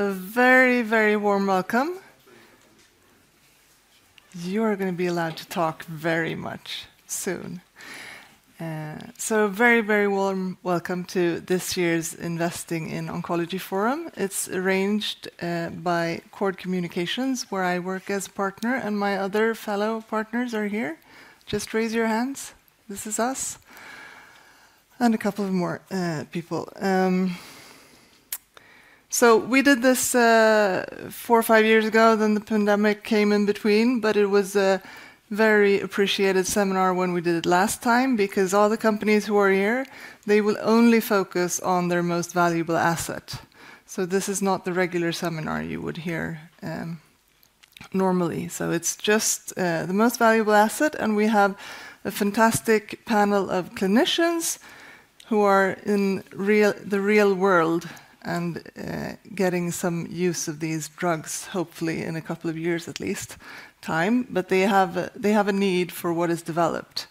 A very, very warm welcome. You are going to be allowed to talk very much soon. So a very, very warm welcome to this year's Investing in Oncology Forum. It's arranged by Cord Communications, where I work as a partner, and my other fellow partners are here. Just raise your hands. This is us. And a couple of more people. So we did this four or five years ago, then the pandemic came in between, but it was a very appreciated seminar when we did it last time because all the companies who are here, they will only focus on their most valuable asset. So this is not the regular seminar you would hear normally. So it's just the most valuable asset, and we have a fantastic panel of clinicians who are in the real world and getting some use of these drugs, hopefully in a couple of years at least, but they have a need for what is developed,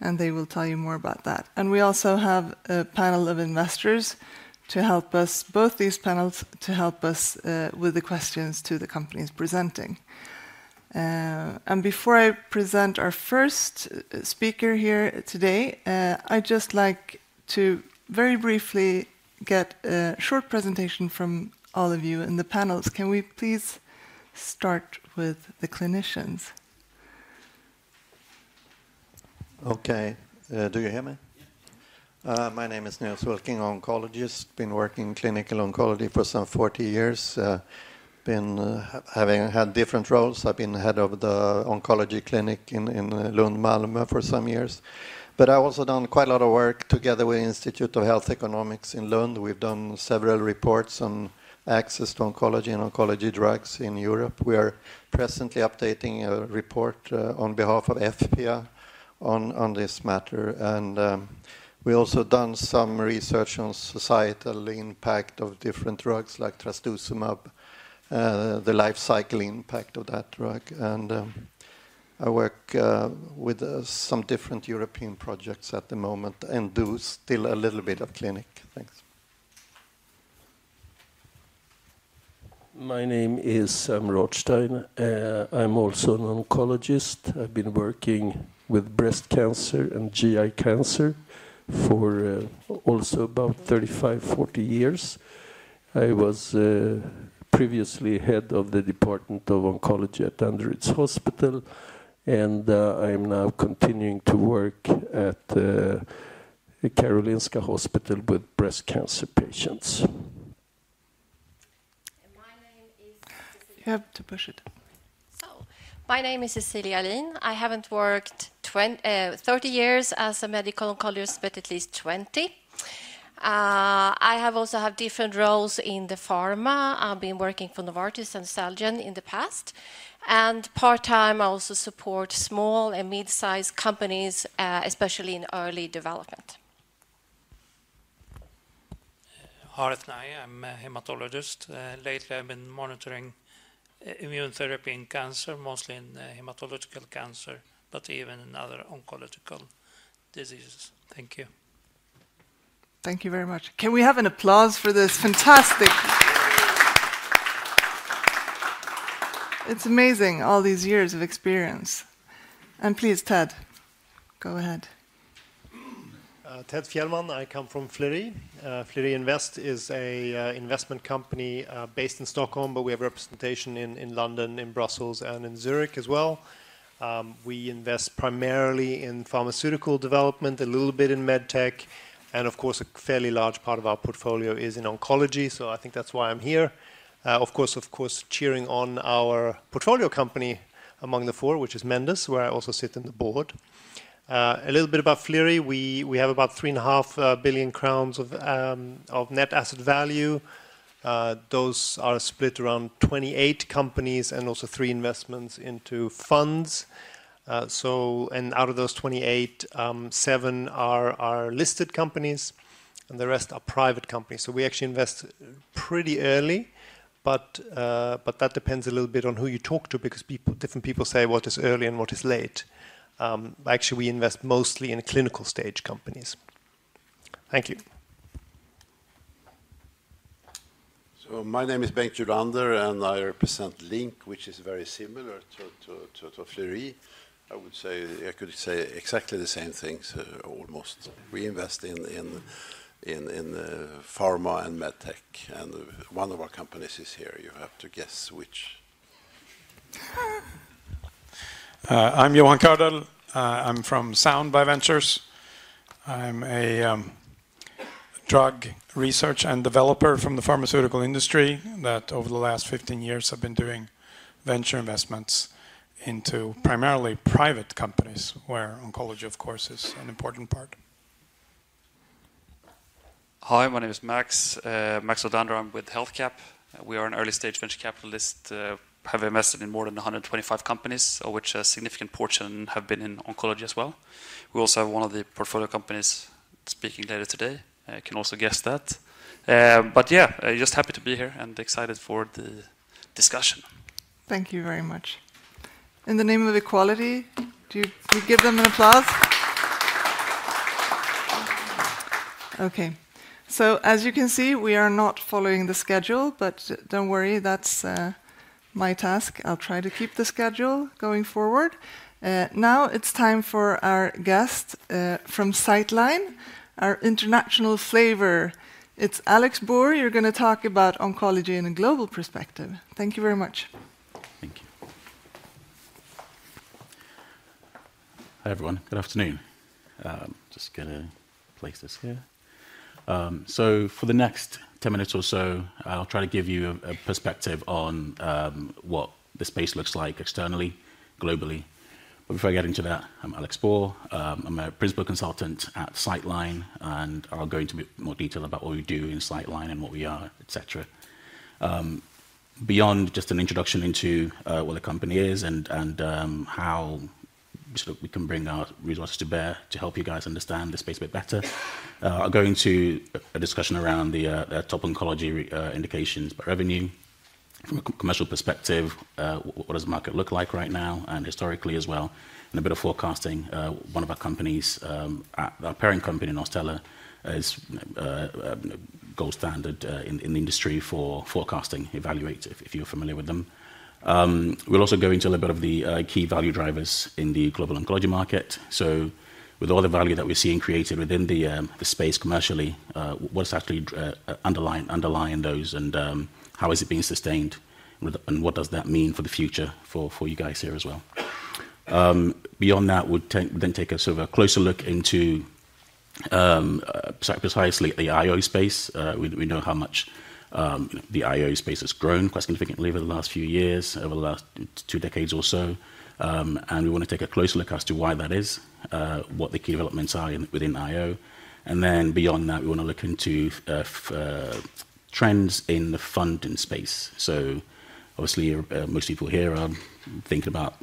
and they will tell you more about that. And we also have a panel of investors to help us, both these panels to help us with the questions to the companies presenting. And before I present our first speaker here today, I'd just like to very briefly get a short presentation from all of you in the panels. Can we please start with the clinicians? Okay. Do you hear me? Yeah. My name is Nils Wilking, oncologist. I've been working in clinical oncology for some 40 years. I've been having had different roles. I've been head of the oncology clinic in, in Lund Malmö for some years. But I've also done quite a lot of work together with the Institute of Health Economics in Lund. We've done several reports on access to oncology and oncology drugs in Europe. We are presently updating a report, on behalf of EFPIA on, on this matter, and, we've also done some research on societal impact of different drugs like trastuzumab, the life cycle impact of that drug, and, I work, with, some different European projects at the moment and do still a little bit of clinic. Thanks. My name is Samuel Rotstein. I'm also an oncologist. I've been working with breast cancer and GI cancer for also about 35 to 40 years. I was previously head of the department of oncology at Danderyds Hospital, and I'm now continuing to work at Karolinska Hospital with breast cancer patients. My name is Cecilia. You have to push it. So my name is Cecilia Lind. I haven't worked 20, 30 years as a medical oncologist, but at least 20. I have also had different roles in the pharma. I've been working for Novartis and Sanofi in the past, and part-time I also support small and midsize companies, especially in early development. Hareth Nahi. I'm a hematologist. Lately I've been monitoring immune therapy in cancer, mostly in hematological cancer, but even in other oncological diseases. Thank you. Thank you very much. Can we have an applause for this fantastic. It's amazing, all these years of experience. Please, Ted, go ahead. Ted Fjällman. I come from Flerie. Flerie Invest is an investment company based in Stockholm, but we have representation in London, in Brussels, and in Zurich as well. We invest primarily in pharmaceutical development, a little bit in med tech, and of course a fairly large part of our portfolio is in oncology, so I think that's why I'm here. Of course, cheering on our portfolio company among the four, which is Mendus, where I also sit on the board. A little bit about Flerie: we have about 3.5 billion crowns of net asset value. Those are split around 28 companies and also three investments into funds. So, out of those 28, seven are listed companies, and the rest are private companies. We actually invest pretty early, but that depends a little bit on who you talk to because different people say what is early and what is late. Actually, we invest mostly in clinical stage companies. Thank you. My name is Bengt Julander, and I represent Linc, which is very similar to Flerie. I would say I could say exactly the same things, almost. We invest in pharma and med tech, and one of our companies is here. You have to guess which. I'm Johan Kördel. I'm from Sound Bioventures. I'm a drug research and developer from the pharmaceutical industry that over the last 15 years have been doing venture investments into primarily private companies, where oncology, of course, is an important part. Hi. My name is Mårten Steen. I'm with HealthCap. We are an early-stage venture capitalist. We have invested in more than 125 companies, of which a significant portion have been in oncology as well. We also have one of the portfolio companies speaking later today. I can also guess that. But yeah, I'm just happy to be here and excited for the discussion. Thank you very much. In the name of equality, do you, can you give them an applause? Okay. So as you can see, we are not following the schedule, but don't worry, that's my task. I'll try to keep the schedule going forward. Now it's time for our guest, from Citeline, our international flavor. It's Alex Bohr. You're going to talk about oncology in a global perspective. Thank you very much. Thank you. Hi everyone. Good afternoon. Just going to place this here. So for the next 10 minutes or so, I'll try to give you a, a perspective on what the space looks like externally, globally. But before I get into that, I'm Alex Bohr. I'm a principal consultant at Citeline, and I'll go into more detail about what we do in Citeline and what we are, etc. beyond just an introduction into what the company is and, and, how sort of we can bring our resources to bear to help you guys understand the space a bit better. I'll go into a discussion around the top oncology indications by revenue from a commercial perspective. What does the market look like right now and historically as well, and a bit of forecasting. One of our companies, our parent company in Norstella is gold standard in the industry for forecasting, Evaluate, if you're familiar with them. We'll also go into a little bit of the key value drivers in the global oncology market. So with all the value that we're seeing created within the space commercially, what's actually underlying those, and how has it been sustained, and what does that mean for the future for you guys here as well? Beyond that, we'll take a sort of a closer look into precisely at the IO space. We know how much the IO space has grown quite significantly over the last few years, over the last two decades or so. And we want to take a closer look as to why that is, what the key developments are within IO. Then beyond that, we want to look into trends in the funding space. So obviously, most people here are thinking about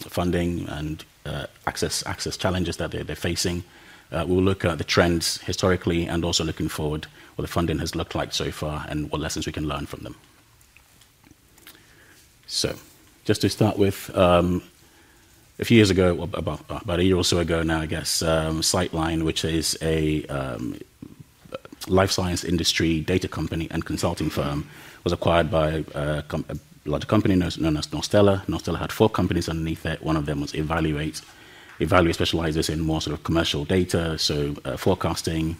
funding and access challenges that they're facing. We'll look at the trends historically and also looking forward what the funding has looked like so far and what lessons we can learn from them. So just to start with, a few years ago or about a year or so ago now, I guess, Citeline, which is a life science industry data company and consulting firm, was acquired by a company, a large company known as Norstella. Norstella had four companies underneath it. One of them was Evaluate. Evaluate specializes in more sort of commercial data, so forecasting,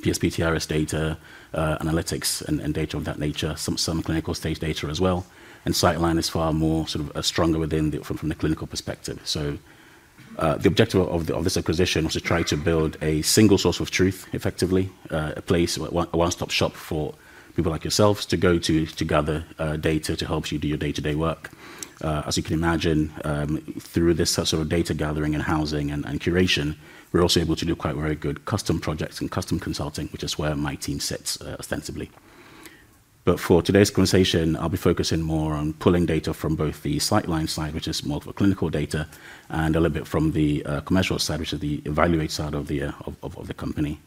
PTRS data, analytics, and data of that nature, some clinical stage data as well. Citeline is far more sort of stronger within the from the clinical perspective. So, the objective of this acquisition was to try to build a single source of truth, effectively, a place, a one-stop shop for people like yourselves to go to, to gather data to help you do your day-to-day work. As you can imagine, through this sort of data gathering and housing and curation, we're also able to do quite very good custom projects and custom consulting, which is where my team sits, ostensibly. But for today's conversation, I'll be focusing more on pulling data from both the Citeline side, which is more of a clinical data, and a little bit from the commercial side, which is the Evaluate side of the company.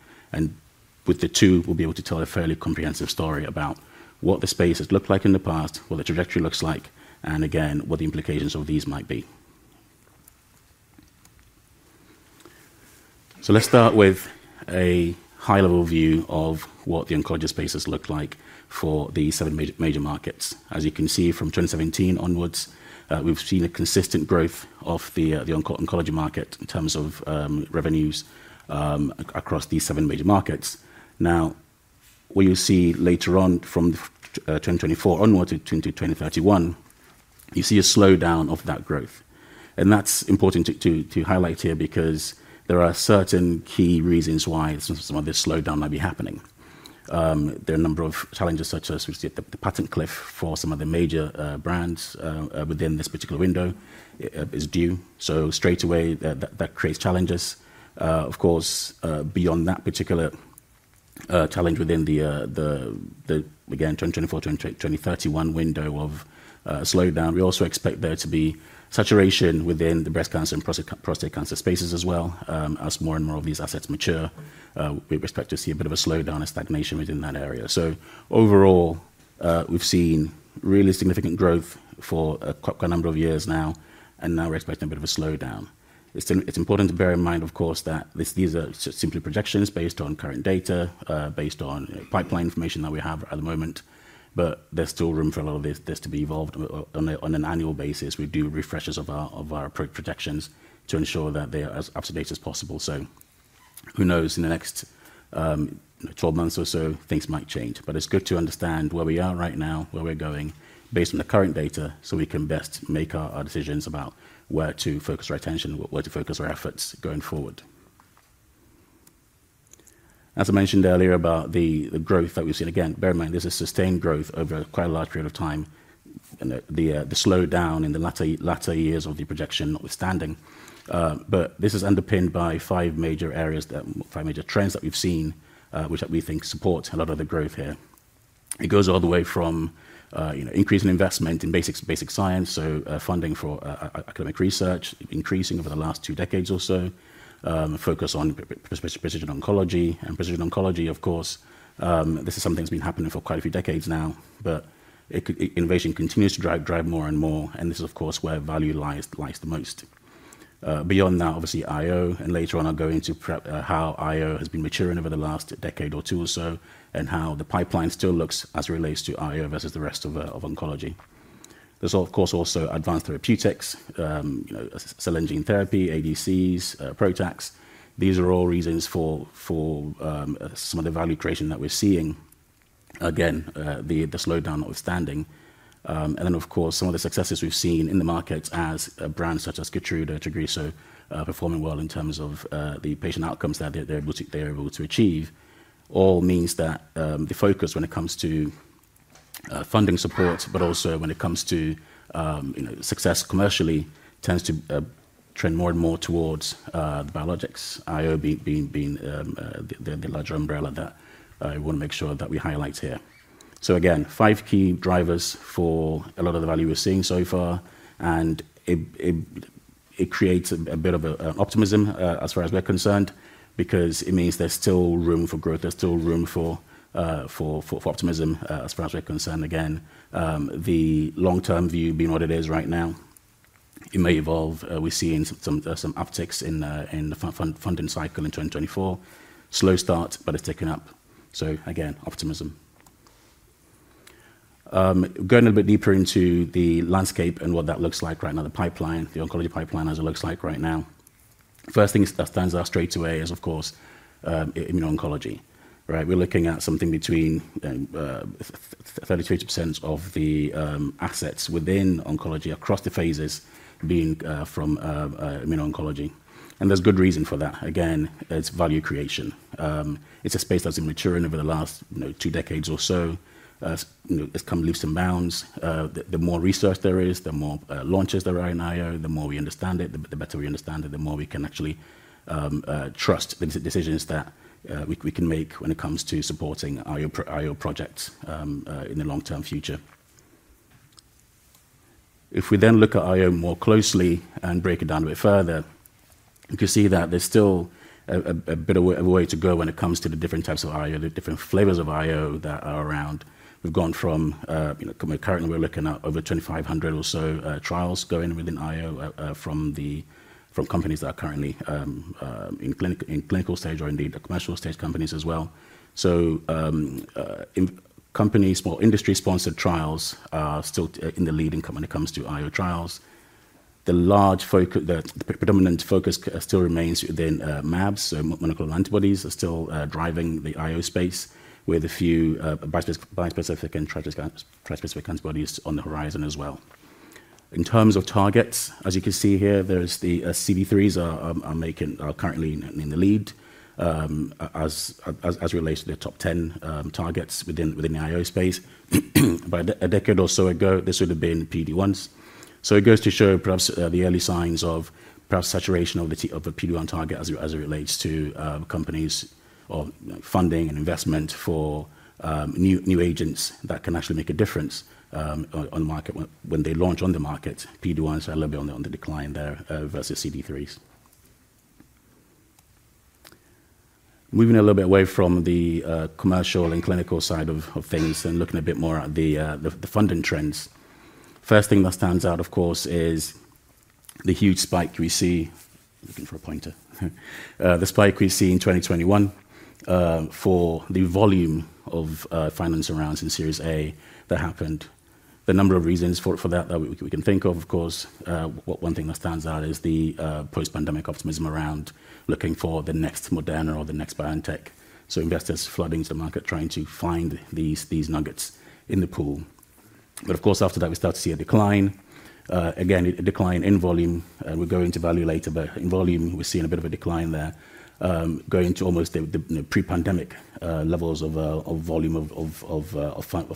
With the two, we'll be able to tell a fairly comprehensive story about what the space has looked like in the past, what the trajectory looks like, and again, what the implications of these might be. Let's start with a high-level view of what the oncology space has looked like for the seven major markets. As you can see, from 2017 onwards, we've seen a consistent growth of the oncology market in terms of revenues across these seven major markets. Now, what you'll see later on from 2024 onward to 2031, you see a slowdown of that growth. That's important to highlight here because there are certain key reasons why some of this slowdown might be happening. There are a number of challenges such as we see at the patent cliff for some of the major brands within this particular window is due. So straight away, that creates challenges. Of course, beyond that particular challenge within the 2024 to 2031 window of slowdown, we also expect there to be saturation within the breast cancer and prostate cancer spaces as well. As more and more of these assets mature, we expect to see a bit of a slowdown and stagnation within that area. So overall, we've seen really significant growth for quite a number of years now, and now we're expecting a bit of a slowdown. It's important to bear in mind, of course, that these are simply projections based on current data, based on pipeline information that we have at the moment, but there's still room for a lot of this to be evolved on an annual basis. We do refreshes of our approach projections to ensure that they are as up-to-date as possible. So who knows, in the next 12 months or so, things might change. But it's good to understand where we are right now, where we're going based on the current data so we can best make our decisions about where to focus our attention, where to focus our efforts going forward. As I mentioned earlier about the growth that we've seen, again, bear in mind this is sustained growth over quite a large period of time, and the slowdown in the latter years of the projection notwithstanding. But this is underpinned by five major areas, five major trends that we've seen, which we think support a lot of the growth here. It goes all the way from, you know, increasing investment in basic science, so funding for academic research increasing over the last two decades or so, focus on precision oncology. And precision oncology, of course, this is something that's been happening for quite a few decades now, but the innovation continues to drive more and more, and this is, of course, where value lies the most. Beyond that, obviously, IO, and later on I'll go into depth, how IO has been maturing over the last decade or two or so and how the pipeline still looks as it relates to IO versus the rest of oncology. There's, of course, also advanced therapeutics, you know, cell and gene therapy, ADCs, PROTACs. These are all reasons for some of the value creation that we're seeing. Again, the slowdown notwithstanding. And then, of course, some of the successes we've seen in the markets as brands such as Keytruda and Tagrisso performing well in terms of the patient outcomes that they're able to achieve all means that the focus when it comes to funding support, but also when it comes to, you know, success commercially, tends to trend more and more towards biologics. IO being the larger umbrella that we want to make sure that we highlight here. So again, five key drivers for a lot of the value we're seeing so far, and it creates a bit of an optimism, as far as we're concerned because it means there's still room for growth. There's still room for optimism, as far as we're concerned. Again, the long-term view being what it is right now, it may evolve. We're seeing some upticks in the funding cycle in 2024. Slow start, but it's taken up. So again, optimism. Going a little bit deeper into the landscape and what that looks like right now, the pipeline, the oncology pipeline as it looks like right now. First thing that stands out straight away is, of course, immuno-oncology, right? We're looking at something between 30%-80% of the assets within oncology across the phases being from immuno-oncology. There's good reason for that. Again, it's value creation. It's a space that's been maturing over the last, you know, two decades or so. You know, it's come leaps and bounds. The more research there is, the more launches there are in IO, the more we understand it, the better we understand it, the more we can actually trust the decisions that we can make when it comes to supporting IO projects in the long-term future. If we then look at IO more closely and break it down a bit further, you can see that there's still a bit of a way to go when it comes to the different types of IO, the different flavors of IO that are around. We've gone from, you know, currently we're looking at over 2,500 or so trials going within IO from companies that are currently in clinical stage or indeed commercial stage companies as well. So, well, industry-sponsored trials are still leading when it comes to IO trials. The predominant focus still remains within mAbs. So monoclonal antibodies are still driving the IO space with a few bispecific and tri-specific antibodies on the horizon as well. In terms of targets, as you can see here, the CD3s are currently in the lead as relates to the top 10 targets within the IO space. About a decade or so ago, this would have been PD-1s. So it goes to show perhaps the early signs of perhaps saturation of a PD-1 target as it relates to companies or funding and investment for new agents that can actually make a difference on the market when they launch on the market. PD1s are a little bit on the decline there, versus CD3s. Moving a little bit away from the commercial and clinical side of things and looking a bit more at the funding trends, first thing that stands out, of course, is the huge spike we see looking for a pointer, the spike we see in 2021 for the volume of financing rounds in Series A that happened. The number of reasons for that we can think of, of course, one thing that stands out is the post-pandemic optimism around looking for the next Moderna or the next BioNTech. So investors flooding the market trying to find these nuggets in the pool. But of course, after that, we start to see a decline, again, a decline in volume. We'll go into value later, but in volume, we're seeing a bit of a decline there, going to almost the, you know, pre-pandemic levels of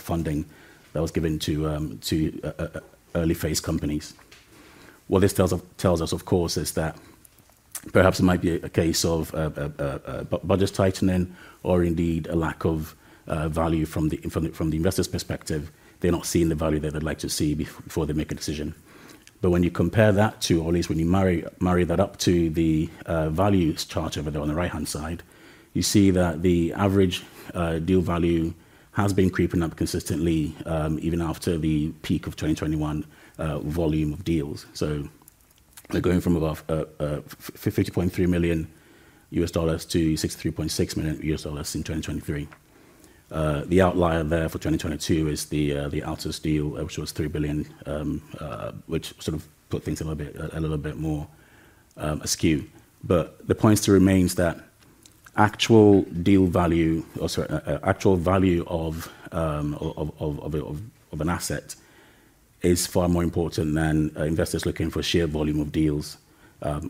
funding that was given to early-phase companies. What this tells us, of course, is that perhaps it might be a case of budget tightening or indeed a lack of value from the investors' perspective. They're not seeing the value that they'd like to see before they make a decision. But when you compare that to or at least when you marry that up to the values chart over there on the right-hand side, you see that the average deal value has been creeping up consistently, even after the peak of 2021 volume of deals. So they're going from about $50.3 million to $63.6 million in 2023. The outlier there for 2022 is the Altos deal, which was $3 billion, which sort of put things a little bit more askew. But the point still remains that actual deal value or sorry, actual value of an asset is far more important than investors looking for sheer volume of deals,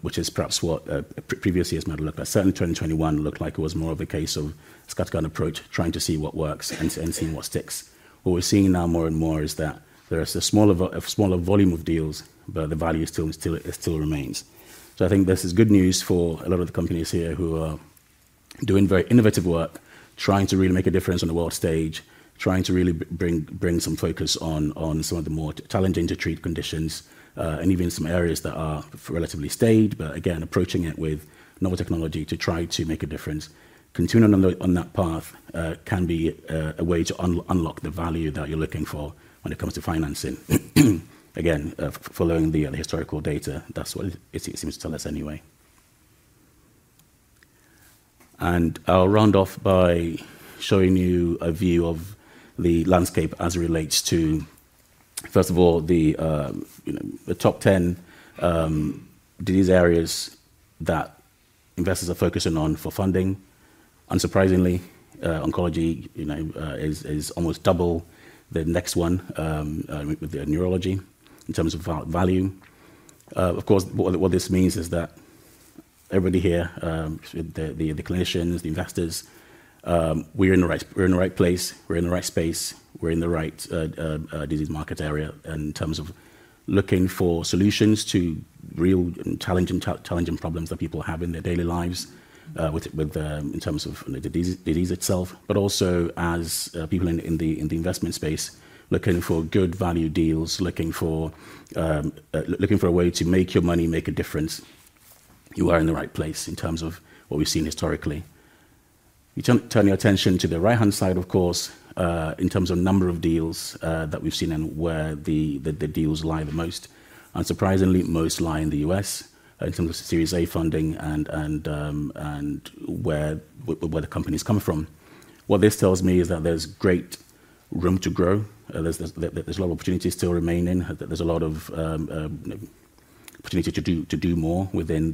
which is perhaps what previous years might have looked like. Certainly 2021 looked like it was more of a case of scattergun approach trying to see what works and seeing what sticks. What we're seeing now more and more is that there is a smaller volume of deals, but the value still remains. So I think this is good news for a lot of the companies here who are doing very innovative work, trying to really make a difference on the world stage, trying to really bring some focus on some of the more challenging to treat conditions, and even some areas that are relatively stayed. But again, approaching it with novel technology to try to make a difference, continuing on that path, can be a way to unlock the value that you're looking for when it comes to financing. Again, following the historical data, that's what it seems to tell us anyway. And I'll round off by showing you a view of the landscape as it relates to, first of all, you know, the top 10 disease areas that investors are focusing on for funding. Unsurprisingly, oncology, you know, is almost double the next one, with neurology in terms of value. Of course, what this means is that everybody here, the clinicians, the investors, we're in the right place. We're in the right space. We're in the right disease market area in terms of looking for solutions to real challenging problems that people have in their daily lives, with in terms of the disease itself, but also as people in the investment space looking for good value deals, looking for a way to make your money make a difference. You are in the right place in terms of what we've seen historically. You turn your attention to the right-hand side, of course, in terms of number of deals that we've seen and where the deals lie the most. Unsurprisingly, most lie in the U.S. in terms of Series A funding and where the companies come from. What this tells me is that there's great room to grow. There's a lot of opportunities still remaining that there's a lot of opportunity to do more within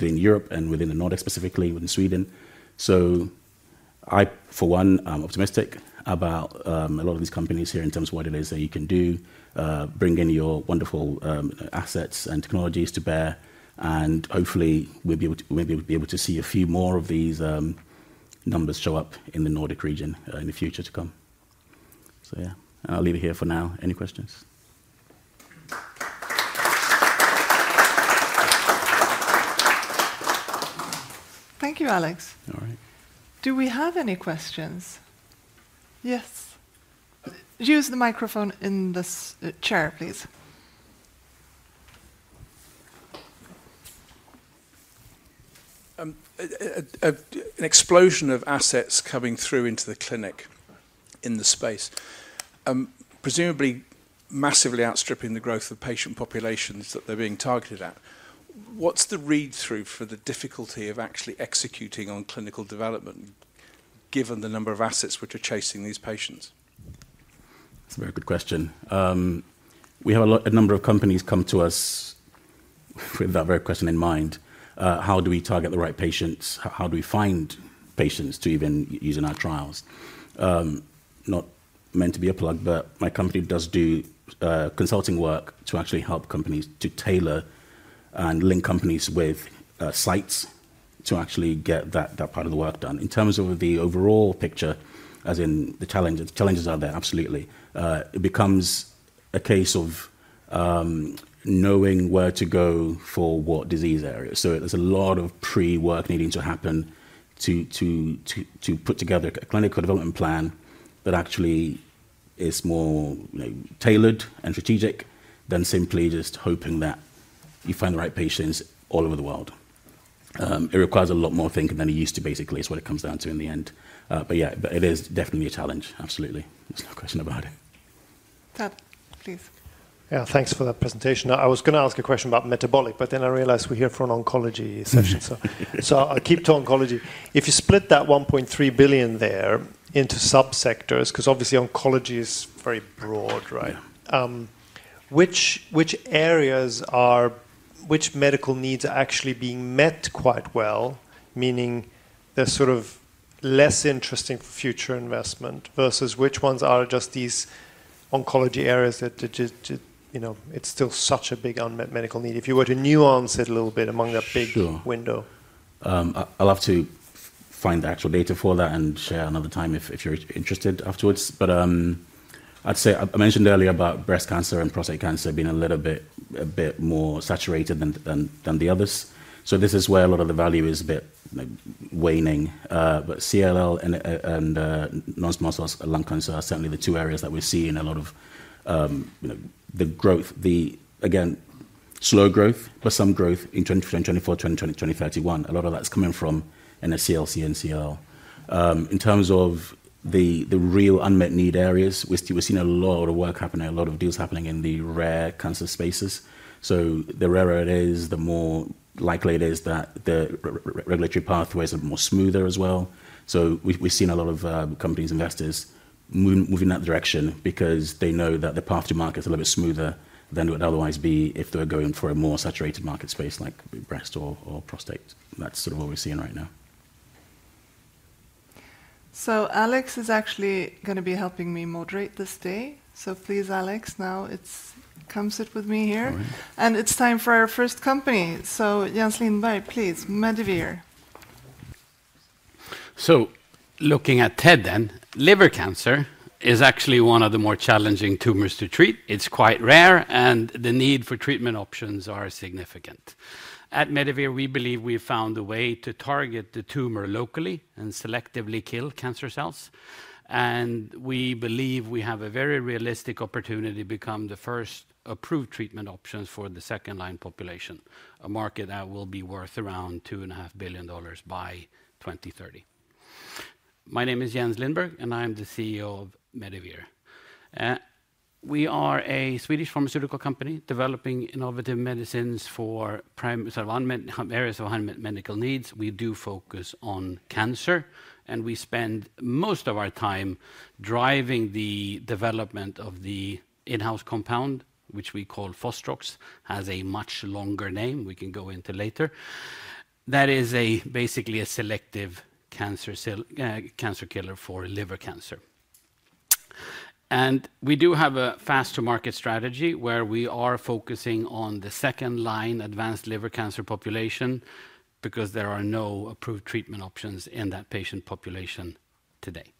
Europe and within the Nordics specifically, within Sweden. So I, for one, I'm optimistic about a lot of these companies here in terms of what it is that you can do, bring in your wonderful assets and technologies to bear, and hopefully we'll be able to see a few more of these numbers show up in the Nordic region in the future to come. So yeah, I'll leave it here for now. Any questions? Thank you, Alex. All right. Do we have any questions? Yes. Use the microphone in this chair, please. An explosion of assets coming through into the clinic in the space, presumably massively outstripping the growth of patient populations that they're being targeted at. What's the read-through for the difficulty of actually executing on clinical development given the number of assets which are chasing these patients? That's a very good question. We have a lot a number of companies come to us with that very question in mind. How do we target the right patients? How do we find patients to even use in our trials? Not meant to be a plug, but my company does do consulting work to actually help companies to tailor and link companies with sites to actually get that part of the work done. In terms of the overall picture, as in the challenges, challenges are there, absolutely. It becomes a case of knowing where to go for what disease area. So there's a lot of pre-work needing to happen to put together a clinical development plan that actually is more, you know, tailored and strategic than simply just hoping that you find the right patients all over the world. It requires a lot more thinking than it used to, basically, is what it comes down to in the end. Yeah, but it is definitely a challenge. Absolutely. There's no question about it. Ted, please. Yeah, thanks for that presentation. I was going to ask a question about metabolic, but then I realized we're here for an oncology session. So I'll keep to oncology. If you split that $1.3 billion there into subsectors, because obviously oncology is very broad, right? Which areas are which medical needs actually being met quite well, meaning they're sort of less interesting for future investment, versus which ones are just these oncology areas that you know, it's still such a big unmet medical need? If you were to nuance it a little bit among that big window. I'll have to find the actual data for that and share another time if, if you're interested afterwards. But, I'd say I mentioned earlier about breast cancer and prostate cancer being a little bit, a bit more saturated than, than, than the others. So this is where a lot of the value is a bit, you know, waning. But CLL and, and, non-small cell lung cancer are certainly the two areas that we're seeing a lot of, you know, the growth, the again, slow growth, but some growth in 2024, 2031. A lot of that's coming from NSCLC and CLL. In terms of the, the real unmet need areas, we're, we're seeing a lot of work happening, a lot of deals happening in the rare cancer spaces. So the rarer it is, the more likely it is that the regulatory pathways are more smoother as well. So we've seen a lot of companies, investors moving that direction because they know that the path to market's a little bit smoother than it would otherwise be if they were going for a more saturated market space like breast or prostate. That's sort of what we're seeing right now. So Alex is actually going to be helping me moderate this day. So please, Alex, now come sit with me here, and it's time for our first company. So Jens Lindberg, please. Medivir. So looking at TED then, liver cancer is actually one of the more challenging tumors to treat. It's quite rare, and the need for treatment options are significant. At Medivir, we believe we've found a way to target the tumor locally and selectively kill cancer cells. We believe we have a very realistic opportunity to become the first approved treatment options for the second-line population, a market that will be worth around $2.5 billion by 2030. My name is Jens Lindberg, and I'm the CEO of Medivir. We are a Swedish pharmaceutical company developing innovative medicines for primary sort of areas of unmet medical needs. We do focus on cancer, and we spend most of our time driving the development of the in-house compound, which we call Fostrox. It has a much longer name. We can go into later. That is basically a selective cancer cell, cancer killer for liver cancer. We do have a fast-to-market strategy where we are focusing on the second-line advanced liver cancer population because there are no approved treatment options in that patient population today.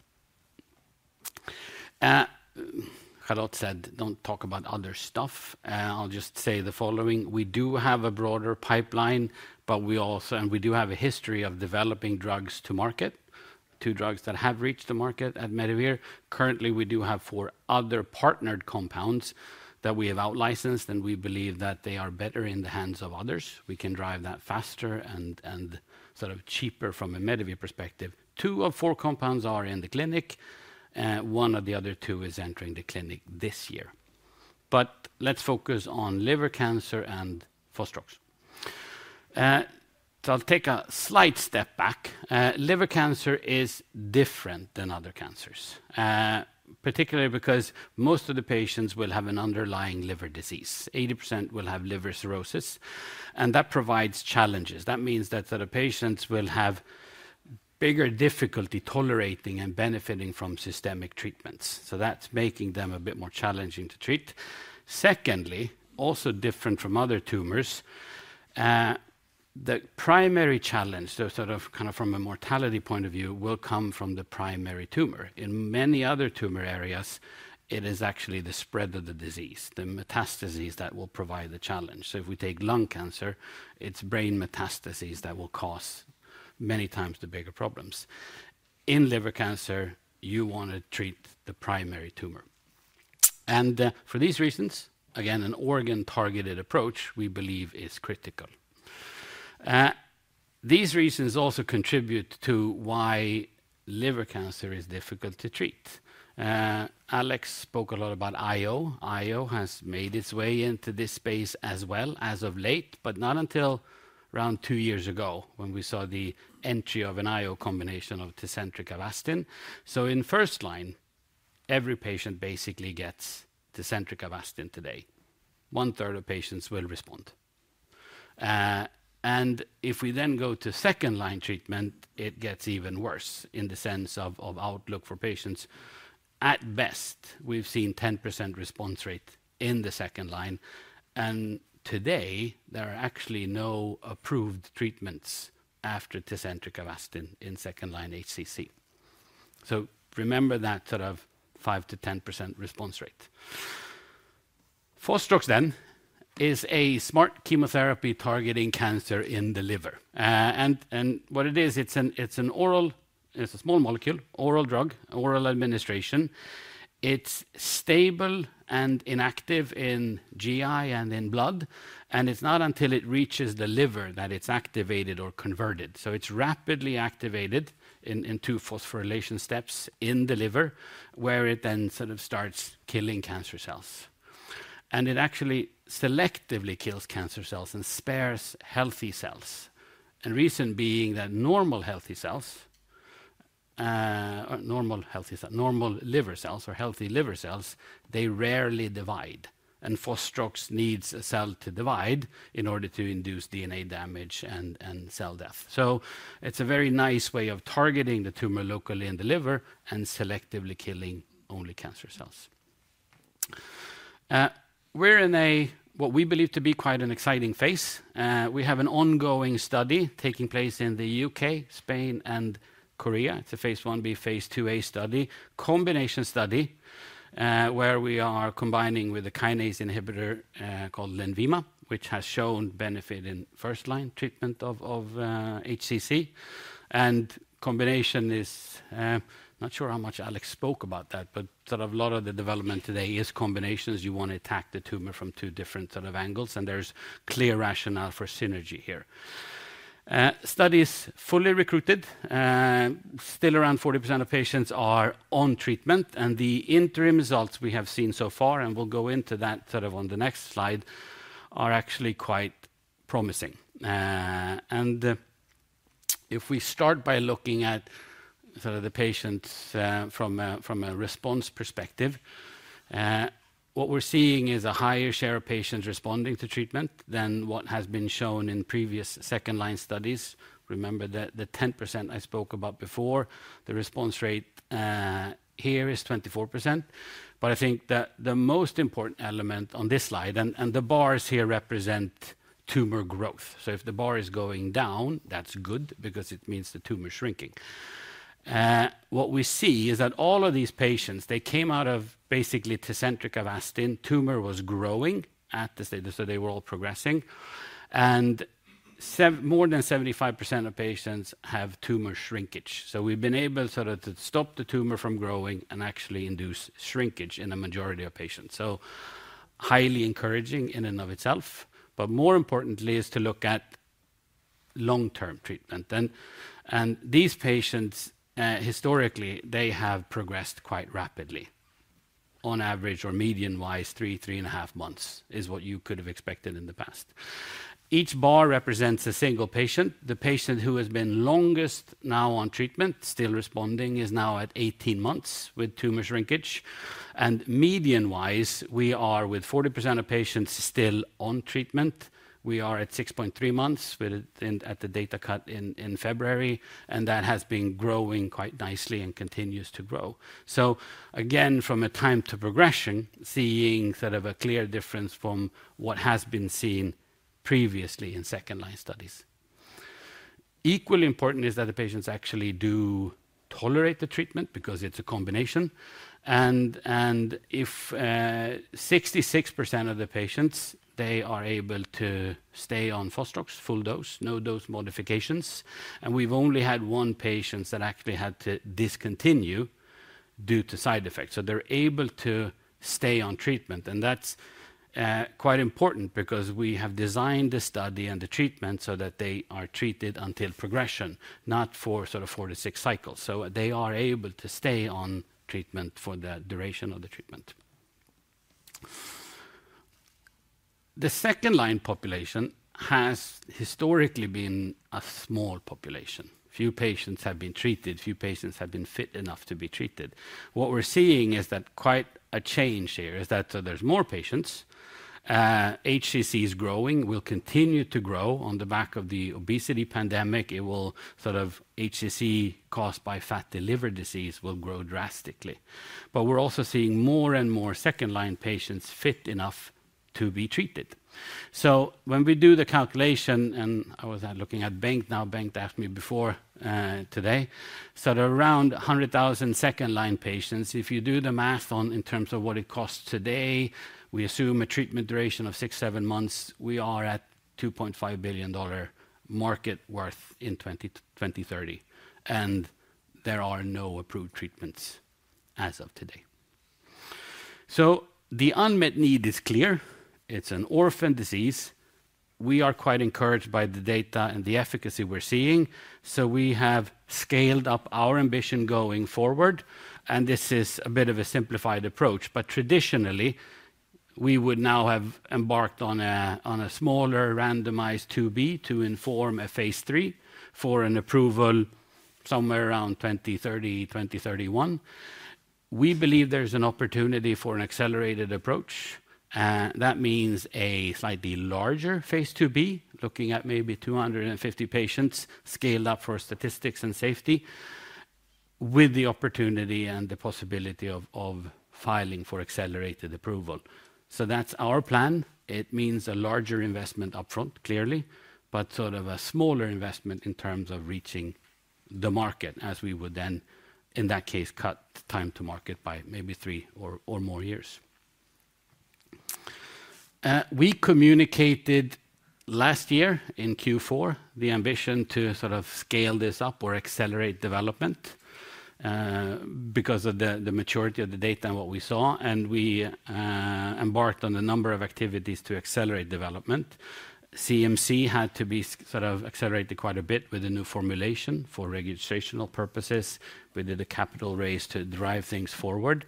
Charlotte said, "Don't talk about other stuff." I'll just say the following. We do have a broader pipeline, but we also have a history of developing drugs to market, two drugs that have reached the market at Medivir. Currently, we do have four other partnered compounds that we have outlicensed, and we believe that they are better in the hands of others. We can drive that faster and sort of cheaper from a Medivir perspective. Two of four compounds are in the clinic, and one of the other two is entering the clinic this year. Let's focus on liver cancer and Fostrox. So I'll take a slight step back. Liver cancer is different than other cancers, particularly because most of the patients will have an underlying liver disease. 80% will have liver cirrhosis, and that provides challenges. That means that sort of patients will have bigger difficulty tolerating and benefiting from systemic treatments. So that's making them a bit more challenging to treat. Secondly, also different from other tumors, the primary challenge, though sort of kind of from a mortality point of view, will come from the primary tumor. In many other tumor areas, it is actually the spread of the disease, the metastasis that will provide the challenge. So if we take lung cancer, it's brain metastasis that will cause many times the bigger problems. In liver cancer, you want to treat the primary tumor. And for these reasons, again, an organ-targeted approach we believe is critical. These reasons also contribute to why liver cancer is difficult to treat. Alex spoke a lot about IO. IO has made its way into this space as well as of late, but not until around two years ago when we saw the entry of an IO combination of Tecentriq Avastin. So in first-line, every patient basically gets Tecentriq Avastin today. One-third of patients will respond. And if we then go to second-line treatment, it gets even worse in the sense of outlook for patients. At best, we've seen a 10% response rate in the second line. And today, there are actually no approved treatments after Tecentriq Avastin in second-line HCC. So remember that sort of 5% to 10% response rate. Fostrox then is a smart chemotherapy targeting cancer in the liver. And what it is, it's an oral small molecule, oral drug, oral administration. It's stable and inactive in GI and in blood. It's not until it reaches the liver that it's activated or converted. So it's rapidly activated in two phosphorylation steps in the liver where it then sort of starts killing cancer cells. And it actually selectively kills cancer cells and spares healthy cells, the reason being that normal healthy cells, normal healthy cells, normal liver cells or healthy liver cells, they rarely divide. And Fostrox needs a cell to divide in order to induce DNA damage and cell death. So it's a very nice way of targeting the tumor locally in the liver and selectively killing only cancer cells. We're in a what we believe to be quite an exciting phase. We have an ongoing study taking place in the UK, Spain, and Korea. It's a phase 1b, phase 2a study, combination study, where we are combining with a kinase inhibitor, called Lenvima, which has shown benefit in first-line treatment of HCC. Combination is, not sure how much Alex spoke about that, but sort of a lot of the development today is combinations. You want to attack the tumor from two different sort of angles, and there's clear rationale for synergy here. The study is fully recruited. Still around 40% of patients are on treatment. The interim results we have seen so far, and we'll go into that sort of on the next slide, are actually quite promising. If we start by looking at sort of the patients, from a response perspective, what we're seeing is a higher share of patients responding to treatment than what has been shown in previous second-line studies. Remember the 10% I spoke about before. The response rate here is 24%. But I think that the most important element on this slide, and the bars here represent tumor growth. So if the bar is going down, that's good because it means the tumor is shrinking. What we see is that all of these patients, they came out of basically Tecentriq Avastin. Tumor was growing at the stage, so they were all progressing. And more than 75% of patients have tumor shrinkage. So we've been able sort of to stop the tumor from growing and actually induce shrinkage in the majority of patients. So highly encouraging in and of itself. But more importantly, it's to look at long-term treatment. And these patients, historically, they have progressed quite rapidly. On average or median-wise, three, 3.5 months is what you could have expected in the past. Each bar represents a single patient. The patient who has been longest now on treatment, still responding, is now at 18 months with tumor shrinkage. Median-wise, we are with 40% of patients still on treatment. We are at 6.3 months with it at the data cut in February. And that has been growing quite nicely and continues to grow. So again, from a time to progression, seeing sort of a clear difference from what has been seen previously in second-line studies. Equally important is that the patients actually do tolerate the treatment because it's a combination. And if, 66% of the patients, they are able to stay on Fostrox, full dose, no dose modifications. And we've only had one patient that actually had to discontinue due to side effects. So they're able to stay on treatment. And that's quite important because we have designed the study and the treatment so that they are treated until progression, not for sort of 46 cycles. So they are able to stay on treatment for the duration of the treatment. The second-line population has historically been a small population. Few patients have been treated. Few patients have been fit enough to be treated. What we're seeing is that quite a change here is that so there's more patients. HCC is growing. We'll continue to grow. On the back of the obesity pandemic, it will sort of HCC caused by fatty liver disease will grow drastically. But we're also seeing more and more second-line patients fit enough to be treated. So when we do the calculation, and I was looking at bengt now. Bengt asked me before, today, sort of around 100,000 second-line patients. If you do the math on in terms of what it costs today, we assume a treatment duration of six to seven months, we are at $2.5 billion market worth in 2030. And there are no approved treatments as of today. So the unmet need is clear. It's an orphan disease. We are quite encouraged by the data and the efficacy we're seeing. So we have scaled up our ambition going forward. And this is a bit of a simplified approach. But traditionally, we would now have embarked on a smaller randomized 2b to inform a phase 3 for an approval somewhere around 2030, 2031. We believe there's an opportunity for an accelerated approach. that means a slightly larger phase 2b, looking at maybe 250 patients scaled up for statistics and safety with the opportunity and the possibility of filing for accelerated approval. So that's our plan. It means a larger investment upfront, clearly, but sort of a smaller investment in terms of reaching the market as we would then, in that case, cut time to market by maybe three or more years. We communicated last year in Q4 the ambition to sort of scale this up or accelerate development because of the maturity of the data and what we saw. We embarked on a number of activities to accelerate development. CMC had to be sort of accelerated quite a bit with a new formulation for registrational purposes. We did a capital raise to drive things forward.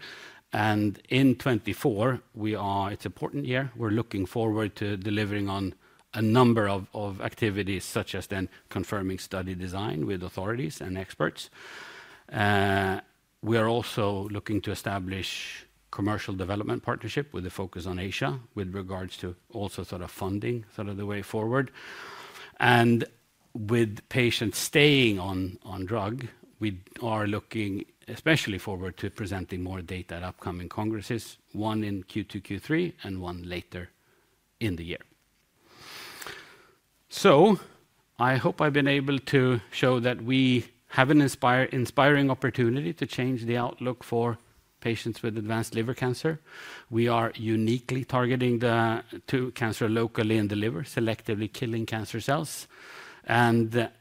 In 2024, it's an important year. We're looking forward to delivering on a number of activities such as then confirming study design with authorities and experts. We are also looking to establish a commercial development partnership with a focus on Asia with regards to also sort of funding sort of the way forward. With patients staying on drug, we are looking especially forward to presenting more data at upcoming congresses, one in Q2, Q3, and one later in the year. So I hope I've been able to show that we have an inspiring opportunity to change the outlook for patients with advanced liver cancer. We are uniquely targeting the cancer locally in the liver, selectively killing cancer cells. It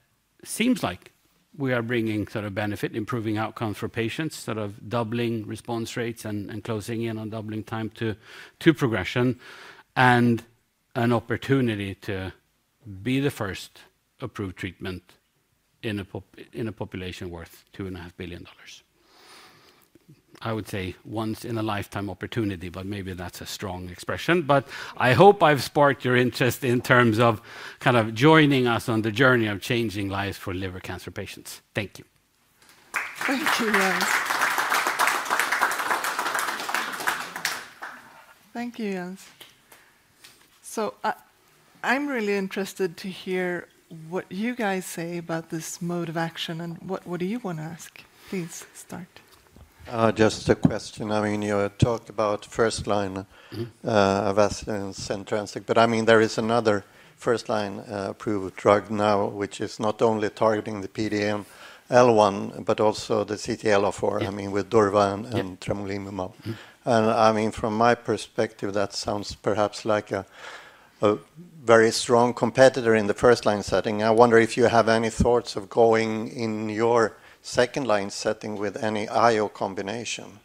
seems like we are bringing sort of benefit, improving outcomes for patients, sort of doubling response rates and closing in on doubling time to progression, and an opportunity to be the first approved treatment in a population worth $2.5 billion. I would say once-in-a-lifetime opportunity, but maybe that's a strong expression. I hope I've sparked your interest in terms of kind of joining us on the journey of changing lives for liver cancer patients. Thank you. Thank you, Jens. Thank you, Jens. I'm really interested to hear what you guys say about this mode of action. What do you want to ask? Please start. Just a question. I mean, you talked about first-line Avastin and Tecentriq. I mean, there is another first-line approved drug now, which is not only targeting the PD-L1 but also the CTLA-4, I mean, with durvalumab and tremelimumab. I mean, from my perspective, that sounds perhaps like a very strong competitor in the first-line setting. I wonder if you have any thoughts of going in your second-line setting with any IO combination.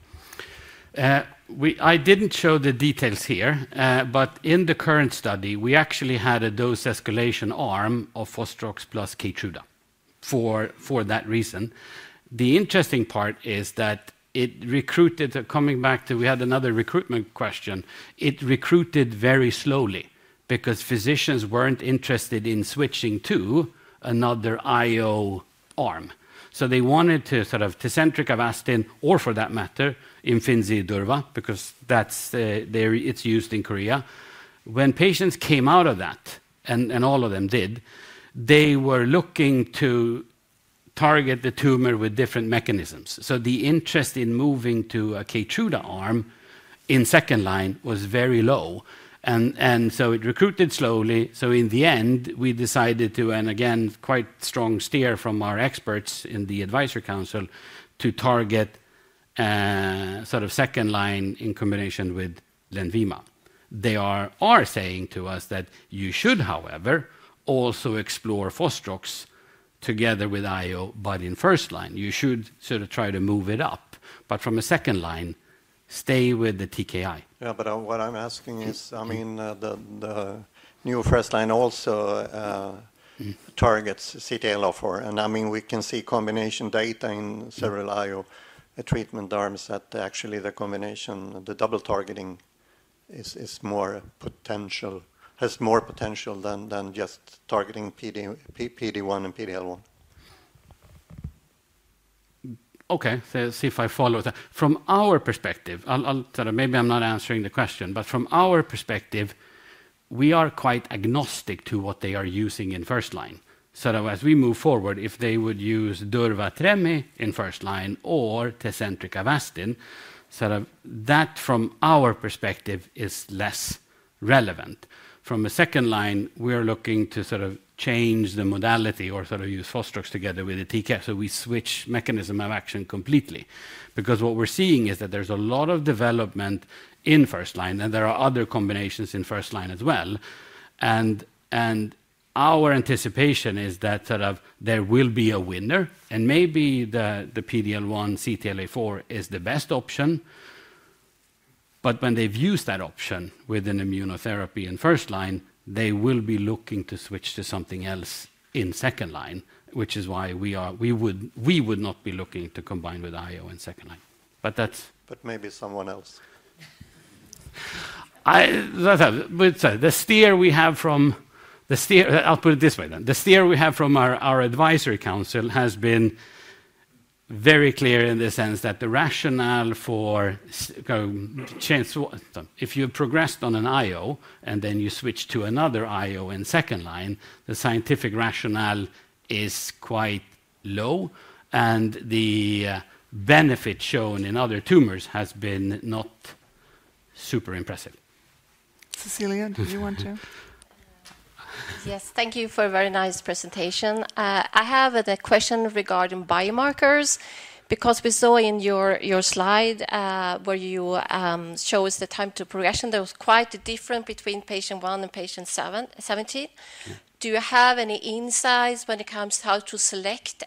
I didn't show the details here. But in the current study, we actually had a dose escalation arm of Fostrox plus Keytruda for that reason. The interesting part is that it recruited coming back to we had another recruitment question. It recruited very slowly because physicians weren't interested in switching to another IO arm. So they wanted to sort of Tecentriq Avastin or, for that matter, Imfinzi-Durva because that's where it's used in Korea. When patients came out of that, and all of them did, they were looking to target the tumor with different mechanisms. So the interest in moving to a Keytruda arm in second-line was very low. And so it recruited slowly. So in the end, we decided to and again, quite strong steer from our experts in the advisory council to target sort of second-line in combination with Lenvima. They are saying to us that you should, however, also explore Fostrox together with IO, but in first-line. You should sort of try to move it up. But from a second-line, stay with the TKI. Yeah, but what I'm asking is, I mean, the new first-line also targets CTLA-4. And I mean, we can see combination data in several IO treatment arms that actually the combination, the double targeting is more potential has more potential than just targeting PD-1 and PD-L1. Okay. See if I follow that. From our perspective I'll sort of maybe I'm not answering the question. But from our perspective, we are quite agnostic to what they are using in first-line. So as we move forward, if they would use Durva-Tremy in first-line or Tecentriq Avastin, sort of that, from our perspective, is less relevant. From a second-line, we are looking to sort of change the modality or sort of use Fostrox together with the TKI. So we switch mechanism of action completely because what we're seeing is that there's a lot of development in first-line, and there are other combinations in first-line as well. And our anticipation is that sort of there will be a winner. And maybe the PD-L1, CTLA-4 is the best option. But when they've used that option with an immunotherapy in first-line, they will be looking to switch to something else in second-line, which is why we would we would not be looking to combine with IO in second-line. But that's, but maybe someone else. The steer we have from our advisory council has been very clear in the sense that the rationale for if you've progressed on an IO and then you switch to another IO in second-line, the scientific rationale is quite low. The benefit shown in other tumors has been not super impressive. Cecilia, do you want to? Yes. Thank you for a very nice presentation. I have a question regarding biomarkers because we saw in your slide where you show us the time to progression. There was quite a difference between patient one and patient 17. Do you have any insights when it comes to how to select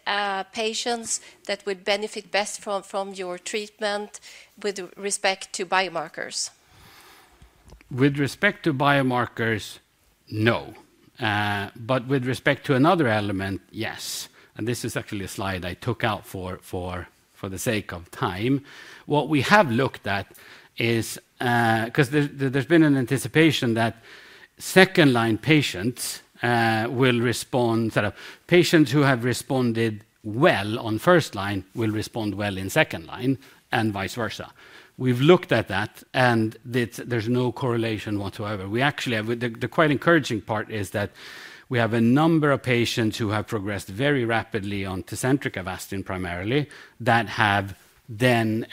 patients that would benefit best from your treatment with respect to biomarkers? With respect to biomarkers, no. But with respect to another element, yes. This is actually a slide I took out for the sake of time. What we have looked at is because there's been an anticipation that second-line patients will respond sort of patients who have responded well on first-line will respond well in second-line and vice versa. We've looked at that, and there's no correlation whatsoever. The quite encouraging part is that we have a number of patients who have progressed very rapidly on Tecentriq Avastin primarily that have then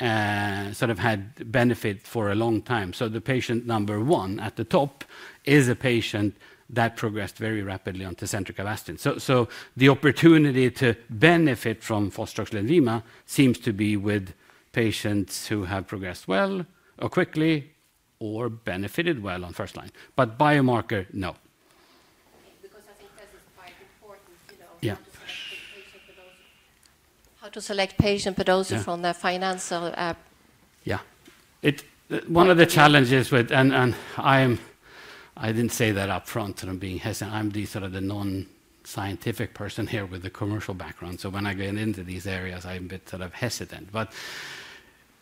sort of had benefit for a long time. So the patient number one at the top is a patient that progressed very rapidly on Tecentriq Avastin. So the opportunity to benefit from Fostrox Lenvima seems to be with patients who have progressed well or quickly or benefited well on first-line. But biomarker, no. Because I think that is quite important, you know, how to select patient predisposition. How to select patient predisposition from their financials. Yeah. One of the challenges with and I didn't say that upfront sort of being hesitant. I'm sort of the non-scientific person here with the commercial background. So when I get into these areas, I'm a bit sort of hesitant.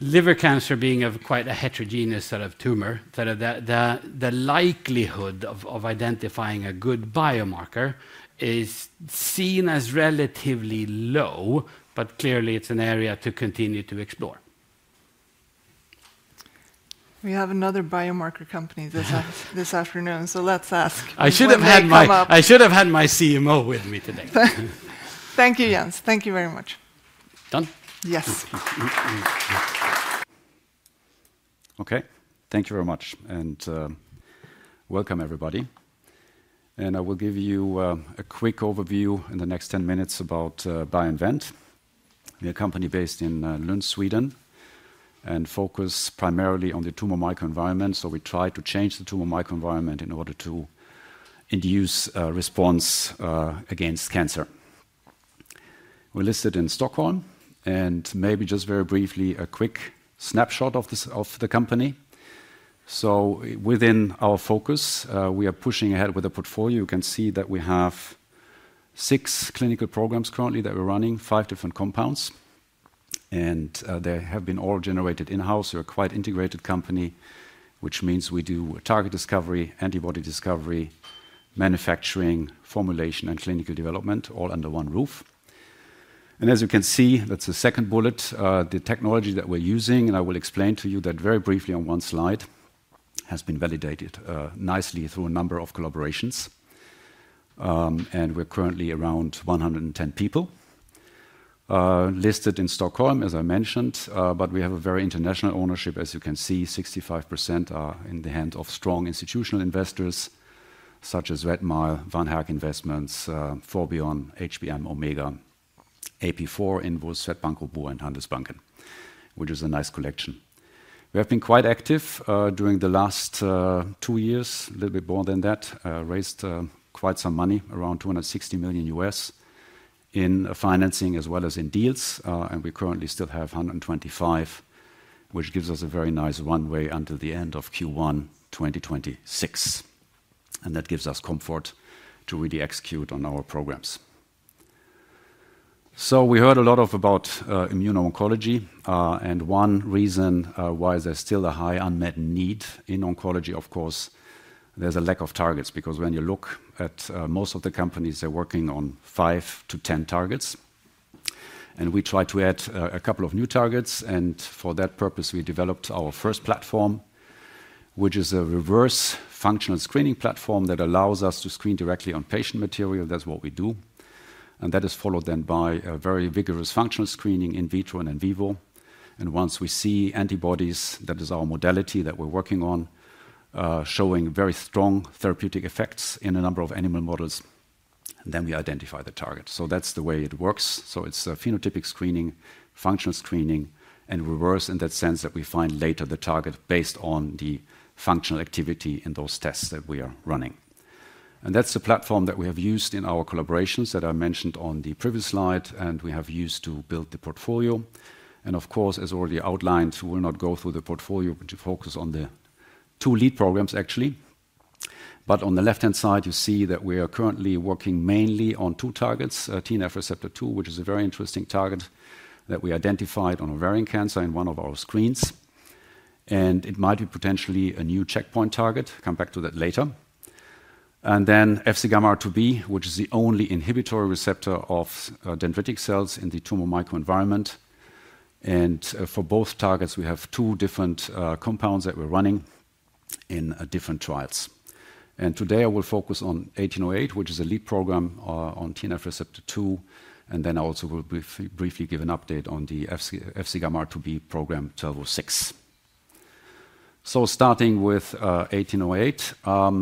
But liver cancer being quite a heterogeneous sort of tumor, sort of the likelihood of identifying a good biomarker is seen as relatively low. But clearly, it's an area to continue to explore. We have another biomarker company this afternoon. So let's ask. I should have had my CMO with me today. Thank you, Jens. Thank you very much. Done. Yes. Okay. Thank you very much. And welcome, everybody. I will give you a quick overview in the next 10 minutes about BioInvent. We're a company based in Lund, Sweden, and focus primarily on the tumor microenvironment. We try to change the tumor microenvironment in order to induce response against cancer. We're listed in Stockholm. Maybe just very briefly, a quick snapshot of the company. Within our focus, we are pushing ahead with a portfolio. You can see that we have six clinical programs currently that we're running, five different compounds. They have been all generated in-house. We're a quite integrated company, which means we do target discovery, antibody discovery, manufacturing, formulation, and clinical development all under one roof. As you can see, that's the second bullet, the technology that we're using. I will explain to you that very briefly on one slide has been validated nicely through a number of collaborations. We're currently around 110 people listed in Stockholm, as I mentioned. But we have a very international ownership. As you can see, 65% are in the hands of strong institutional investors such as Redmile, Van Herk Investments, Forbion, HBM, Omega, AP4, Invus, Swedbank Robur, and Handelsbanken, which is a nice collection. We have been quite active during the last two years, a little bit more than that, raised quite some money, around $260 million in financing as well as in deals. And we currently still have $125 million, which gives us a very nice runway until the end of Q1, 2026. And that gives us comfort to really execute on our programs. So we heard a lot about immuno-oncology. And one reason why there's still a high unmet need in oncology, of course, there's a lack of targets. Because when you look at most of the companies, they're working on five to 10 targets. We try to add a couple of new targets. For that purpose, we developed our first platform, which is a reverse functional screening platform that allows us to screen directly on patient material. That's what we do. That is followed then by a very vigorous functional screening in vitro and in vivo. Once we see antibodies, that is our modality that we're working on, showing very strong therapeutic effects in a number of animal models, then we identify the target. That's the way it works. It's phenotypic screening, functional screening, and reverse in that sense that we find later the target based on the functional activity in those tests that we are running. That's the platform that we have used in our collaborations that I mentioned on the previous slide, and we have used to build the portfolio. Of course, as already outlined, we will not go through the portfolio but focus on the two lead programs, actually. But on the left-hand side, you see that we are currently working mainly on two targets, TNF receptor two, which is a very interesting target that we identified on ovarian cancer in one of our screens. And it might be potentially a new checkpoint target. Come back to that later. And then FcγRIIB, which is the only inhibitory receptor of dendritic cells in the tumor microenvironment. And for both targets, we have two different compounds that we're running in different trials. And today I will focus on 1808, which is a lead program on TNF receptor two. Then I also will briefly give an update on the FcγRIIB program, TNFR2. So starting with 1808,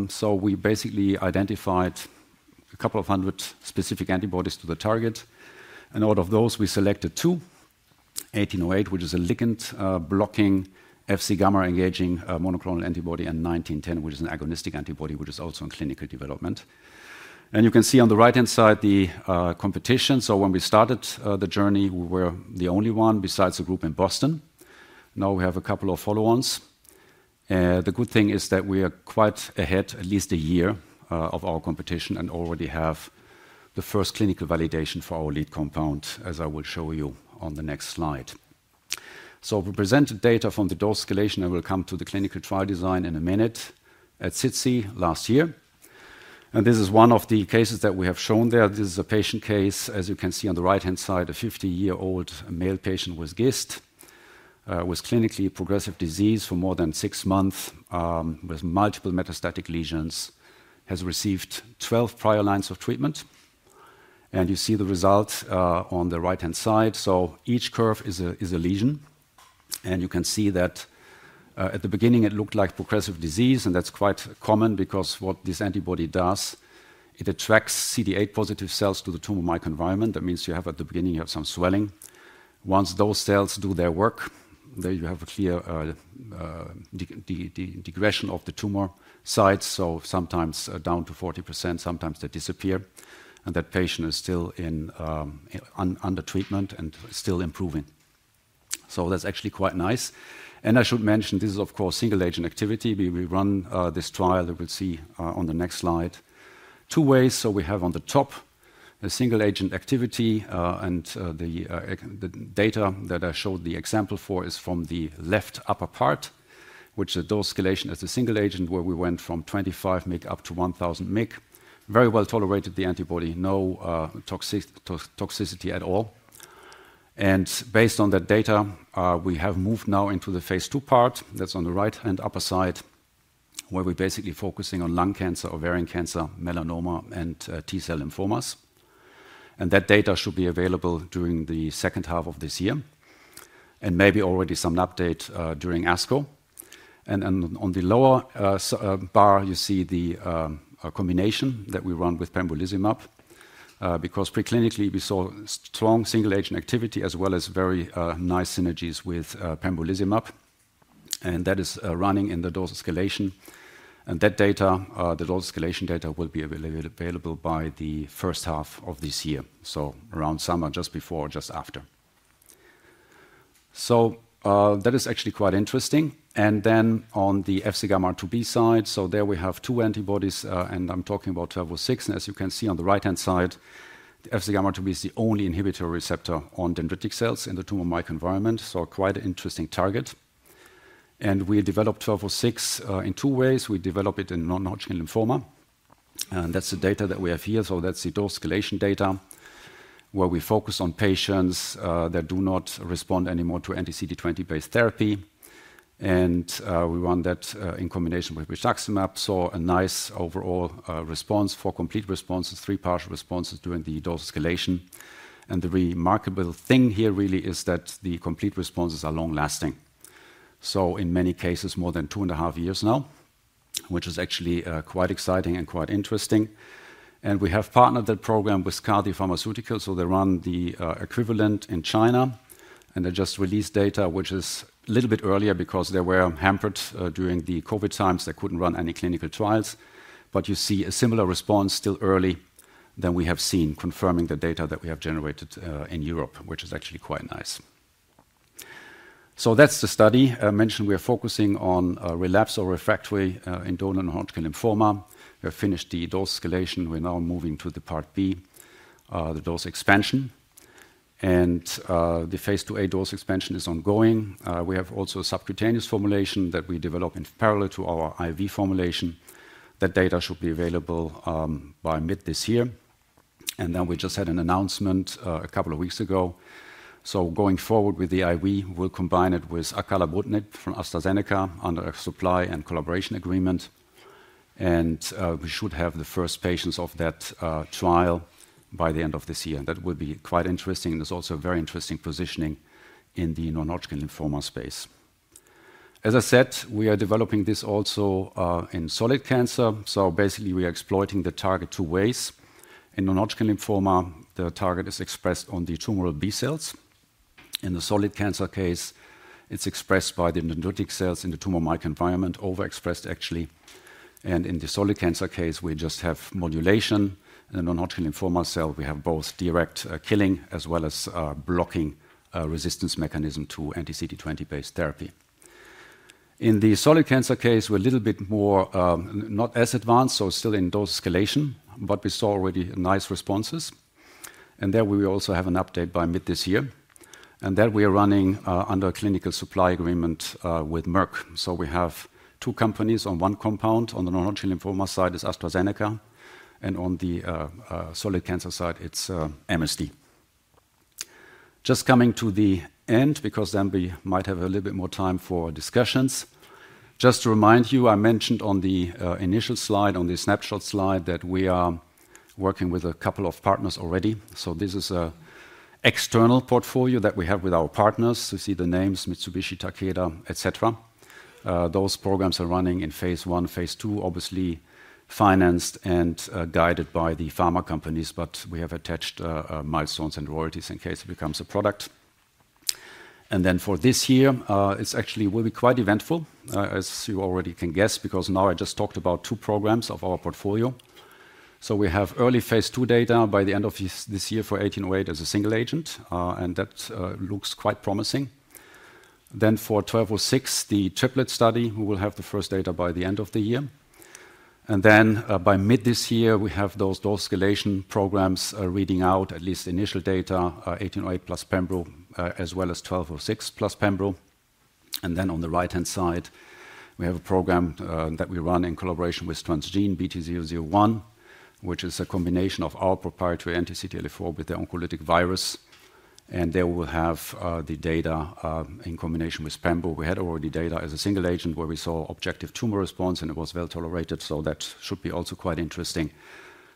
so we basically identified a couple of hundred specific antibodies to the target. And out of those, we selected two, 1808, which is a ligand-blocking FcγRIIB-engaging monoclonal antibody, and 1910, which is an agonistic antibody, which is also in clinical development. And you can see on the right-hand side the competition. So when we started the journey, we were the only one besides the group in Boston. Now we have a couple of follow-ons. The good thing is that we are quite ahead, at least a year of our competition, and already have the first clinical validation for our lead compound, as I will show you on the next slide. So we presented data from the dose escalation. I will come to the clinical trial design in a minute at SITC last year. This is one of the cases that we have shown there. This is a patient case, as you can see on the right-hand side, a 50-year-old male patient with GIST, with clinically progressive disease for more than six months, with multiple metastatic lesions, has received 12 prior lines of treatment. You see the result on the right-hand side. Each curve is a lesion. You can see that at the beginning, it looked like progressive disease. That's quite common because what this antibody does, it attracts CD8-positive cells to the tumor microenvironment. That means you have at the beginning, you have some swelling. Once those cells do their work, there you have a clear regression of the tumor size. Sometimes down to 40%, sometimes they disappear. That patient is still under treatment and still improving. So that's actually quite nice. And I should mention, this is, of course, single-agent activity. We run this trial. You will see on the next slide two ways. So we have on the top the single-agent activity. And the data that I showed the example for is from the left upper part, which is a dose escalation as a single agent where we went from 25 mic up to 1,000 mic, very well tolerated the antibody, no toxicity at all. And based on that data, we have moved now into the phase 2 part that's on the right-hand upper side where we're basically focusing on lung cancer, ovarian cancer, melanoma, and T-cell lymphomas. And that data should be available during the second half of this year and maybe already some update during ASCO. And on the lower bar, you see the combination that we run with pembrolizumab because preclinically, we saw strong single-agent activity as well as very nice synergies with pembrolizumab. And that is running in the dose escalation. And that data, the dose escalation data, will be available by the first half of this year, so around summer, just before or just after. So that is actually quite interesting. And then on the FcγRIIb side, so there we have two antibodies. And I'm talking about BI-1206. And as you can see on the right-hand side, the FcγRIIb is the only inhibitory receptor on dendritic cells in the tumor microenvironment. So quite an interesting target. And we developed BI-1206 in two ways. We develop it in non-Hodgkin lymphoma. And that's the data that we have here. So that's the dose escalation data where we focus on patients that do not respond anymore to anti-CD20-based therapy. We run that in combination with rituximab. Saw a nice overall response for complete responses, three partial responses during the dose escalation. The remarkable thing here really is that the complete responses are long-lasting. So in many cases, more than 2.5 years now, which is actually quite exciting and quite interesting. We have partnered that program with CASI Pharmaceuticals They run the equivalent in China. They just released data, which is a little bit earlier because they were hampered during the COVID times. They couldn't run any clinical trials. But you see a similar response still early than we have seen, confirming the data that we have generated in Europe, which is actually quite nice. So that's the study. I mentioned we are focusing on relapsed or refractory indolent non-Hodgkin lymphoma. We have finished the dose escalation. We're now moving to the part B, the dose expansion. The phase 2a dose expansion is ongoing. We have also a subcutaneous formulation that we develop in parallel to our IV formulation. That data should be available by mid this year. Then we just had an announcement a couple of weeks ago. So going forward with the IV, we'll combine it with acalabrutinib from AstraZeneca under a supply and collaboration agreement. We should have the first patients of that trial by the end of this year. That will be quite interesting. It's also a very interesting positioning in the non-Hodgkin lymphoma space. As I said, we are developing this also in solid cancer. So basically, we are exploiting the target two ways. In non-Hodgkin lymphoma, the target is expressed on the tumoral B cells. In the solid cancer case, it's expressed by the dendritic cells in the tumor microenvironment, overexpressed actually. And in the solid cancer case, we just have modulation. In the non-Hodgkin lymphoma cell, we have both direct killing as well as blocking resistance mechanism to anti-CD20-based therapy. In the solid cancer case, we're a little bit more not as advanced, so still in dose escalation, but we saw already nice responses. And there we also have an update by mid this year. And that we are running under a clinical supply agreement with Merck. So we have two companies on one compound. On the non-Hodgkin lymphoma side is AstraZeneca. And on the solid cancer side, it's MSD. Just coming to the end because then we might have a little bit more time for discussions. Just to remind you, I mentioned on the initial slide, on the snapshot slide, that we are working with a couple of partners already. So this is an external portfolio that we have with our partners. You see the names, Mitsubishi, Takeda, etc. Those programs are running in phase 1, phase 2, obviously financed and guided by the pharma companies. But we have attached milestones and royalties in case it becomes a product. And then for this year, it actually will be quite eventful, as you already can guess, because now I just talked about two programs of our portfolio. So we have early phase 2 data by the end of this year for 1808 as a single agent. And that looks quite promising. Then for 1206, the triplet study, we will have the first data by the end of the year. By mid this year, we have those dose escalation programs reading out at least initial data, BI-1808 plus pembro, as well as BI-1206 plus pembro. On the right-hand side, we have a program that we run in collaboration with Transgene, BT-001, which is a combination of our proprietary anti-CTLA-4 with the oncolytic virus. And there we will have the data in combination with pembro. We had already data as a single agent where we saw objective tumor response and it was well tolerated. So that should be also quite interesting.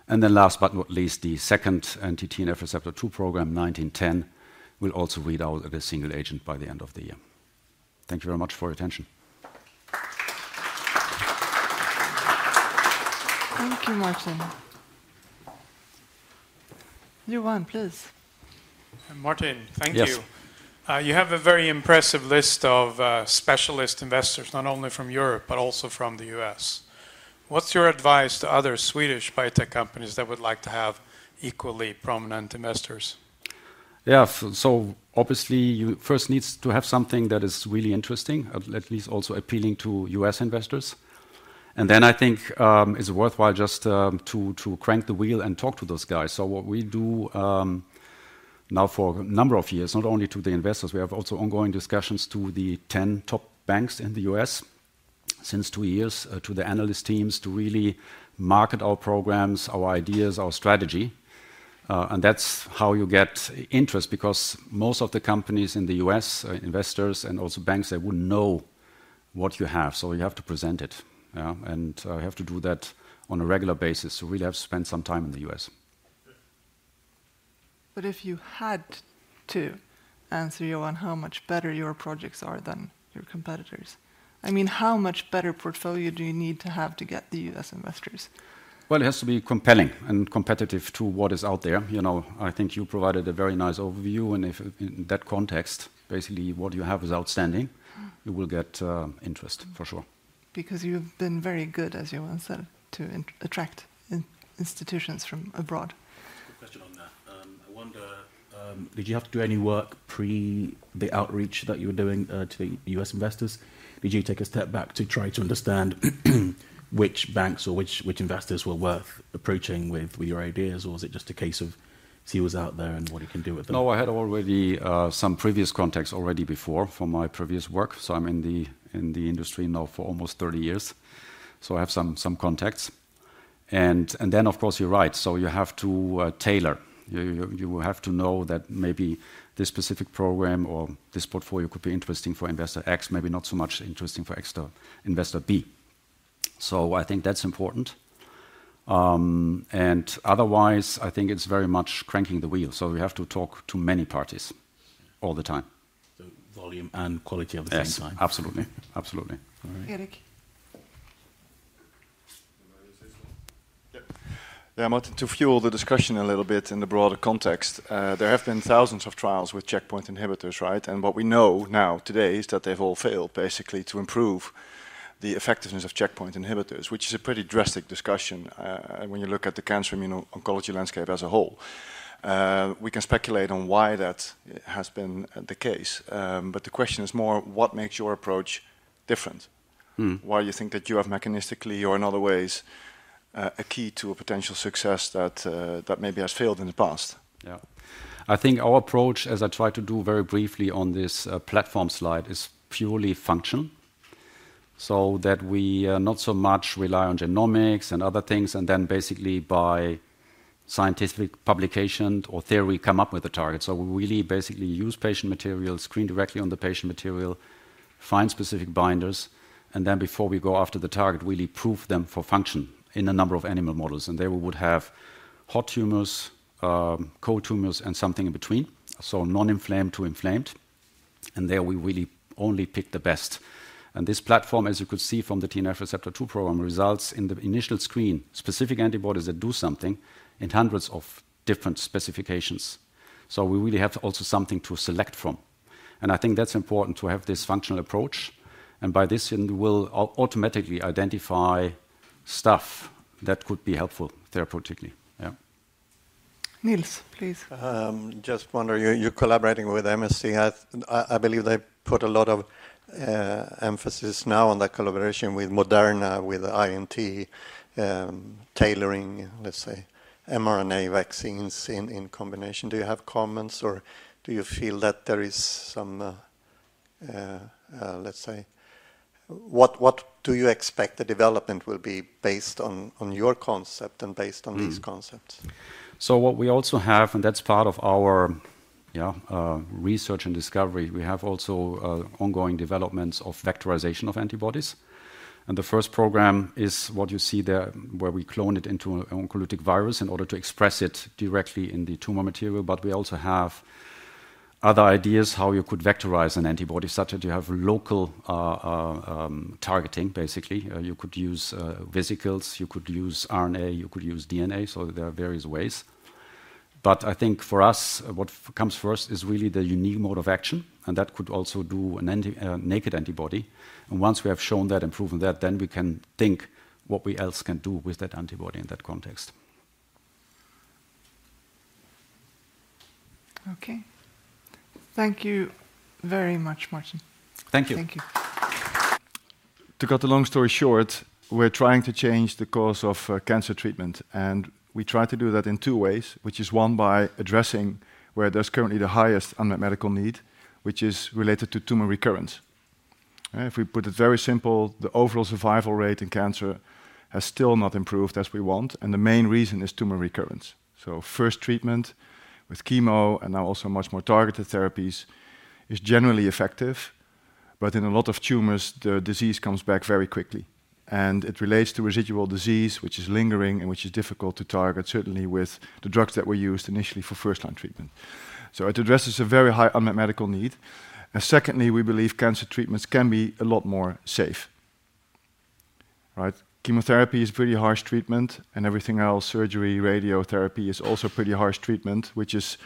And then last but not least, the second anti-TNF receptor two program, BI-1910, will also read out as a single agent by the end of the year. Thank you very much for your attention. Thank you, Martin. You go on, please. Martin, thank you. You have a very impressive list of specialist investors, not only from Europe but also from the US. What's your advice to other Swedish biotech companies that would like to have equally prominent investors? Yeah. So obviously, you first need to have something that is really interesting, at least also appealing to U.S. investors. And then I think it's worthwhile just to crank the wheel and talk to those guys. So what we do now for a number of years, not only to the investors, we have also ongoing discussions to the 10 top banks in the U.S. since two years, to the analyst teams, to really market our programs, our ideas, our strategy. And that's how you get interest because most of the companies in the U.S., investors and also banks, they wouldn't know what you have. So you have to present it. And you have to do that on a regular basis. So really have to spend some time in the U.S. But if you had to answer your own, how much better your projects are than your competitors? I mean, how much better portfolio do you need to have to get the U.S. investors? Well, it has to be compelling and competitive to what is out there. I think you provided a very nice overview. In that context, basically what you have is outstanding. You will get interest for sure. Because you've been very good, as you once said, to attract institutions from abroad. Question on that. I wonder, did you have to do any work pre the outreach that you were doing to the U.S. investors? Did you take a step back to try to understand which banks or which investors were worth approaching with your ideas, or was it just a case of see who's out there and what you can do with them? No, I had already some previous contacts already before from my previous work. So I'm in the industry now for almost 30 years. So I have some contacts. And then, of course, you're right. So you have to tailor. You have to know that maybe this specific program or this portfolio could be interesting for investor X, maybe not so much interesting for investor B. So I think that's important. And otherwise, I think it's very much cranking the wheel. So we have to talk to many parties all the time. The volume and quality at the same time. Absolutely. Absolutely. Erik. Yeah. Martin, to fuel the discussion a little bit in the broader context, there have been thousands of trials with checkpoint inhibitors, right? What we know now today is that they've all failed basically to improve the effectiveness of checkpoint inhibitors, which is a pretty drastic discussion. When you look at the cancer immuno-oncology landscape as a whole, we can speculate on why that has been the case. But the question is more, what makes your approach different? Why do you think that you have mechanistically or in other ways a key to a potential success that maybe has failed in the past? Yeah. I think our approach, as I tried to do very briefly on this platform slide, is purely functional so that we not so much rely on genomics and other things, and then basically by scientific publication or theory, come up with a target. So we really basically use patient materials, screen directly on the patient material, find specific binders, and then before we go after the target, really prove them for function in a number of animal models. And there we would have hot tumors, cold tumors, and something in between, so non-inflamed to inflamed. And there we really only pick the best. And this platform, as you could see from the TNF receptor two program, results in the initial screen, specific antibodies that do something in hundreds of different specifications. So we really have also something to select from. I think that's important to have this functional approach. By this, we'll automatically identify stuff that could be helpful therapeutically. Yeah. Niels, please. Just wonder, you're collaborating with MSD. I believe they put a lot of emphasis now on that collaboration with Moderna, with INT, tailoring, let's say, mRNA vaccines in combination. Do you have comments, or do you feel that there is some, let's say, what do you expect the development will be based on your concept and based on these concepts? So what we also have, and that's part of our research and discovery, we have also ongoing developments of vectorization of antibodies. The first program is what you see there, where we clone it into an oncolytic virus in order to express it directly in the tumor material. We also have other ideas how you could vectorize an antibody such that you have local targeting. Basically, you could use vesicles, you could use RNA, you could use DNA. There are various ways. I think for us, what comes first is really the unique mode of action. That could also do a naked antibody. Once we have shown that and proven that, then we can think what else we can do with that antibody in that context. Okay. Thank you very much, Martin. Thank you. Thank you. To cut the long story short, we're trying to change the course of cancer treatment. We try to do that in two ways, which is one by addressing where there's currently the highest unmet medical need, which is related to tumor recurrence. If we put it very simple, the overall survival rate in cancer has still not improved as we want. The main reason is tumor recurrence. First treatment with chemo and now also much more targeted therapies is generally effective. But in a lot of tumors, the disease comes back very quickly. It relates to residual disease, which is lingering and which is difficult to target, certainly with the drugs that were used initially for first-line treatment. It addresses a very high unmet medical need. Secondly, we believe cancer treatments can be a lot more safe. Right? Chemotherapy is a pretty harsh treatment. Everything else, surgery, radiotherapy, is also a pretty harsh treatment, which is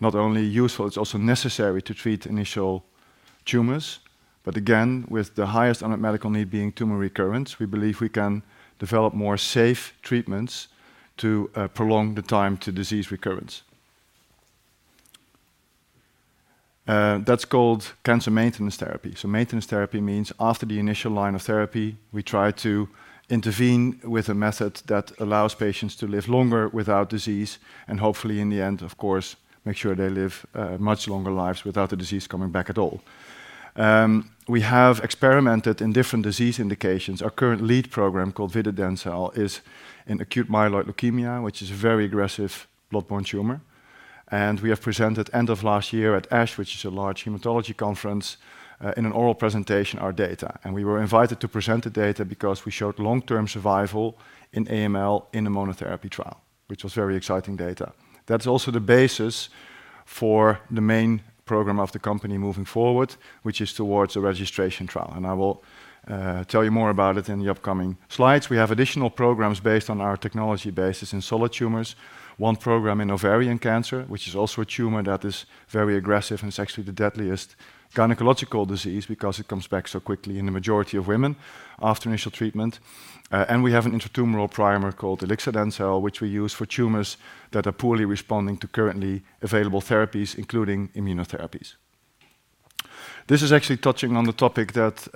not only useful, it's also necessary to treat initial tumors. But again, with the highest unmet medical need being tumor recurrence, we believe we can develop more safe treatments to prolong the time to disease recurrence. That's called cancer maintenance therapy. So maintenance therapy means after the initial line of therapy, we try to intervene with a method that allows patients to live longer without disease and hopefully in the end, of course, make sure they live much longer lives without the disease coming back at all. We have experimented in different disease indications. Our current lead program called vidadencel is in acute myeloid leukemia, which is a very aggressive blood-borne tumor. We have presented end of last year at ASH, which is a large hematology conference, in an oral presentation, our data. We were invited to present the data because we showed long-term survival in AML in a monotherapy trial, which was very exciting data. That's also the basis for the main program of the company moving forward, which is towards a registration trial. And I will tell you more about it in the upcoming slides. We have additional programs based on our technology basis in solid tumors. One program in ovarian cancer, which is also a tumor that is very aggressive and is actually the deadliest gynecological disease because it comes back so quickly in the majority of women after initial treatment. We have an intratumoral primer called ilixadencel, which we use for tumors that are poorly responding to currently available therapies, including immunotherapies. This is actually touching on the topic that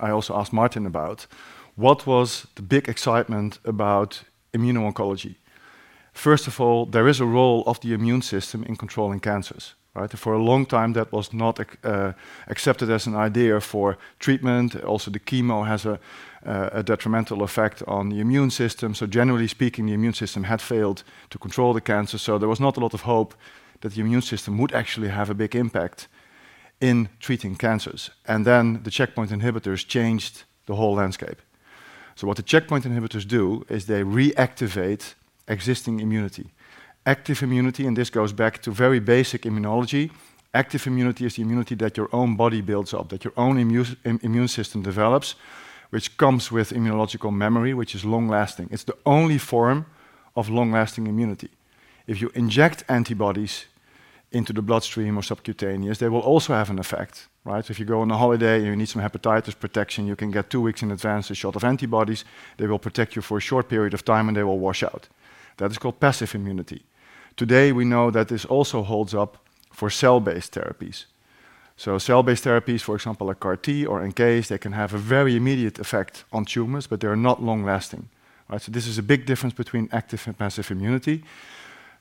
I also asked Martin about. What was the big excitement about immuno-oncology? First of all, there is a role of the immune system in controlling cancers. For a long time, that was not accepted as an idea for treatment. Also, the chemo has a detrimental effect on the immune system. So generally speaking, the immune system had failed to control the cancer. So there was not a lot of hope that the immune system would actually have a big impact in treating cancers. And then the checkpoint inhibitors changed the whole landscape. So what the checkpoint inhibitors do is they reactivate existing immunity. Active immunity, and this goes back to very basic immunology. Active immunity is the immunity that your own body builds up, that your own immune system develops, which comes with immunological memory, which is long-lasting. It's the only form of long-lasting immunity. If you inject antibodies into the bloodstream or subcutaneous, they will also have an effect. If you go on a holiday and you need some hepatitis protection, you can get two weeks in advance a shot of antibodies. They will protect you for a short period of time, and they will wash out. That is called passive immunity. Today, we know that this also holds up for cell-based therapies. So cell-based therapies, for example, like CAR-T or NK cells, they can have a very immediate effect on tumors, but they are not long-lasting. So this is a big difference between active and passive immunity.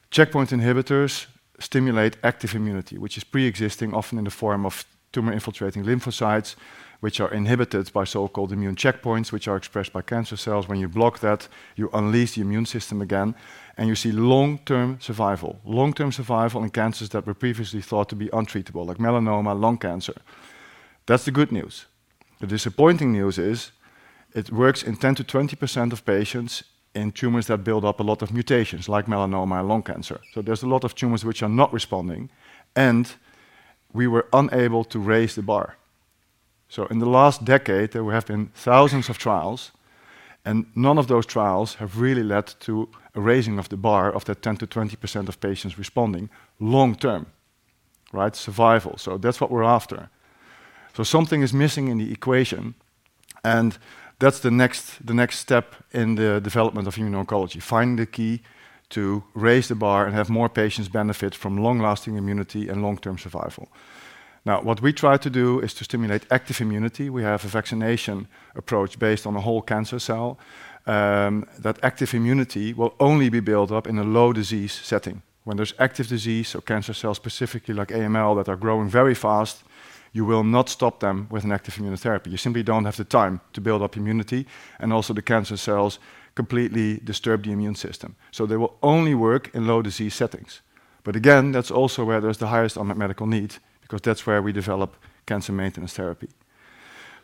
Checkpoint inhibitors stimulate active immunity, which is pre-existing, often in the form of tumor-infiltrating lymphocytes, which are inhibited by so-called immune checkpoints, which are expressed by cancer cells. When you block that, you unleash the immune system again, and you see long-term survival, long-term survival in cancers that were previously thought to be untreatable, like melanoma, lung cancer. That's the good news. The disappointing news is it works in 10% to 20% of patients in tumors that build up a lot of mutations, like melanoma and lung cancer. So there's a lot of tumors which are not responding, and we were unable to raise the bar. So in the last decade, there have been thousands of trials, and none of those trials have really led to a raising of the bar of that 10% to 20% of patients responding long-term, right? Survival. So that's what we're after. So something is missing in the equation, and that's the next step in the development of immuno-oncology, finding the key to raise the bar and have more patients benefit from long-lasting immunity and long-term survival. Now, what we try to do is to stimulate active immunity. We have a vaccination approach based on a whole cancer cell. That active immunity will only be built up in a low disease setting. When there's active disease, so cancer cells specifically like AML that are growing very fast, you will not stop them with an active immunotherapy. You simply don't have the time to build up immunity. And also, the cancer cells completely disturb the immune system. So they will only work in low disease settings. But again, that's also where there's the highest unmet medical need because that's where we develop cancer maintenance therapy.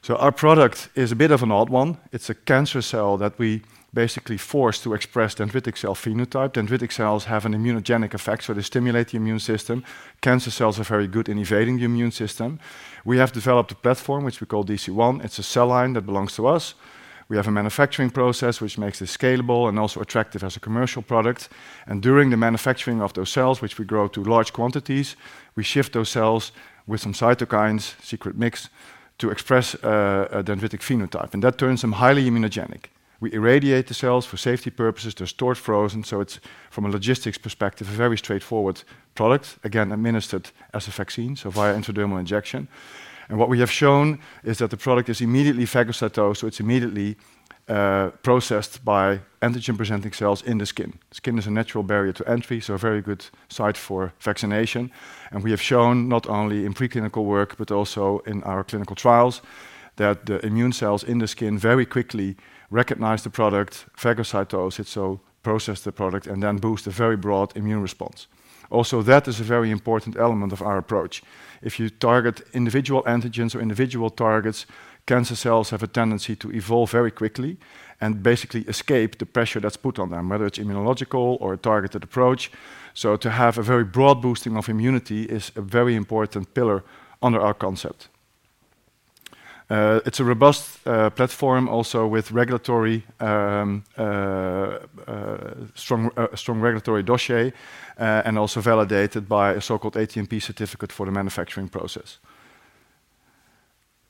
So our product is a bit of an odd one. It's a cancer cell that we basically force to express dendritic cell phenotype. Dendritic cells have an immunogenic effect, so they stimulate the immune system. Cancer cells are very good in evading the immune system. We have developed a platform, which we call DC1. It's a cell line that belongs to us. We have a manufacturing process, which makes this scalable and also attractive as a commercial product. During the manufacturing of those cells, which we grow to large quantities, we shift those cells with some cytokines, secret mix, to express a dendritic phenotype. That turns them highly immunogenic. We irradiate the cells for safety purposes. They're stored frozen. It's, from a logistics perspective, a very straightforward product, again, administered as a vaccine, so via intradermal injection. What we have shown is that the product is immediately phagocytosed, so it's immediately processed by antigen-presenting cells in the skin. Skin is a natural barrier to entry, so a very good site for vaccination. We have shown not only in preclinical work, but also in our clinical trials, that the immune cells in the skin very quickly recognize the product, phagocytose it, so process the product, and then boost a very broad immune response. Also, that is a very important element of our approach. If you target individual antigens or individual targets, cancer cells have a tendency to evolve very quickly and basically escape the pressure that's put on them, whether it's immunological or a targeted approach. So to have a very broad boosting of immunity is a very important pillar under our concept. It's a robust platform, also with a strong regulatory dossier and also validated by a so-called ATMP certificate for the manufacturing process.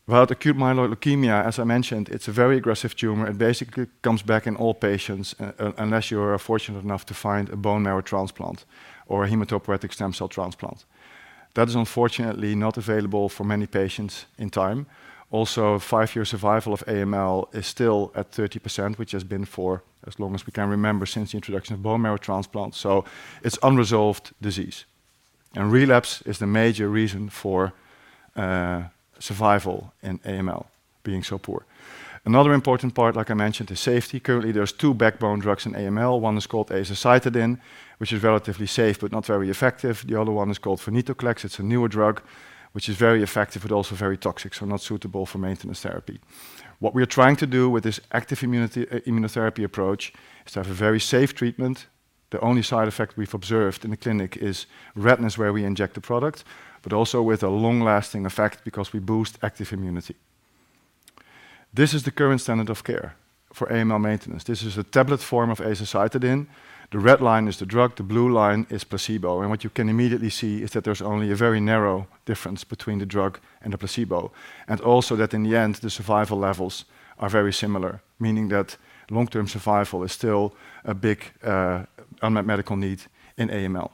About acute myeloid leukemia, as I mentioned, it's a very aggressive tumor. It basically comes back in all patients unless you are fortunate enough to find a bone marrow transplant or a hematopoietic stem cell transplant. That is unfortunately not available for many patients in time. Also, five-year survival of AML is still at 30%, which has been for as long as we can remember since the introduction of bone marrow transplants. So it's unresolved disease. And relapse is the major reason for survival in AML being so poor. Another important part, like I mentioned, is safety. Currently, there's two backbone drugs in AML. One is called azacitidine, which is relatively safe but not very effective. The other one is called venetoclax. It's a newer drug, which is very effective, but also very toxic, so not suitable for maintenance therapy. What we are trying to do with this active immunotherapy approach is to have a very safe treatment. The only side effect we've observed in the clinic is redness where we inject the product, but also with a long-lasting effect because we boost active immunity. This is the current standard of care for AML maintenance. This is a tablet form of azacitidine. The red line is the drug. The blue line is placebo. And what you can immediately see is that there's only a very narrow difference between the drug and the placebo, and also that in the end, the survival levels are very similar, meaning that long-term survival is still a big unmet medical need in AML.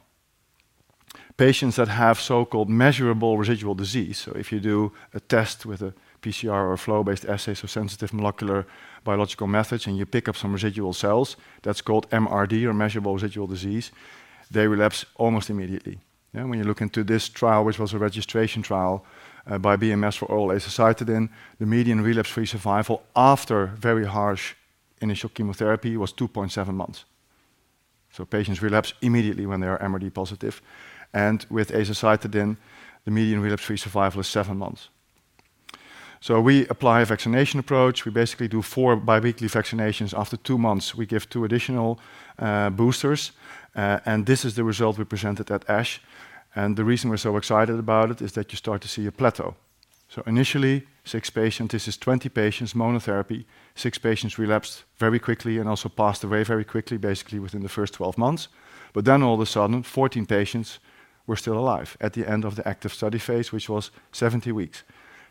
Patients that have so-called measurable residual disease, so if you do a test with a PCR or a flow-based assay, so sensitive molecular biological methods, and you pick up some residual cells, that's called MRD or measurable residual disease. They relapse almost immediately. When you look into this trial, which was a registration trial by BMS for oral azacitidine, the median relapse-free survival after very harsh initial chemotherapy was 2.7 months. So patients relapse immediately when they are MRD positive. And with azacitidine, the median relapse-free survival is seven months. So we apply a vaccination approach. We basically do four biweekly vaccinations. After two months, we give two additional boosters. And this is the result we presented at ASH. And the reason we're so excited about it is that you start to see a plateau. So initially, six patients, this is 20 patients monotherapy. six patients relapsed very quickly and also passed away very quickly, basically within the first 12 months. But then all of a sudden, 14 patients were still alive at the end of the active study phase, which was 70 weeks.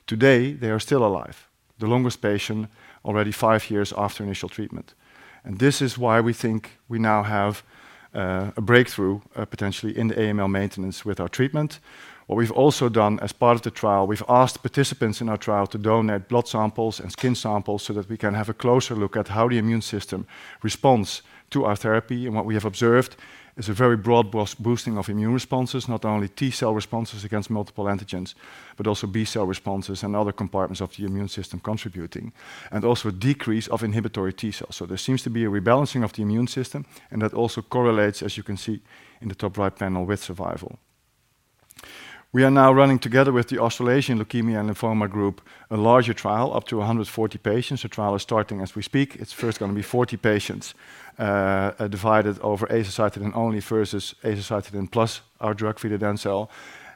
Today, they are still alive, the longest patient already five years after initial treatment. This is why we think we now have a breakthrough potentially in the AML maintenance with our treatment. What we've also done as part of the trial, we've asked participants in our trial to donate blood samples and skin samples so that we can have a closer look at how the immune system responds to our therapy. What we have observed is a very broad boosting of immune responses, not only T-cell responses against multiple antigens, but also B-cell responses and other compartments of the immune system contributing, and also a decrease of inhibitory T-cells. There seems to be a rebalancing of the immune system, and that also correlates, as you can see in the top right panel, with survival. We are now running together with the Australasian Leukaemia and Lymphoma Group a larger trial, up to 140 patients. The trial is starting as we speak. It's first going to be 40 patients divided over azacitidine only versus azacitidine plus our drug, Vidadencel,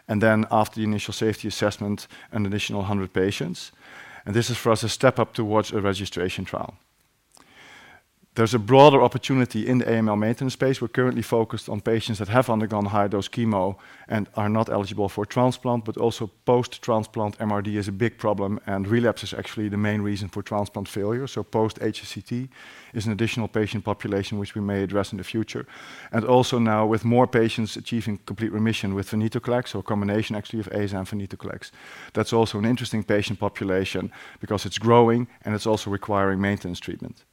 and then after the initial safety assessment, an additional 100 patients. And this is for us a step up towards a registration trial. There's a broader opportunity in the AML maintenance space. We're currently focused on patients that have undergone high-dose chemo and are not eligible for transplant, but also post-transplant. MRD is a big problem, and relapse is actually the main reason for transplant failure. So post-HCT is an additional patient population, which we may address in the future. And also now with more patients achieving complete remission with venetoclax, so a combination actually of AZA and venetoclax. That's also an interesting patient population because it's growing, and it's also requiring maintenance treatment.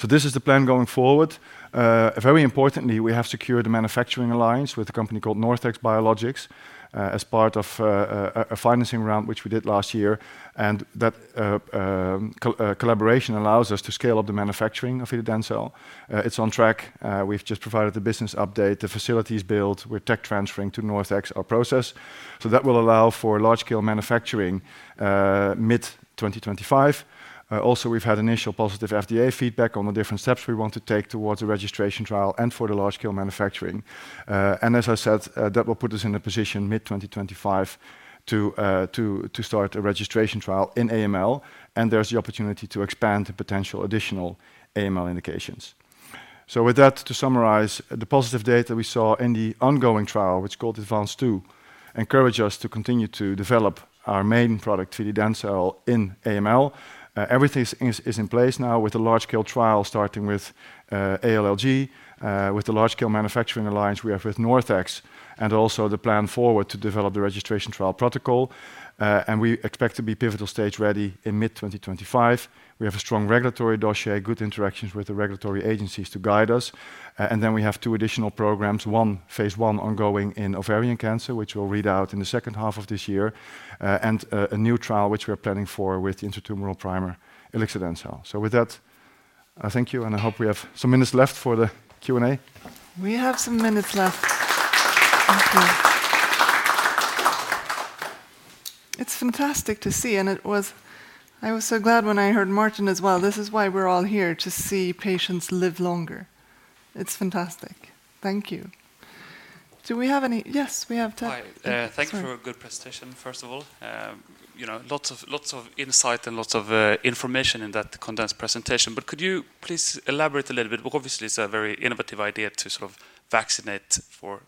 So this is the plan going forward. Very importantly, we have secured a manufacturing alliance with a company called NorthX Biologics as part of a financing round, which we did last year. And that collaboration allows us to scale up the manufacturing of Vidadencel. It's on track. We've just provided the business update. The facility is built. We're tech transferring to NorthX our process. So that will allow for large-scale manufacturing mid-2025. Also, we've had initial positive FDA feedback on the different steps we want to take towards a registration trial and for the large-scale manufacturing. And as I said, that will put us in a position mid-2025 to start a registration trial in AML, and there's the opportunity to expand the potential additional AML indications. So with that, to summarize, the positive data we saw in the ongoing trial, which is called ADVANCE II, encouraged us to continue to develop our main product, Vidadencel, in AML. Everything is in place now with a large-scale trial starting with ALLG. With the large-scale manufacturing alliance we have with NorthX and also the plan forward to develop the registration trial protocol. And we expect to be pivotal stage ready in mid-2025. We have a strong regulatory dossier, good interactions with the regulatory agencies to guide us. And then we have two additional programs, one phase one ongoing in ovarian cancer, which we'll read out in the second half of this year, and a new trial which we're planning for with the intratumoral primer, ilixadencel. So with that, thank you, and I hope we have some minutes left for the Q&A. We have some minutes left. Thank you. It's fantastic to see, and I was so glad when I heard Martin as well. This is why we're all here, to see patients live longer. It's fantastic. Thank you. Do we have any? Yes, we have Tim. Thanks for a good presentation, first of all. Lots of insight and lots of information in that condensed presentation. But could you please elaborate a little bit? Obviously, it's a very innovative idea to sort of vaccinate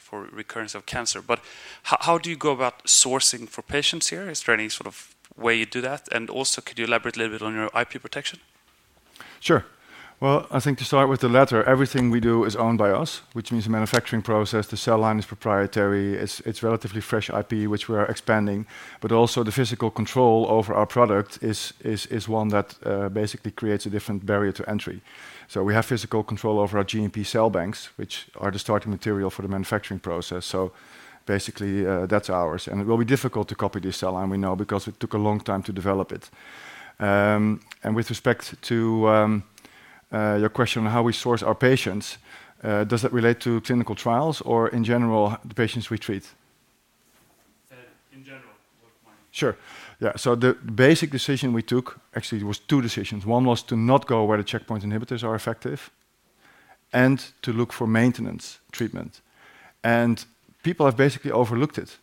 for recurrence of cancer. But how do you go about sourcing for patients here? Is there any sort of way you do that? And also, could you elaborate a little bit on your IP protection? Sure. Well, I think to start with the letter, everything we do is owned by us, which means the manufacturing process, the cell line is proprietary, it's relatively fresh IP, which we are expanding, but also the physical control over our product is one that basically creates a different barrier to entry. So we have physical control over our GMP cell banks, which are the starting material for the manufacturing process. So basically, that's ours. And it will be difficult to copy this cell line, we know, because it took a long time to develop it. And with respect to your question on how we source our patients, does that relate to clinical trials or, in general, the patients we treat? In general, what might? Sure. Yeah. So the basic decision we took actually was two decisions. One was to not go where the checkpoint inhibitors are effective and to look for maintenance treatment. And people have basically overlooked it.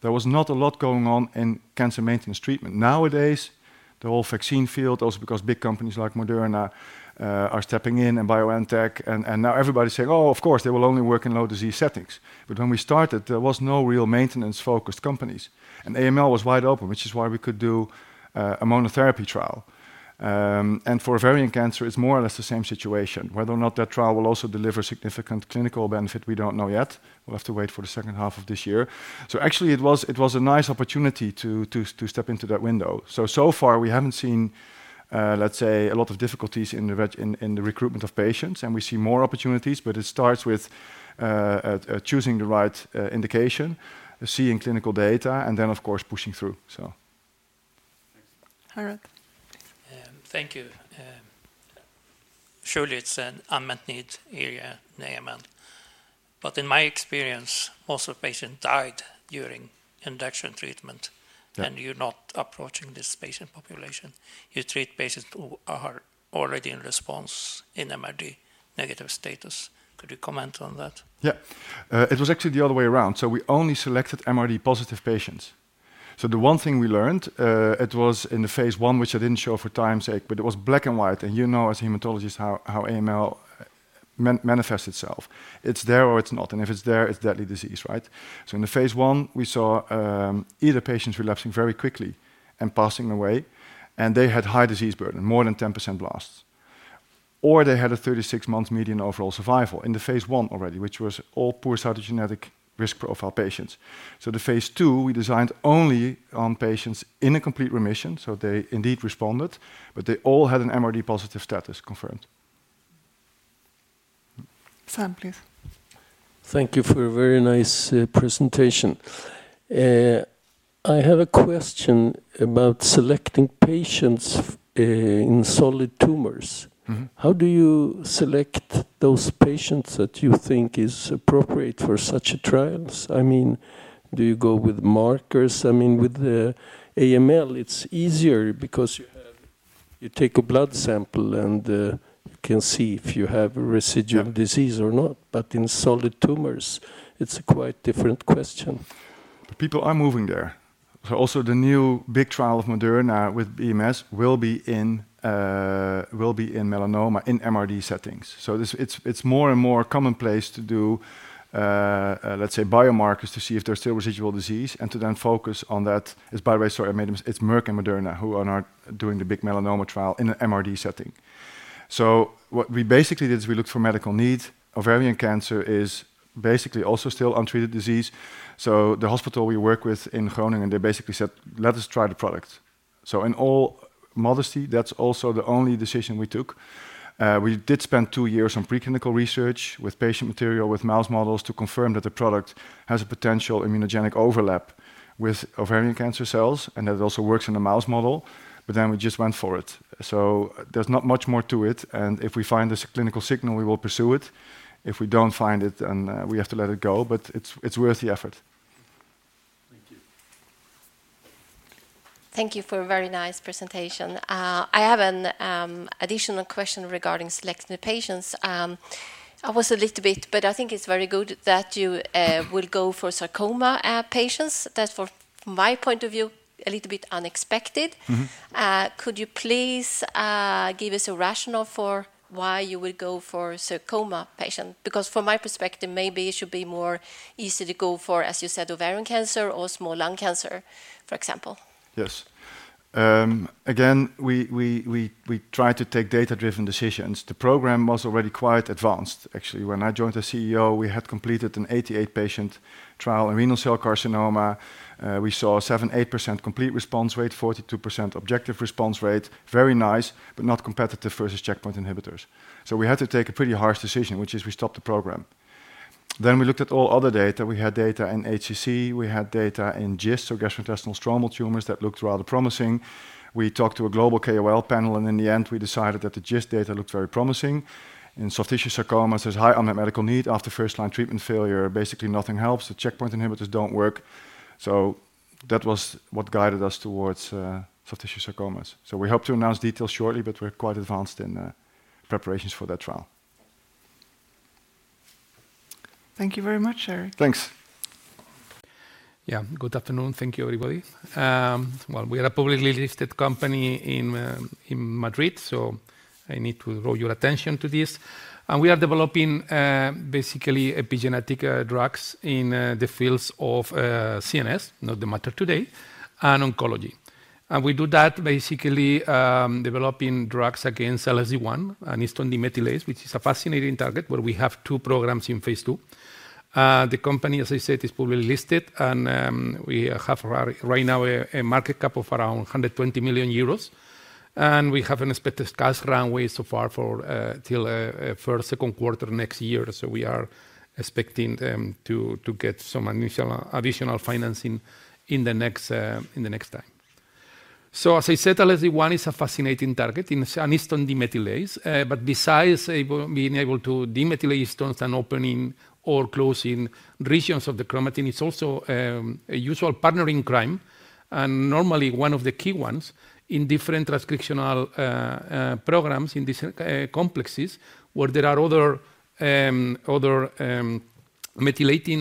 There was not a lot going on in cancer maintenance treatment. Nowadays, the whole vaccine field, also because big companies like Moderna are stepping in and BioNTech, and now everybody's saying, "Oh, of course, they will only work in low disease settings." But when we started, there was no real maintenance-focused companies. And AML was wide open, which is why we could do a monotherapy trial. And for ovarian cancer, it's more or less the same situation. Whether or not that trial will also deliver significant clinical benefit, we don't know yet. We'll have to wait for the second half of this year. So actually, it was a nice opportunity to step into that window. So far, we haven't seen, let's say, a lot of difficulties in the recruitment of patients. We see more opportunities, but it starts with choosing the right indication, seeing clinical data, and then, of course, pushing through. Harald? Thank you. Surely, it's an unmet need area in AML. But in my experience, most of the patients died during induction treatment, and you're not approaching this patient population. You treat patients who are already in response in MRD negative status. Could you comment on that? Yeah. It was actually the other way around. So we only selected MRD positive patients. So the one thing we learned, it was in the phase 1, which I didn't show for time's sake, but it was black and white. And you know, as a hematologist, how AML manifests itself. It's there or it's not. And if it's there, it's deadly disease, right? So in the phase 1, we saw either patients relapsing very quickly and passing away, and they had high disease burden, more than 10% blasts, or they had a 36-month median overall survival in the phase 1 already, which was all poor cytogenetic risk profile patients. So the phase 2, we designed only on patients in a complete remission, so they indeed responded, but they all had an MRD positive status confirmed. Sam, please. Thank you for a very nice presentation. I have a question about selecting patients in solid tumors. How do you select those patients that you think are appropriate for such trials? I mean, do you go with markers? I mean, with AML, it's easier because you take a blood sample and you can see if you have residual disease or not. But in solid tumors, it's a quite different question. People are moving there. Also, the new big trial of Moderna with BMS will be in melanoma in MRD settings. So it's more and more commonplace to do, let's say, biomarkers to see if there's still residual disease and to then focus on that. By the way, sorry, I made a mistake. It's Merck and Moderna who are doing the big melanoma trial in an MRD setting. So what we basically did is we looked for medical need. Ovarian cancer is basically also still untreated disease. So the hospital we work with in Groningen, they basically said, "Let us try the product." So in all modesty, that's also the only decision we took. We did spend two years on preclinical research with patient material, with mouse models, to confirm that the product has a potential immunogenic overlap with ovarian cancer cells and that it also works in a mouse model. But then we just went for it. So there's not much more to it. And if we find this clinical signal, we will pursue it. If we don't find it, then we have to let it go. But it's worth the effort. Thank you. Thank you for a very nice presentation. I have an additional question regarding select new patients. But I think it's very good that you will go for sarcoma patients. That's, from my point of view, a little bit unexpected. Could you please give us a rationale for why you would go for sarcoma patients? Because from my perspective, maybe it should be more easy to go for, as you said, ovarian cancer or small cell lung cancer, for example. Yes. Again, we try to take data-driven decisions. The program was already quite advanced, actually. When I joined as CEO, we had completed an 88-patient trial in renal cell carcinoma. We saw a 78% complete response rate, 42% objective response rate. Very nice, but not competitive versus checkpoint inhibitors. So we had to take a pretty harsh decision, which is we stopped the program. Then we looked at all other data. We had data in HCC. We had data in GIST, so gastrointestinal stromal tumors, that looked rather promising. We talked to a global KOL panel, and in the end, we decided that the GIST data looked very promising. In soft tissue sarcomas, there's high unmet medical need. After first-line treatment failure, basically nothing helps. The checkpoint inhibitors don't work. So that was what guided us towards soft tissue sarcomas. We hope to announce details shortly, but we're quite advanced in preparations for that trial. Thank you very much, Erik. Thanks. Yeah. Good afternoon. Thank you, everybody. Well, we are a publicly listed company in Madrid, so I need to draw your attention to this. We are developing basically epigenetic drugs in the fields of CNS, NDD, and oncology. We do that basically developing drugs against LSD-1 and histone demethylase, which is a fascinating target where we have two programs in phase two. The company, as I said, is publicly listed, and we have right now a market cap of around 120 million euros. We have an expected cash runway so far till first, second quarter next year. We are expecting to get some initial additional financing in the next time. As I said, LSD-1 is a fascinating target and histone demethylase. But besides being able to demethylate histones and opening or closing regions of the chromatin, it's also a usual partner in crime and normally one of the key ones in different transcriptional programs in these complexes where there are other methylating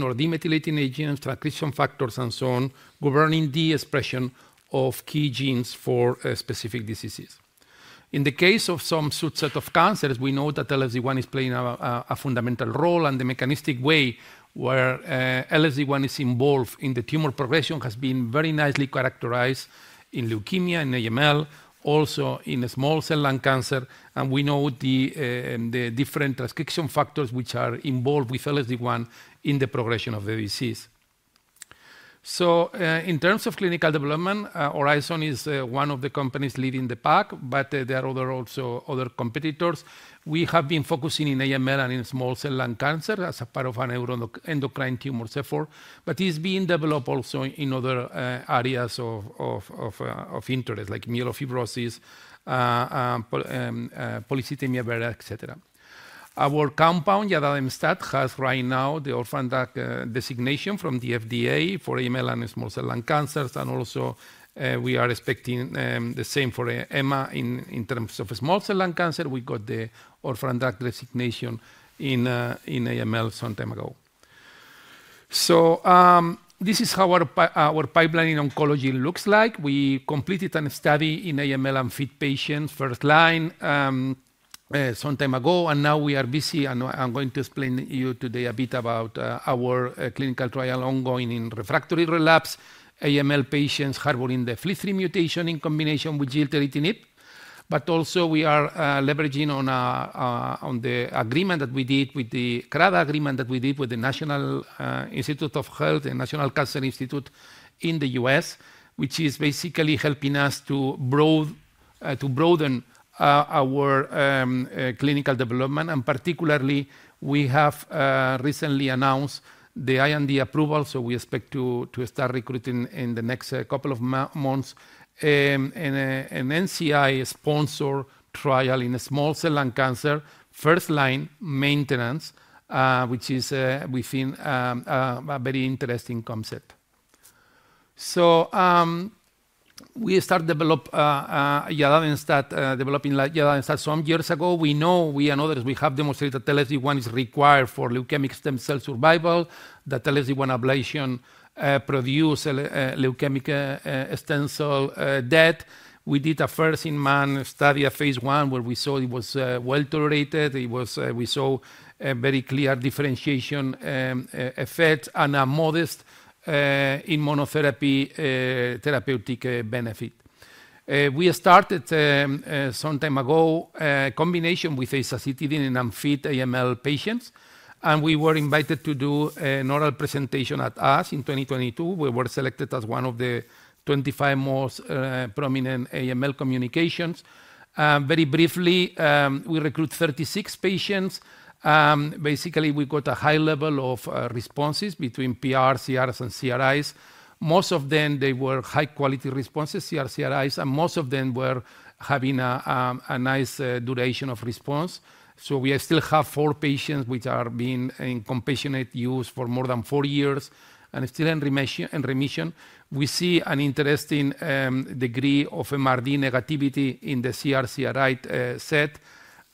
or demethylating agents, transcription factors, and so on, governing the expression of key genes for specific diseases. In the case of some subset of cancers, we know that LSD-1 is playing a fundamental role. The mechanistic way where LSD-1 is involved in the tumor progression has been very nicely characterized in leukemia, in AML, also in small cell lung cancer. We know the different transcription factors which are involved with LSD-1 in the progression of the disease. In terms of clinical development, Oryzon is one of the companies leading the pack, but there are also other competitors. We have been focusing in AML and in small cell lung cancer as a part of an endocrine tumor effort, but it's being developed also in other areas of interest like myelofibrosis, polycythemia vera, et cetera. Our compound, iadademstat, has right now the Orphan Drug designation from the FDA for AML and small cell lung cancers. Also, we are expecting the same for EMA. In terms of small cell lung cancer, we got the Orphan Drug designation in AML some time ago. So this is how our pipeline in oncology looks like. We completed a study in AML and FLT3 patients, first line, some time ago. And now we are busy, and I'm going to explain to you today a bit about our clinical trial ongoing in refractory relapse AML patients harboring the FLT3 mutation in combination with gilteritinib. But also, we are leveraging on the agreement that we did with the CRADA agreement that we did with the National Institutes of Health, the National Cancer Institute in the US, which is basically helping us to broaden our clinical development. And particularly, we have recently announced the IND approval. So we expect to start recruiting in the next couple of months an NCI-sponsored trial in small cell lung cancer, first-line maintenance, which is we think a very interesting concept. So we started developing iadademstat some years ago. We know we and others, we have demonstrated that LSD1 is required for leukemic stem cell survival. That LSD1 ablation produces leukemic stem cell death. We did a first-in-man study at phase 1 where we saw it was well tolerated. We saw very clear differentiation effects and a modest in monotherapy therapeutic benefit. We started some time ago a combination with azacitidine and fit AML patients. We were invited to do an oral presentation at ASH in 2022. We were selected as one of the 25 most prominent AML abstracts. Very briefly, we recruited 36 patients. Basically, we got a high level of responses between PRs, CRs, and CRis. Most of them, they were high-quality responses, CRs, CRis, and most of them were having a nice duration of response. So we still have four patients which are being in compassionate use for more than four years and still in remission. We see an interesting degree of MRD negativity in the CR, CRi set.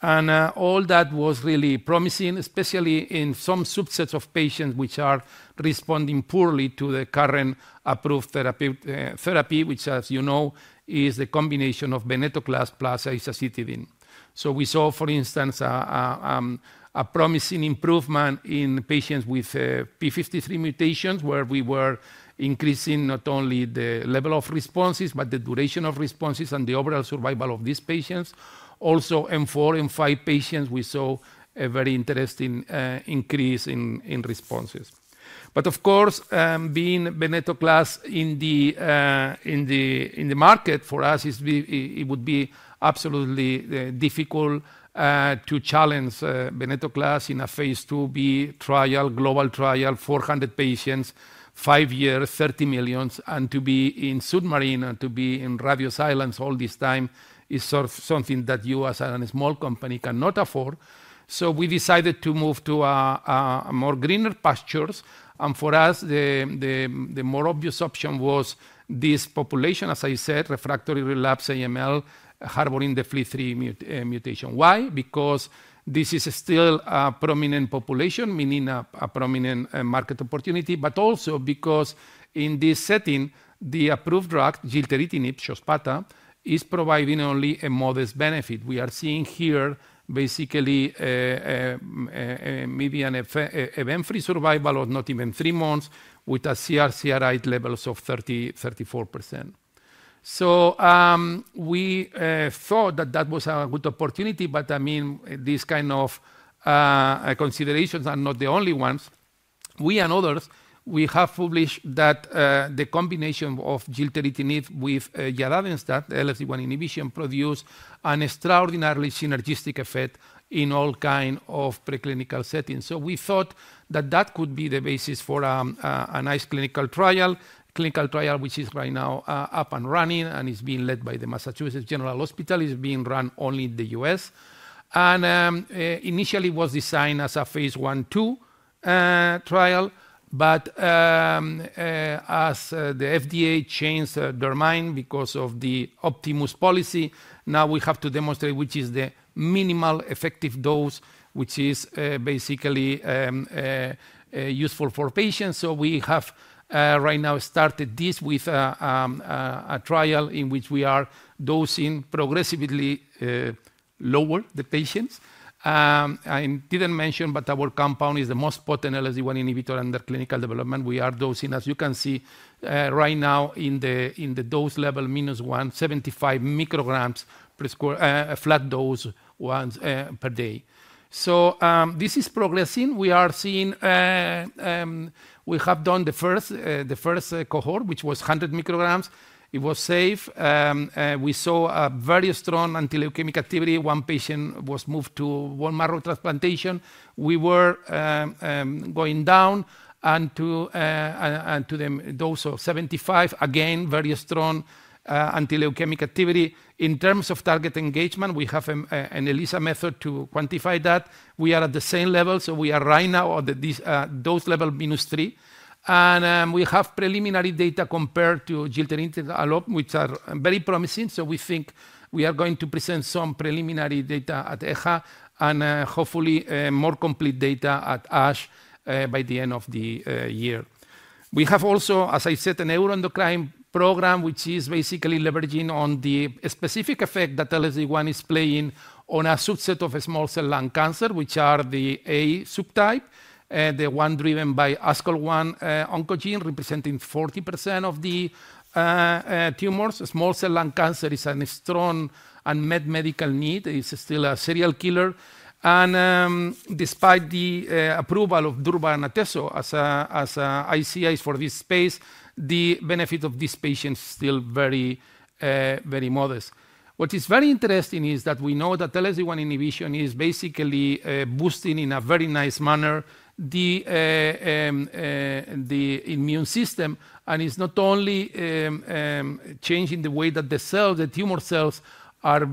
All that was really promising, especially in some subsets of patients which are responding poorly to the current approved therapy, which, as you know, is the combination of venetoclax plus azacitidine. So we saw, for instance, a promising improvement in patients with p53 mutations where we were increasing not only the level of responses but the duration of responses and the overall survival of these patients. Also, in four and five patients, we saw a very interesting increase in responses. But of course, being venetoclax in the market for us, it would be absolutely difficult to challenge venetoclax in a phase 2b trial, global trial, 400 patients, five years, 30 million. And to be in submarine, to be in radio silence all this time is something that you, as a small company, cannot afford. So we decided to move to more greener pastures. And for us, the more obvious option was this population, as I said, refractory relapsed AML harboring the FLT3 mutation. Why? Because this is still a prominent population, meaning a prominent market opportunity, but also because in this setting, the approved drug, gilteritinib, Xospata, is providing only a modest benefit. We are seeing here basically maybe an event-free survival of not even three months with a CR, CRI levels of 30% to 34%. So we thought that that was a good opportunity. But I mean, these kind of considerations are not the only ones. We and others, we have published that the combination of gilteritinib with iadademstat, the LSD1 inhibition, produced an extraordinarily synergistic effect in all kinds of preclinical settings. So we thought that that could be the basis for a nice clinical trial, clinical trial which is right now up and running and is being led by the Massachusetts General Hospital. It's being run only in the US. And initially, it was designed as a phase 1/2 trial. But as the FDA changed their mind because of the Optimus policy, now we have to demonstrate which is the minimal effective dose, which is basically useful for patients. So we have right now started this with a trial in which we are dosing progressively lower the patients. I didn't mention, but our compound is the most potent LSD1 inhibitor under clinical development. We are dosing, as you can see right now, in the dose level minus one, 75 micrograms per square flat dose once per day. So this is progressing. We are seeing we have done the first cohort, which was 100 micrograms. It was safe. We saw a very strong antileukemic activity. One patient was moved to bone marrow transplantation. We were going down and to the dose of 75. Again, very strong antileukemic activity. In terms of target engagement, we have an ELISA method to quantify that. We are at the same level. So we are right now at this dose level 3. And we have preliminary data compared to FLT3-ITD, which are very promising. So we think we are going to present some preliminary data at EHA and hopefully more complete data at ASH by the end of the year. We have also, as I said, a neuroendocrine program, which is basically leveraging on the specific effect that LSD1 is playing on a subset of small cell lung cancer, which are the A subtype, the one driven by ASCL1 oncogene representing 40% of the tumors. Small cell lung cancer is a strong unmet medical need. It's still a serial killer. And despite the approval of durvalumab and atezolizumab as ICIs for this space, the benefit of these patients is still very, very modest. What is very interesting is that we know that LSD-1 inhibition is basically boosting in a very nice manner the immune system. And it's not only changing the way that the cells, the tumor cells, are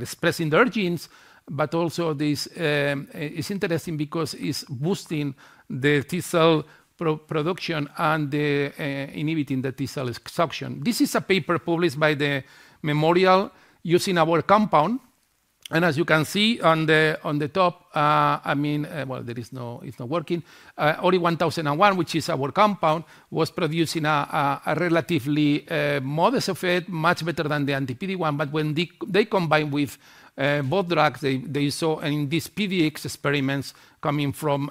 expressing their genes, but also this is interesting because it's boosting the T cell production and inhibiting the T cell excretion. This is a paper published by the Memorial using our compound. And as you can see on the top, I mean, well, there is no it's not working. ORY-1001, which is our compound, was producing a relatively modest effect, much better than the anti-PD-1. But when they combined with both drugs, they saw in these PDX experiments coming from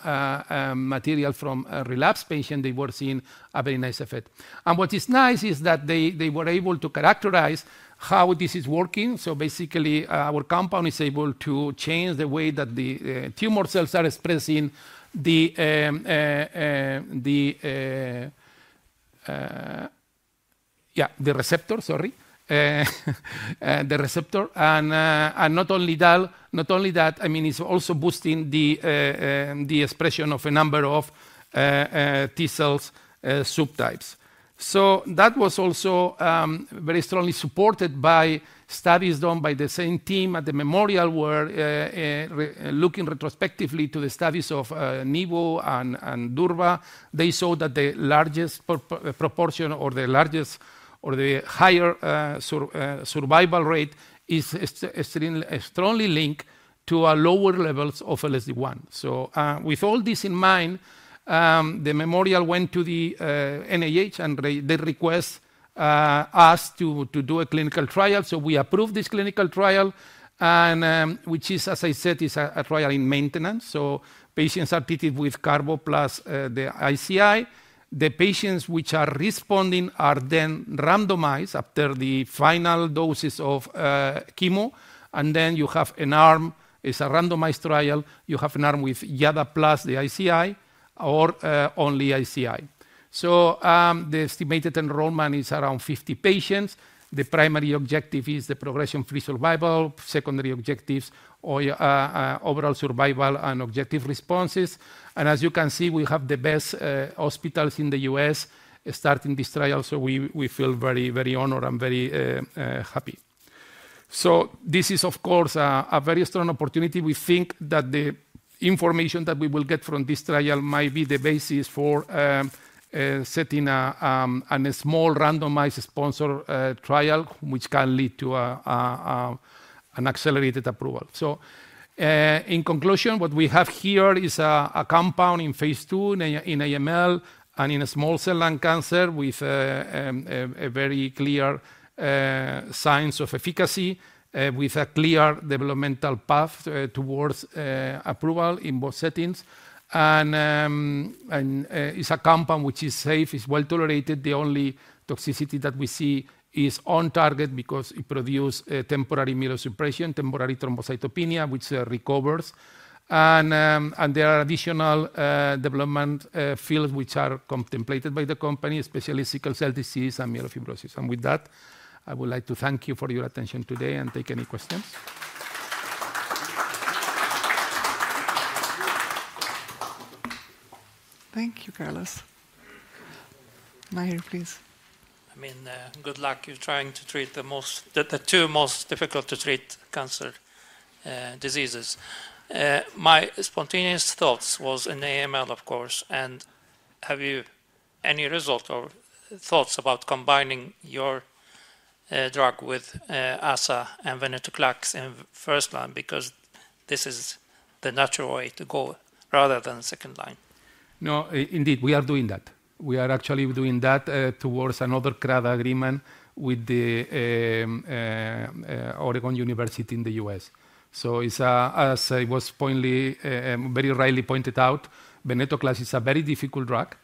material from relapsed patients, they were seeing a very nice effect. And what is nice is that they were able to characterize how this is working. So basically, our compound is able to change the way that the tumor cells are expressing the receptor, sorry, the receptor. And not only that, I mean, it's also boosting the expression of a number of T cells subtypes. So that was also very strongly supported by studies done by the same team at the Memorial where looking retrospectively to the studies of Nivo and Durva, they saw that the largest proportion or the higher survival rate is strongly linked to lower levels of LSD1. So with all this in mind, the Memorial went to the NIH and they request us to do a clinical trial. So we approved this clinical trial, which is, as I said, a trial in maintenance. So patients are treated with carbo plus the ICI. The patients which are responding are then randomized after the final doses of chemo. Then you have an arm. It's a randomized trial. You have an arm with iadademstat plus the ICI or only ICI. So the estimated enrollment is around 50 patients. The primary objective is the progression-free survival. Secondary objectives, overall survival, and objective responses. And as you can see, we have the best hospitals in the U.S. starting this trial. So we feel very, very honored and very happy. So this is, of course, a very strong opportunity. We think that the information that we will get from this trial might be the basis for setting a small randomized sponsor trial, which can lead to an accelerated approval. So in conclusion, what we have here is a compound in phase 2 in AML and in small cell lung cancer with very clear signs of efficacy, with a clear developmental path towards approval in both settings. It's a compound which is safe, is well tolerated. The only toxicity that we see is on target because it produces temporary immunosuppression, temporary thrombocytopenia, which recovers. There are additional development fields which are contemplated by the company, especially sickle cell disease and myelofibrosis. With that, I would like to thank you for your attention today and take any questions. Thank you, Carlos. Mahir, please. I mean, good luck. You're trying to treat the two most difficult to treat cancer diseases. My spontaneous thoughts was in AML, of course. Have you any result or thoughts about combining your drug with AZA and venetoclax in first line because this is the natural way to go rather than second line? No, indeed, we are doing that. We are actually doing that towards another CRADA agreement with the Oregon University in the U.S. So it's, as I was very rightly pointed out, venetoclax is a very difficult drug.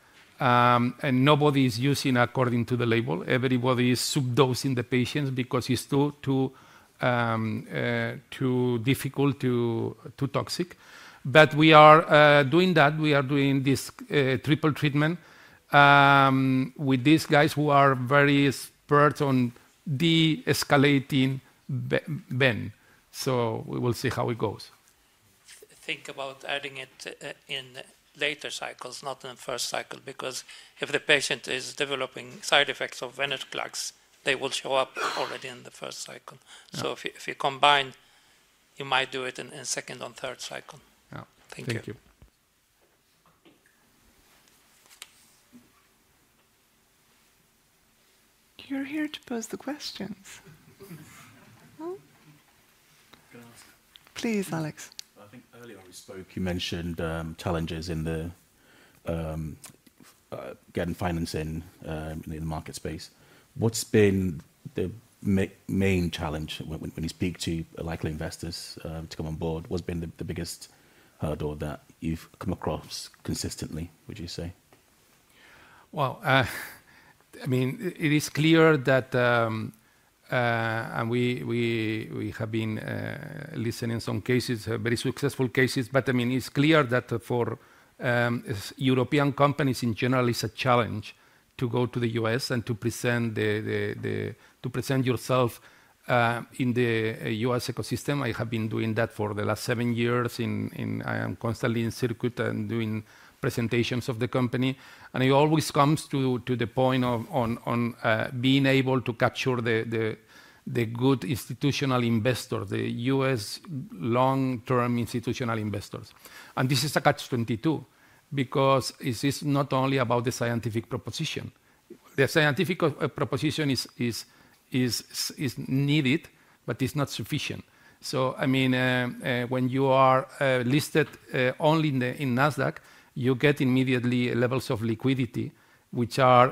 And nobody is using according to the label. Everybody is subdosing the patients because it's too difficult, too toxic. But we are doing that. We are doing this triple treatment with these guys who are very experts on de-escalating Ven. So we will see how it goes. Think about adding it in later cycles, not in the first cycle because if the patient is developing side effects of venetoclax, they will show up already in the first cycle. So if you combine, you might do it in second and third cycle. Thank you. Thank you. You're here to pose the questions. Can I ask? Please, Alex. I think earlier we spoke, you mentioned challenges in getting financing in the market space. What's been the main challenge when you speak to likely investors to come on board? What's been the biggest hurdle that you've come across consistently, would you say? Well, I mean, it is clear that, and we have been listening in some cases, very successful cases. But I mean, it's clear that for European companies in general, it's a challenge to go to the U.S. and to present yourself in the U.S. ecosystem. I have been doing that for the last seven years. I am constantly in circuit and doing presentations of the company. And it always comes to the point of being able to capture the good institutional investors, the U.S. long-term institutional investors. And this is a catch-22 because it is not only about the scientific proposition. The scientific proposition is needed, but it's not sufficient. So I mean, when you are listed only in NASDAQ, you get immediately levels of liquidity, which are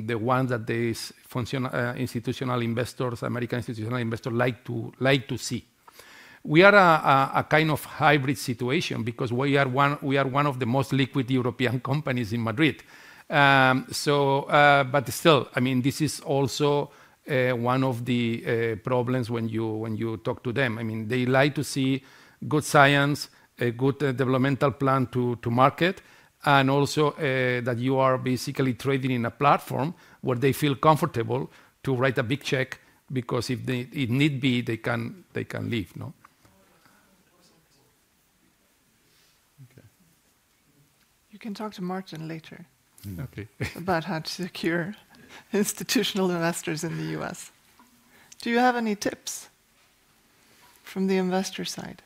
the ones that the institutional investors, American institutional investors, like to see. We are a kind of hybrid situation because we are one of the most liquid European companies in Madrid. But still, I mean, this is also one of the problems when you talk to them. I mean, they like to see good science, a good developmental plan to market, and also that you are basically trading in a platform where they feel comfortable to write a big check because if it need be, they can leave. You can talk to Martin later about how to secure institutional investors in the U.S. Do you have any tips from the investor side?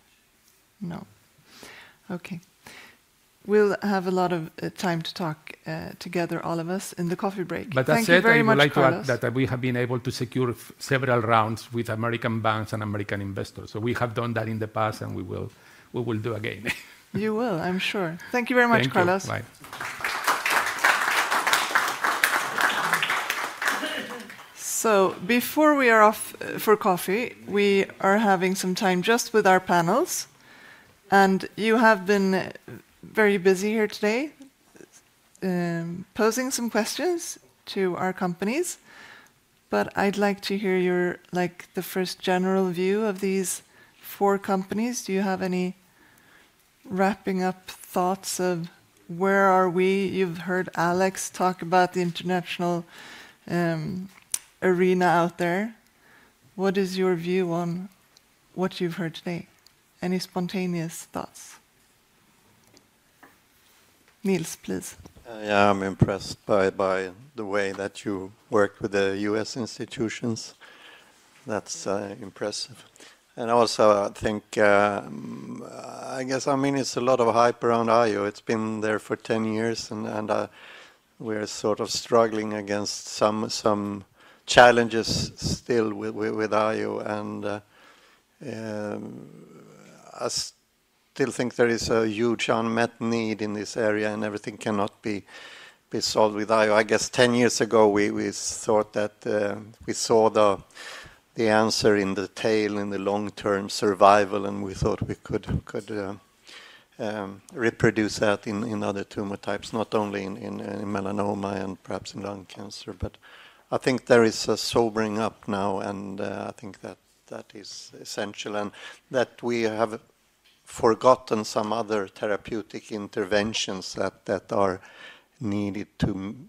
No? Okay. We'll have a lot of time to talk together, all of us, in the coffee break. But that's it. I would like to add that we have been able to secure several rounds with American banks and American investors. So we have done that in the past, and we will do again. You will, I'm sure. Thank you very much, Carlos. Thank you. Bye. Before we are off for coffee, we are having some time just with our panels. You have been very busy here today posing some questions to our companies. I'd like to hear the first general view of these four companies. Do you have any wrapping-up thoughts of where are we? You've heard Alex talk about the international arena out there. What is your view on what you've heard today? Any spontaneous thoughts? Niels, please. Yeah, I'm impressed by the way that you worked with the U.S. institutions. That's impressive. And also, I guess, I mean, it's a lot of hype around IO. It's been there for 10 years. And we're sort of struggling against some challenges still with IO. And I still think there is a huge unmet need in this area, and everything cannot be solved with IO. I guess 10 years ago, we thought that we saw the answer in the tail, in the long-term survival. And we thought we could reproduce that in other tumor types, not only in melanoma and perhaps in lung cancer. But I think there is a sobering up now. And I think that is essential and that we have forgotten some other therapeutic interventions that are needed to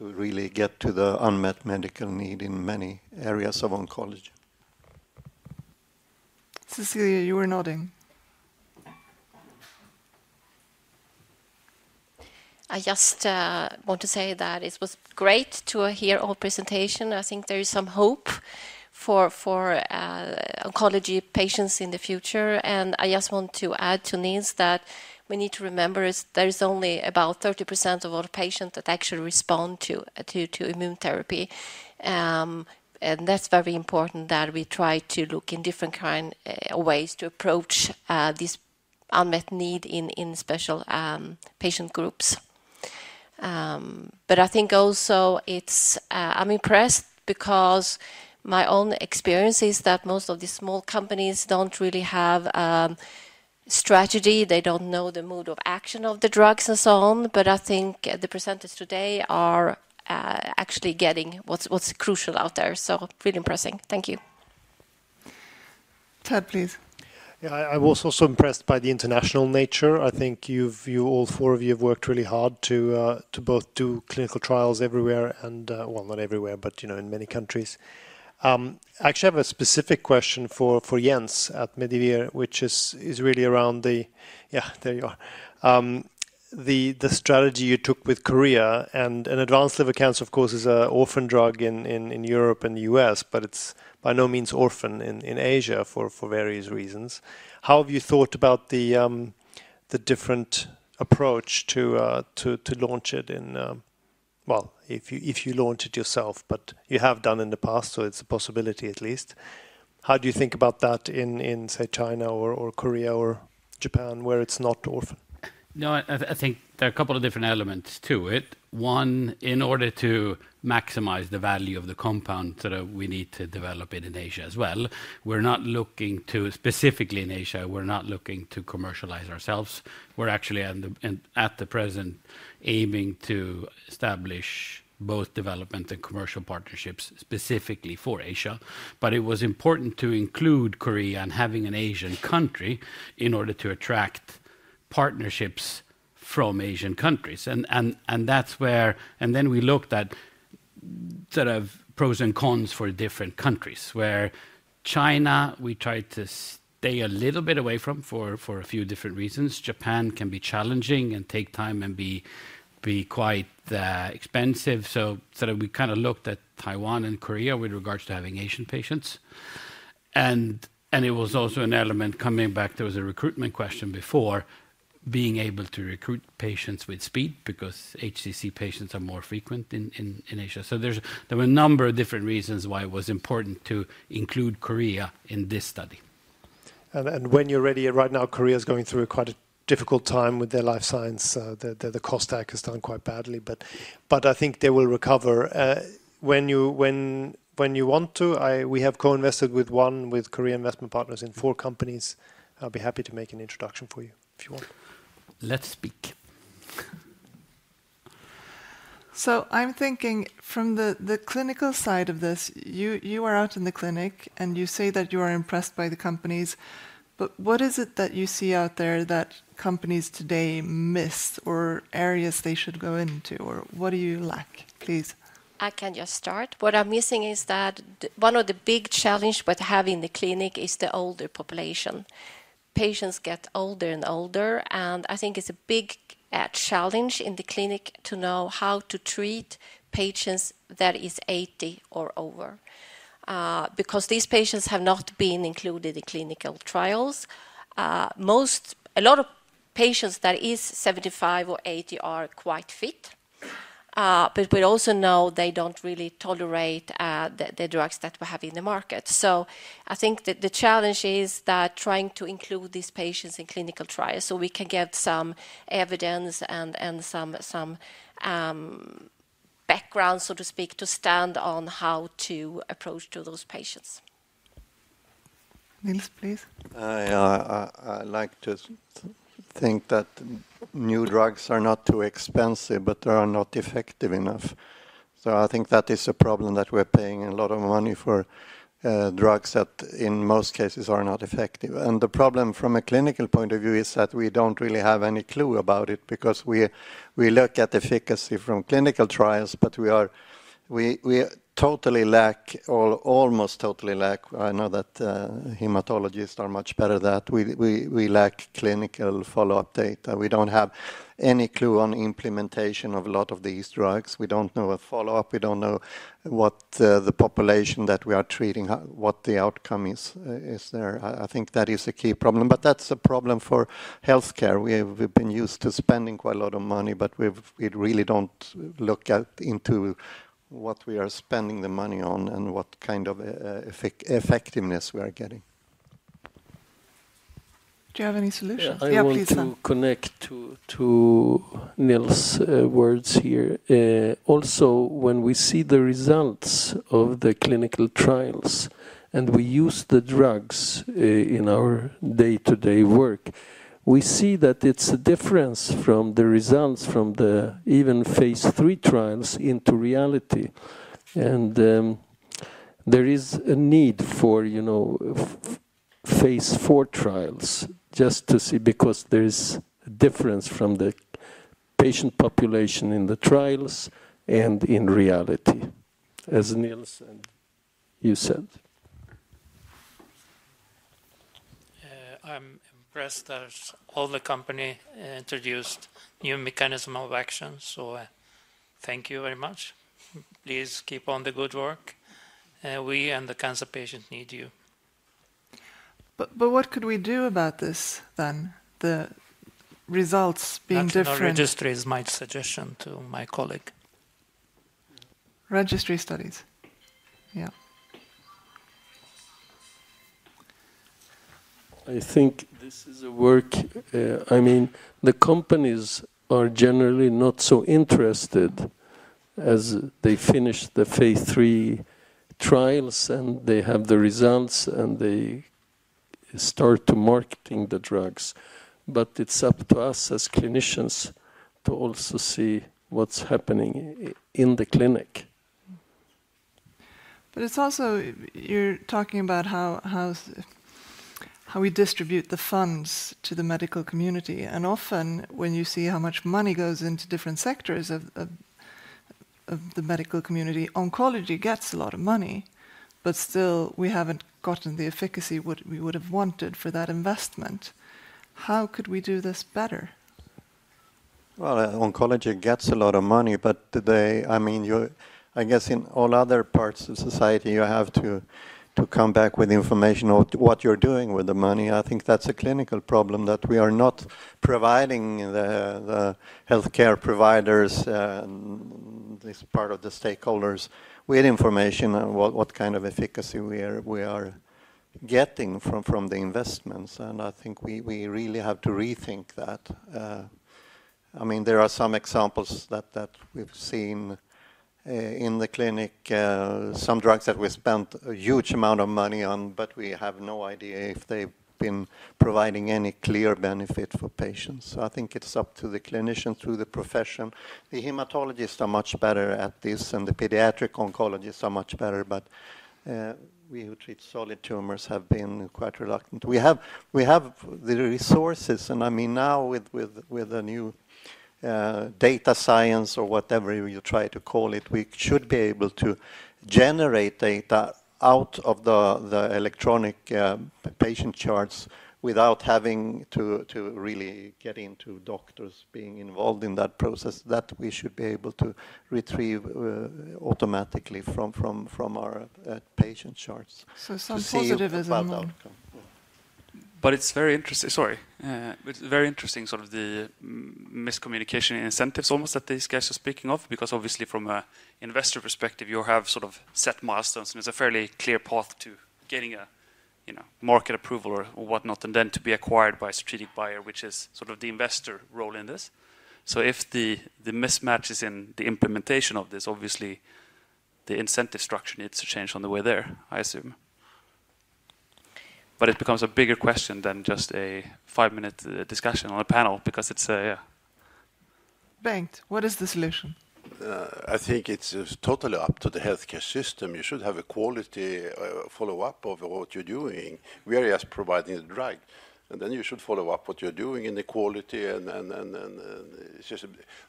really get to the unmet medical need in many areas of oncology. Cecilia, you were nodding. I just want to say that it was great to hear our presentation. I think there is some hope for oncology patients in the future. I just want to add to Niels that we need to remember there is only about 30% of all patients that actually respond to immune therapy. That's very important that we try to look in different kinds of ways to approach this unmet need in special patient groups. But I think also, I'm impressed because my own experience is that most of these small companies don't really have a strategy. They don't know the mode of action of the drugs and so on. But I think the percentage today are actually getting what's crucial out there. So really impressive. Thank you. Ted, please. Yeah, I was also impressed by the international nature. I think all four of you have worked really hard to both do clinical trials everywhere and well, not everywhere, but in many countries. I actually have a specific question for Jens at Medivir, which is really around the yeah, there you are. The strategy you took with Korea and advanced liver cancer, of course, is an orphan drug in Europe and the US, but it's by no means orphaned in Asia for various reasons. How have you thought about the different approach to launch it in well, if you launched it yourself, but you have done in the past, so it's a possibility at least. How do you think about that in, say, China or Korea or Japan where it's not orphaned? No, I think there are a couple of different elements to it. One, in order to maximize the value of the compound that we need to develop it in Asia as well, we're not looking to specifically in Asia. We're not looking to commercialize ourselves. We're actually, at the present, aiming to establish both development and commercial partnerships specifically for Asia. But it was important to include Korea and having an Asian country in order to attract partnerships from Asian countries. And that's where and then we looked at sort of pros and cons for different countries where China we tried to stay a little bit away from for a few different reasons. Japan can be challenging and take time and be quite expensive. So we kind of looked at Taiwan and Korea with regards to having Asian patients. And it was also an element coming back. There was a recruitment question before, being able to recruit patients with speed because HCC patients are more frequent in Asia. So there were a number of different reasons why it was important to include Korea in this study. When you're ready, right now, Korea is going through quite a difficult time with their life science. The KOSPI stock has done quite badly. But I think they will recover when you want to. We have co-invested with Korea Investment Partners in four companies. I'll be happy to make an introduction for you if you want. Let's speak. So I'm thinking from the clinical side of this, you are out in the clinic, and you say that you are impressed by the companies. But what is it that you see out there that companies today miss or areas they should go into? Or what do you lack? Please. I can just start. What I'm missing is that one of the big challenges with having the clinic is the older population. Patients get older and older. I think it's a big challenge in the clinic to know how to treat patients that are 80 or over because these patients have not been included in clinical trials. A lot of patients that are 75 or 80 are quite fit. But we also know they don't really tolerate the drugs that we have in the market. So I think the challenge is trying to include these patients in clinical trials so we can get some evidence and some background, so to speak, to stand on how to approach those patients. Niels, please. I like to think that new drugs are not too expensive, but they are not effective enough. So I think that is a problem that we're paying a lot of money for drugs that, in most cases, are not effective. And the problem from a clinical point of view is that we don't really have any clue about it because we look at efficacy from clinical trials. But we totally lack. I know that hematologists are much better at that. We lack clinical follow-up data. We don't have any clue on implementation of a lot of these drugs. We don't know what follow-up. We don't know what the population that we are treating, what the outcome is there. I think that is a key problem. But that's a problem for healthcare. We've been used to spending quite a lot of money. But we really don't look into what we are spending the money on and what kind of effectiveness we are getting. Do you have any solutions? Yeah, please. I will connect to Niels' words here. Also, when we see the results of the clinical trials and we use the drugs in our day-to-day work, we see that it's a difference from the results from even phase 3 trials into reality. There is a need for phase 4 trials just to see because there is a difference from the patient population in the trials and in reality, as Niels and you said. I'm impressed that all the company introduced a new mechanism of action. So thank you very much. Please keep on the good work. We and the cancer patients need you. What could we do about this then, the results being different? I think the registry is my suggestion to my colleague. Registry studies. Yeah. I think this is a work I mean, the companies are generally not so interested as they finish the phase 3 trials, and they have the results, and they start marketing the drugs. But it's up to us as clinicians to also see what's happening in the clinic. But you're talking about how we distribute the funds to the medical community. And often, when you see how much money goes into different sectors of the medical community, oncology gets a lot of money. But still, we haven't gotten the efficacy we would have wanted for that investment. How could we do this better? Well, oncology gets a lot of money. But I mean, I guess in all other parts of society, you have to come back with information on what you're doing with the money. I think that's a clinical problem that we are not providing the healthcare providers, this part of the stakeholders, with information on what kind of efficacy we are getting from the investments. And I think we really have to rethink that. I mean, there are some examples that we've seen in the clinic, some drugs that we spent a huge amount of money on, but we have no idea if they've been providing any clear benefit for patients. So I think it's up to the clinician through the profession. The hematologists are much better at this, and the pediatric oncologists are much better. But we who treat solid tumors have been quite reluctant. We have the resources. I mean, now with the new data science or whatever you try to call it, we should be able to generate data out of the electronic patient charts without having to really get into doctors being involved in that process. That we should be able to retrieve automatically from our patient charts. Some positivism. But it's very interesting, sorry. It's very interesting sort of the miscommunication in incentives almost that these guys are speaking of because, obviously, from an investor perspective, you have sort of set milestones. And it's a fairly clear path to getting market approval or whatnot and then to be acquired by a strategic buyer, which is sort of the investor role in this. So if the mismatch is in the implementation of this, obviously, the incentive structure needs to change on the way there, I assume. But it becomes a bigger question than just a five-minute discussion on a panel because it's yeah. Bengt, what is the solution? I think it's totally up to the healthcare system. You should have a quality follow-up over what you're doing whereas providing the drug. And then you should follow up what you're doing in the quality. And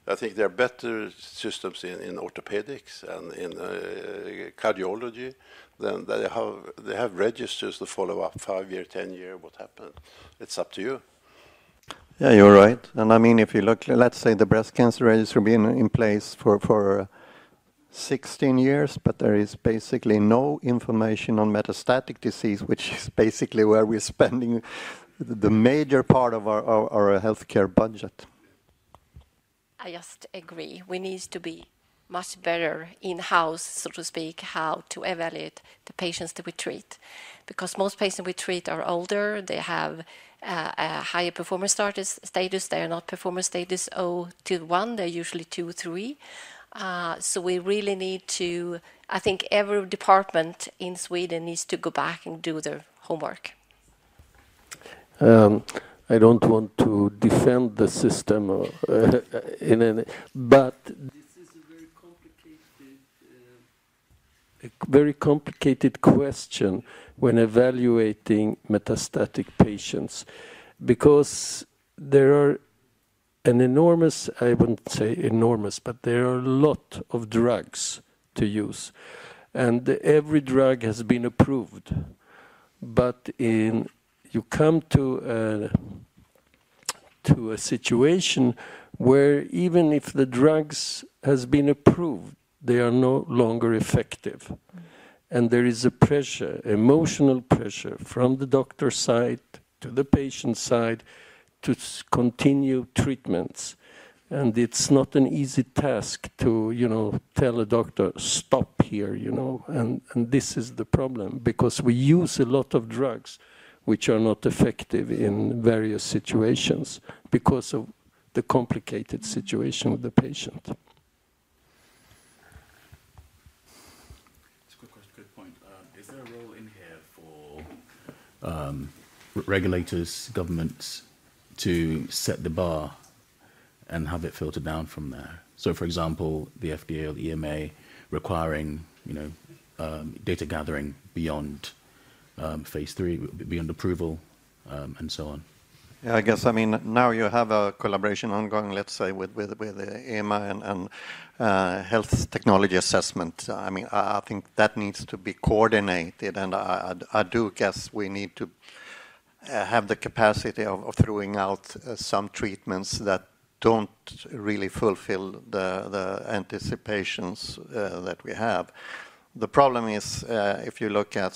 I think there are better systems in orthopedics and in cardiology than they have registers to follow up five year, 10 year, what happened. It's up to you. Yeah, you're right. I mean, if you look, let's say the breast cancer register has been in place for 16 years, but there is basically no information on metastatic disease, which is basically where we're spending the major part of our healthcare budget. I just agree. We need to be much better in-house, so to speak, how to evaluate the patients that we treat because most patients we treat are older. They have a higher performance status. They are not performance status 0 to one. They're usually two, three. So we really need to, I think, every department in Sweden needs to go back and do their homework. I don't want to defend the system in any but this is a very complicated question when evaluating metastatic patients because there are an enormous—I wouldn't say enormous, but there are a lot of drugs to use. And every drug has been approved. But you come to a situation where, even if the drug has been approved, they are no longer effective. And there is a pressure, emotional pressure from the doctor's side to the patient's side to continue treatments. And it's not an easy task to tell a doctor, "Stop here." And this is the problem because we use a lot of drugs which are not effective in various situations because of the complicated situation with the patient. It's a good question. Good point. Is there a role in here for regulators, governments, to set the bar and have it filter down from there? So, for example, the FDA, the EMA requiring data gathering beyond phase 3, beyond approval, and so on. I guess, I mean, now you have a collaboration ongoing, let's say, with the EMA and health technology assessment. I mean, I think that needs to be coordinated. And I do guess we need to have the capacity of throwing out some treatments that don't really fulfill the anticipations that we have. The problem is, if you look at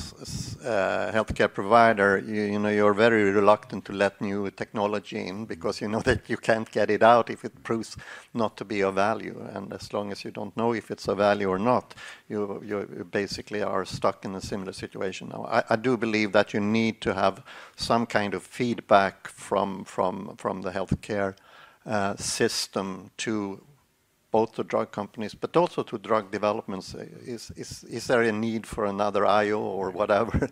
a healthcare provider, you're very reluctant to let new technology in because you know that you can't get it out if it proves not to be of value. And as long as you don't know if it's of value or not, you basically are stuck in a similar situation. Now, I do believe that you need to have some kind of feedback from the healthcare system to both the drug companies but also to drug developments. Is there a need for another IO or whatever?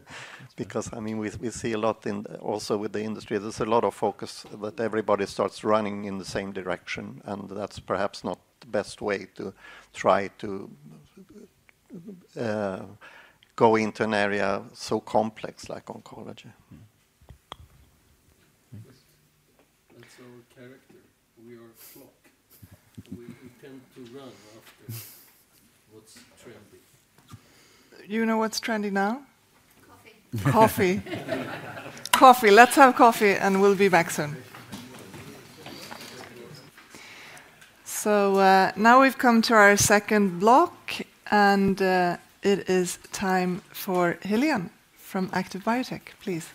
Because, I mean, we see a lot also with the industry. There's a lot of focus that everybody starts running in the same direction. And that's perhaps not the best way to try to go into an area so complex like oncology. That's our character. We are a flock. We tend to run after what's trendy. Do you know what's trendy now? Coffee. Coffee. Coffee. Let's have coffee, and we'll be back soon. So now we've come to our second block. It is time for Helén from Active Biotech. Please.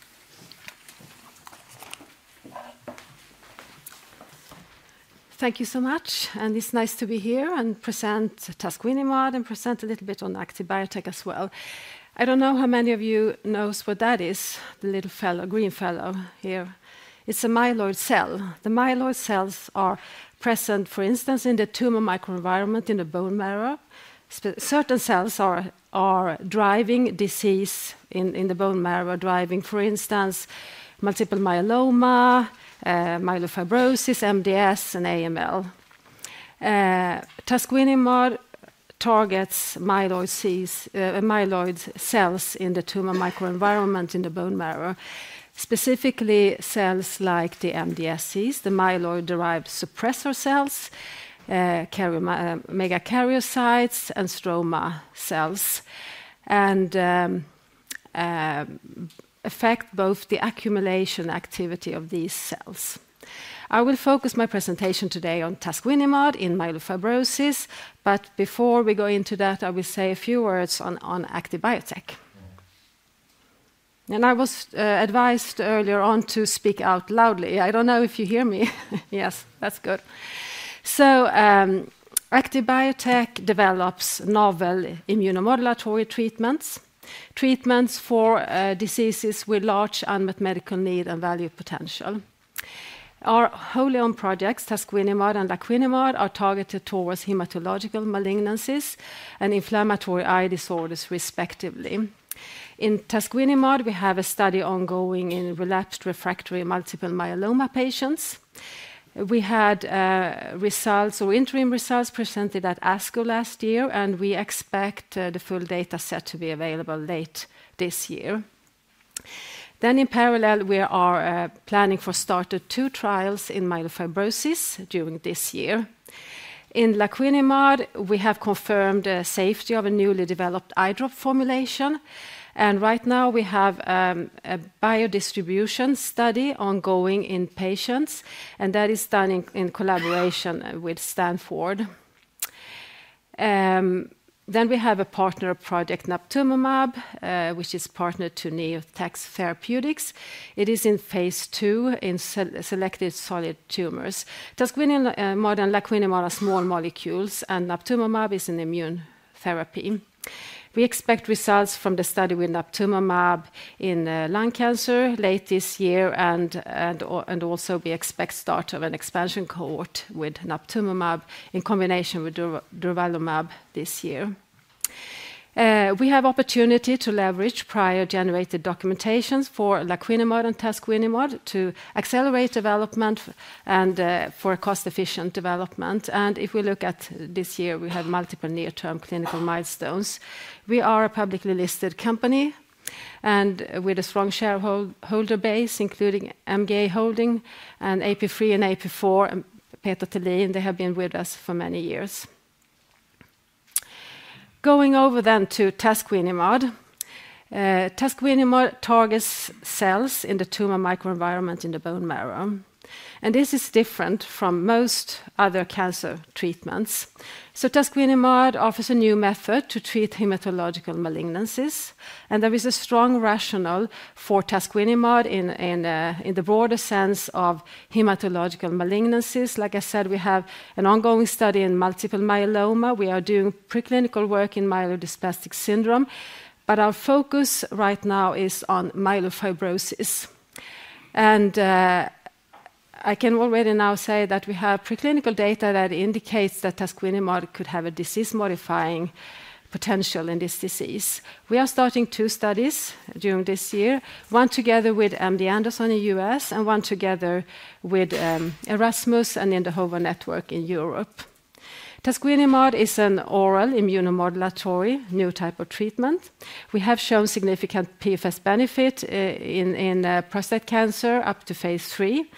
Thank you so much. It's nice to be here and present tasquinimod and present a little bit on Active Biotech as well. I don't know how many of you know what that is, the little fellow, green fellow here. It's a myeloid cell. The myeloid cells are present, for instance, in the tumor microenvironment in the bone marrow. Certain cells are driving disease in the bone marrow, driving, for instance, multiple myeloma, myelofibrosis, MDS, and AML. tasquinimod targets myeloid cells in the tumor microenvironment in the bone marrow, specifically cells like the MDSCs, the myeloid-derived suppressor cells, megakaryocytes, and stromal cells, and affect both the accumulation activity of these cells. I will focus my presentation today on tasquinimod in myelofibrosis. But before we go into that, I will say a few words on Active Biotech. I was advised earlier on to speak out loudly. I don't know if you hear me. Yes, that's good. Active Biotech develops novel immunomodulatory treatments, treatments for diseases with large unmet medical need and value potential. Our wholly-owned projects, tasquinimod and laquinimod, are targeted towards hematological malignancies and inflammatory eye disorders, respectively. In tasquinimod, we have a study ongoing in relapsed refractory multiple myeloma patients. We had results or interim results presented at ASCO last year. We expect the full data set to be available late this year. In parallel, we are planning for started two trials in myelofibrosis during this year. In laquinimod, we have confirmed the safety of a newly developed eye drop formulation. Right now, we have a biodistribution study ongoing in patients. That is done in collaboration with Stanford. We have a partner project, naptumomab, which is partnered to NeoTX Therapeutics. It is in phase 2 in selected solid tumors. tasquinimod and laquinimod are small molecules. naptumomab is an immune therapy. We expect results from the study with naptumomab in lung cancer late this year. Also, we expect start of an expansion cohort with naptumomab in combination with durvalumab this year. We have opportunity to leverage prior-generated documentations for laquinimod and tasquinimod to accelerate development and for cost-efficient development. If we look at this year, we have multiple near-term clinical milestones. We are a publicly listed company with a strong shareholder base, including MGA Holding and AP3 and AP4, Peter Thelin. They have been with us for many years. Going over then to tasquinimod. tasquinimod targets cells in the tumor microenvironment in the bone marrow. This is different from most other cancer treatments. So tasquinimod offers a new method to treat hematological malignancies. There is a strong rationale for tasquinimod in the broader sense of hematological malignancies. Like I said, we have an ongoing study in multiple myeloma. We are doing preclinical work in myelodysplastic syndrome. But our focus right now is on myelofibrosis. And I can already now say that we have preclinical data that indicates that tasquinimod could have a disease-modifying potential in this disease. We are starting two studies during this year, one together with MD Anderson in the U.S. and one together with Erasmus MC and in the HOVON network in Europe. tasquinimod is an oral immunomodulatory new type of treatment. We have shown significant PFS benefit in prostate cancer up to phase 3.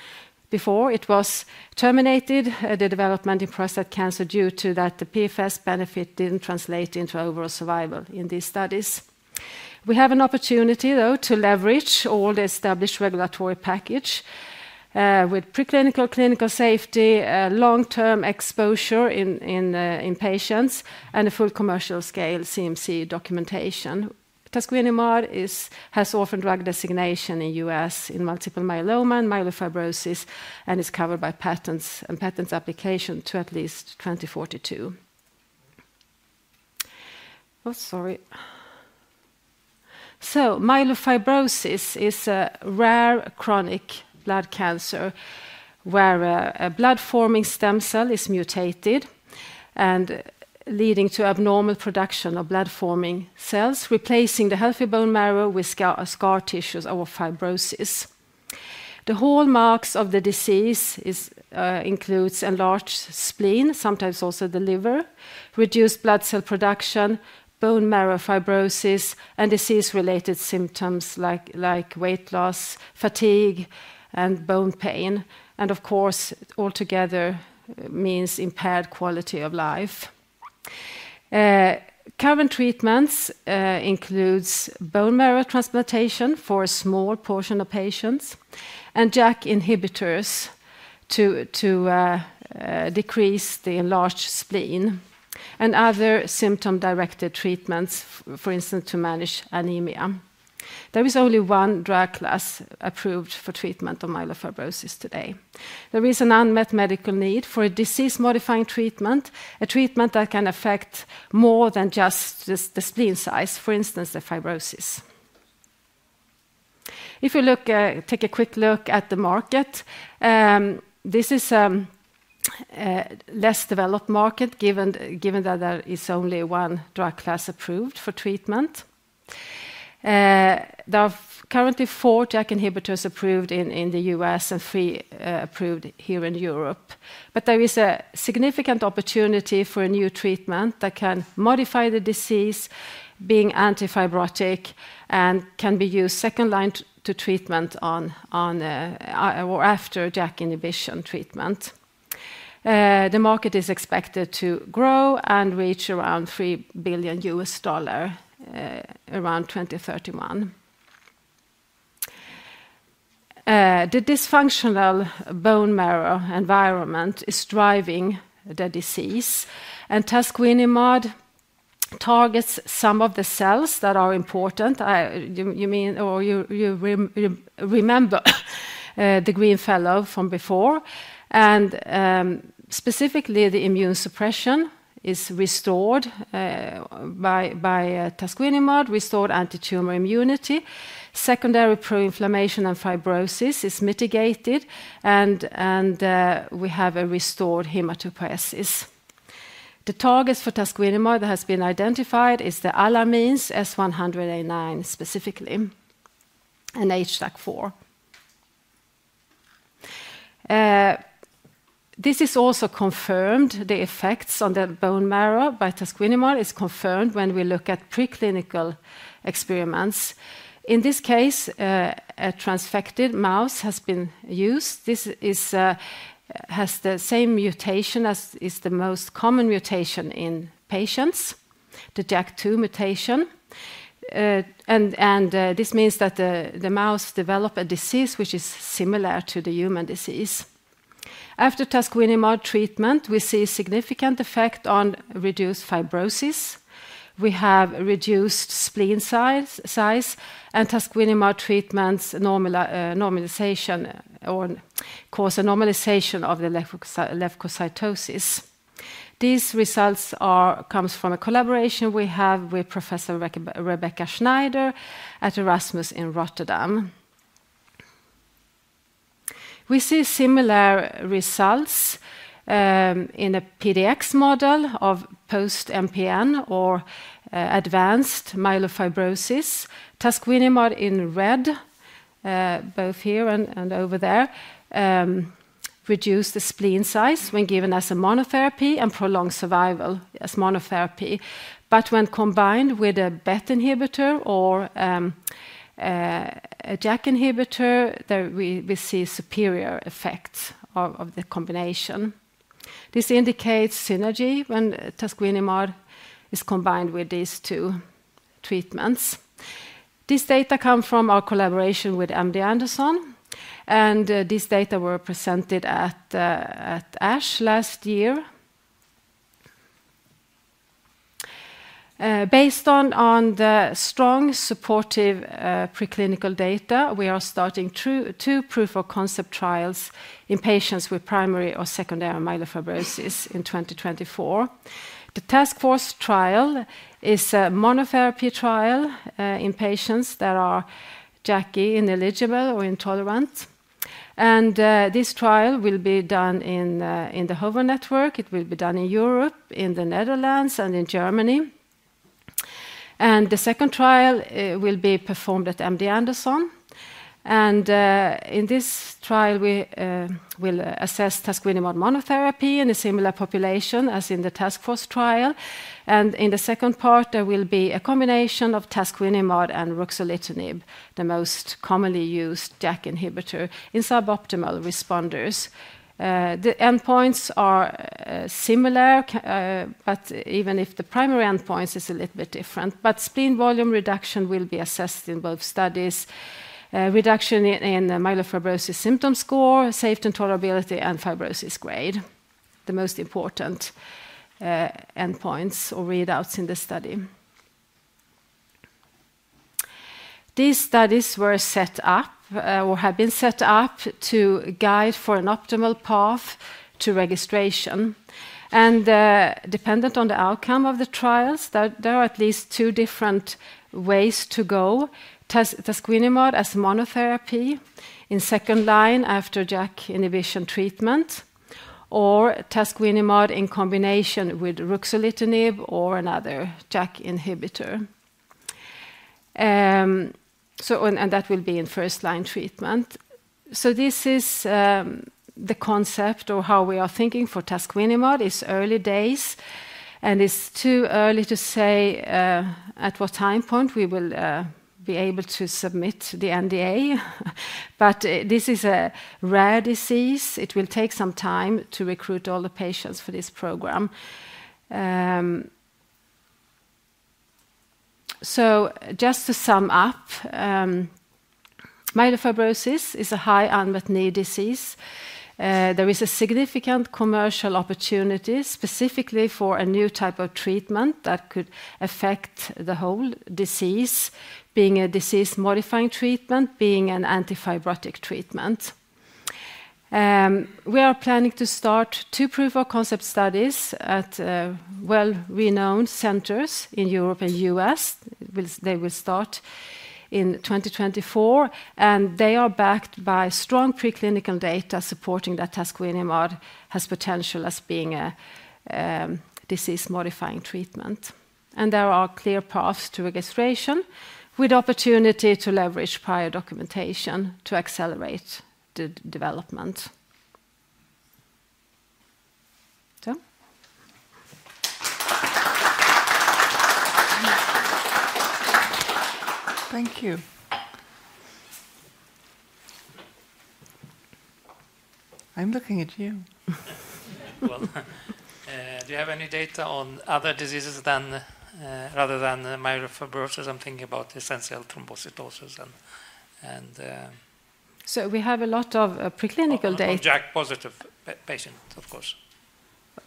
Before, it was terminated, the development in prostate cancer, due to that the PFS benefit didn't translate into overall survival in these studies. We have an opportunity, though, to leverage all the established regulatory package with preclinical, clinical safety, long-term exposure in patients, and a full commercial-scale CMC documentation. tasquinimod has orphan drug designation in the U.S. in multiple myeloma and myelofibrosis and is covered by patents and patent applications to at least 2042. Oh, sorry. So myelofibrosis is a rare chronic blood cancer where a blood-forming stem cell is mutated and leading to abnormal production of blood-forming cells, replacing the healthy bone marrow with scar tissues or fibrosis. The hallmarks of the disease include an enlarged spleen, sometimes also the liver, reduced blood cell production, bone marrow fibrosis, and disease-related symptoms like weight loss, fatigue, and bone pain. And, of course, altogether means impaired quality of life. Current treatments include bone marrow transplantation for a small portion of patients and JAK inhibitors to decrease the enlarged spleen and other symptom-directed treatments, for instance, to manage anemia. There is only one drug class approved for treatment of myelofibrosis today. There is an unmet medical need for a disease-modifying treatment, a treatment that can affect more than just the spleen size, for instance, the fibrosis. If you take a quick look at the market, this is a less developed market given that there is only one drug class approved for treatment. There are currently four JAK inhibitors approved in the U.S. and three approved here in Europe. But there is a significant opportunity for a new treatment that can modify the disease, being antifibrotic, and can be used second-line to treatment or after JAK inhibition treatment. The market is expected to grow and reach around $3 billion around 2031. The dysfunctional bone marrow environment is driving the disease. tasquinimod targets some of the cells that are important. You remember the green fellow from before. Specifically, the immune suppression is restored by tasquinimod, restored antitumor immunity. Secondary pro-inflammation and fibrosis is mitigated. We have a restored hematopoiesis. The targets for tasquinimod that have been identified are the alarmins S100A8/A9 specifically and HDAC4. This is also confirmed, the effects on the bone marrow by tasquinimod is confirmed when we look at preclinical experiments. In this case, a transgenic mouse has been used. This has the same mutation as is the most common mutation in patients, the JAK2 mutation. This means that the mouse developed a disease which is similar to the human disease. After tasquinimod treatment, we see significant effect on reduced fibrosis. We have reduced spleen size. tasquinimod treatment's normalization causes normalization of the leukocytosis. These results come from a collaboration we have with Professor Rebekka Schneider at Erasmus in Rotterdam. We see similar results in a PDX model of post-MPN or advanced myelofibrosis. tasquinimod in red, both here and over there, reduced the spleen size when given as a monotherapy and prolonged survival as monotherapy. But when combined with a BET inhibitor or a JAK inhibitor, we see superior effects of the combination. This indicates synergy when tasquinimod is combined with these two treatments. This data comes from our collaboration with MD Anderson. These data were presented at ASH last year. Based on the strong supportive preclinical data, we are starting two proof-of-concept trials in patients with primary or secondary myelofibrosis in 2024. The TASQFORCE trial is a monotherapy trial in patients that are JAK ineligible or intolerant. This trial will be done in the HOVON network. It will be done in Europe, in the Netherlands, and in Germany. The second trial will be performed at MD Anderson. In this trial, we will assess tasquinimod monotherapy in a similar population as in the TASQFORCE trial. In the second part, there will be a combination of tasquinimod and ruxolitinib, the most commonly used JAK inhibitor, in suboptimal responders. The endpoints are similar, but even if the primary endpoints are a little bit different. Spleen volume reduction will be assessed in both studies, reduction in the myelofibrosis symptom score, safe tolerability, and fibrosis grade, the most important endpoints or readouts in the study. These studies were set up or have been set up to guide for an optimal path to registration. Dependent on the outcome of the trials, there are at least two different ways to go. tasquinimod as monotherapy in second line after JAK inhibition treatment or tasquinimod in combination with ruxolitinib or another JAK inhibitor. So and that will be in first-line treatment. So this is, the concept or how we are thinking for tasquinimod. It's early days. It's too early to say, at what time point we will, be able to submit the NDA. But this is a rare disease. It will take some time to recruit all the patients for this program. So just to sum up, myelofibrosis is a high unmet need disease. There is a significant commercial opportunity, specifically for a new type of treatment that could affect the whole disease, being a disease-modifying treatment, being an antifibrotic treatment. We are planning to start two proof-of-concept studies at well-renowned centers in Europe and the US. They will start in 2024. They are backed by strong preclinical data supporting that tasquinimod has potential as being a disease-modifying treatment. There are clear paths to registration with opportunity to leverage prior documentation to accelerate the development. So. Thank you. I'm looking at you. Well, do you have any data on other diseases than rather than myelofibrosis? I'm thinking about essential thrombocytosis and. So we have a lot of preclinical data. JAK-positive patients, of course.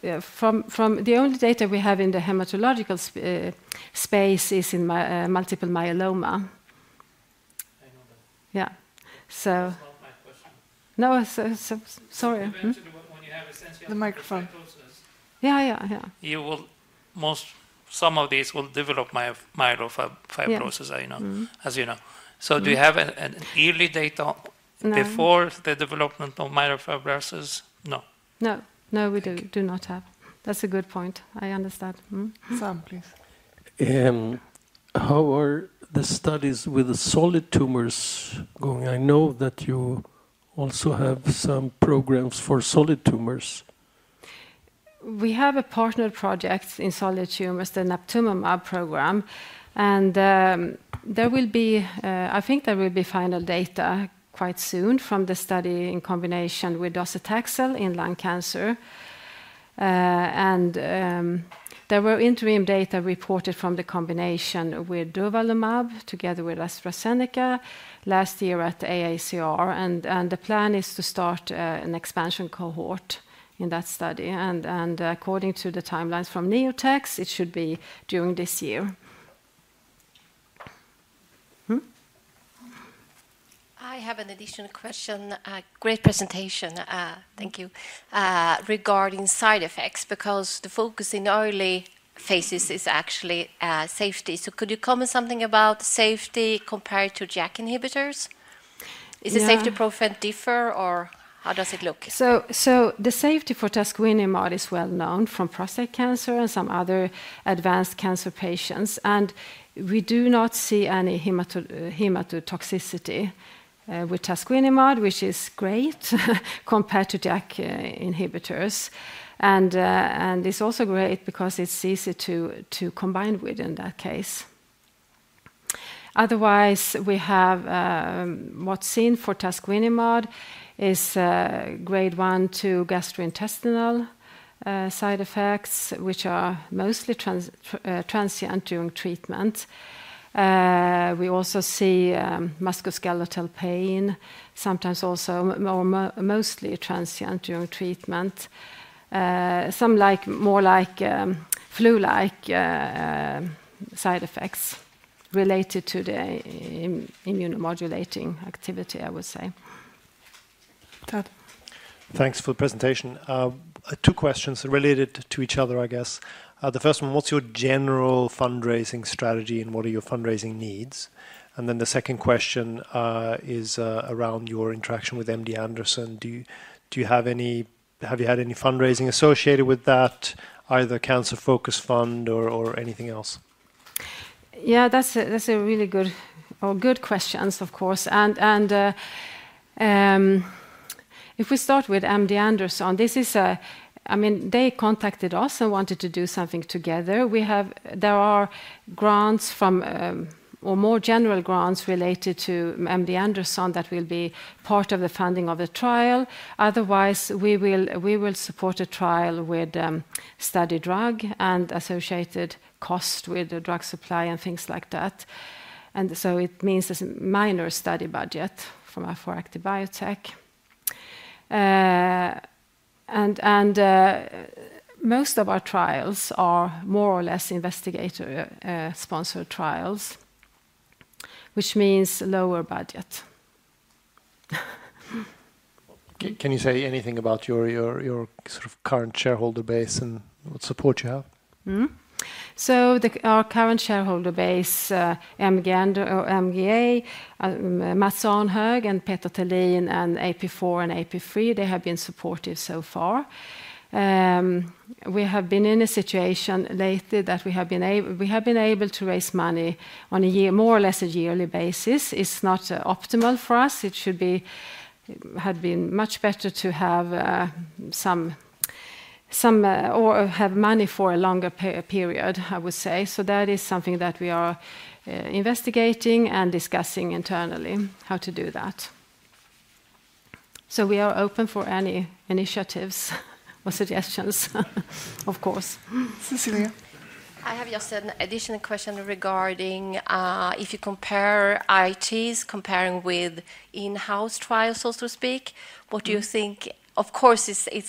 Yeah. From the only data we have in the hematological space is in multiple myeloma. I know that. Yeah. So. That's not my question. No, so sorry. When you have essential thrombocythemia. Yeah, yeah, yeah. Well, most of these will develop myelofibrosis, as you know. So do you have any early data before the development of myelofibrosis? No. No, no, we do not have. That's a good point. I understand. Sam, please. How are the studies with solid tumors going? I know that you also have some programs for solid tumors. We have a partnered project in solid tumors, the naptumomab program. And there will be, I think, final data quite soon from the study in combination with docetaxel in lung cancer. And there were interim data reported from the combination with durvalumab together with AstraZeneca last year at the AACR. And the plan is to start an expansion cohort in that study. And according to the timelines from NeoTX, it should be during this year. I have an additional question. Great presentation. Thank you. Regarding side effects, because the focus in early phases is actually safety. So could you comment something about safety compared to JAK inhibitors? Is the safety profile different or how does it look? So the safety for tasquinimod is well known from prostate cancer and some other advanced cancer patients. And we do not see any hematotoxicity with tasquinimod, which is great compared to JAK inhibitors. And it's also great because it's easy to combine with in that case. Otherwise, we have what's seen for tasquinimod is grade one to two gastrointestinal side effects, which are mostly transient during treatment. We also see musculoskeletal pain, sometimes also or mostly transient during treatment. Some like more like flu-like side effects related to the immunomodulating activity, I would say. Thanks for the presentation. Two questions related to each other, I guess. The first one, what's your general fundraising strategy and what are your fundraising needs? And then the second question is around your interaction with MD Anderson. Do you have any, have you had any fundraising associated with that, either Cancer Focus Fund or anything else? Yeah, that's a really good questions, of course. And if we start with MD Anderson, this is, I mean, they contacted us and wanted to do something together. We have, there are grants from, or more general grants related to MD Anderson that will be part of the funding of the trial. Otherwise, we will support a trial with study drug and associated cost with the drug supply and things like that. And so it means a minor study budget for Active Biotech. And most of our trials are more or less investigator-sponsored trials, which means lower budget. Can you say anything about your sort of current shareholder base and what support you have? So our current shareholder base, MGA Holding and Peter Thelin and AP4 and AP3, they have been supportive so far. We have been in a situation lately that we have been able to raise money on a more or less a yearly basis. It's not optimal for us. It should be it had been much better to have some or have money for a longer period, I would say. So that is something that we are investigating and discussing internally, how to do that. So we are open for any initiatives or suggestions, of course. Cecilia. I have just an additional question regarding if you compare IITs comparing with in-house trials, so to speak, what do you think of course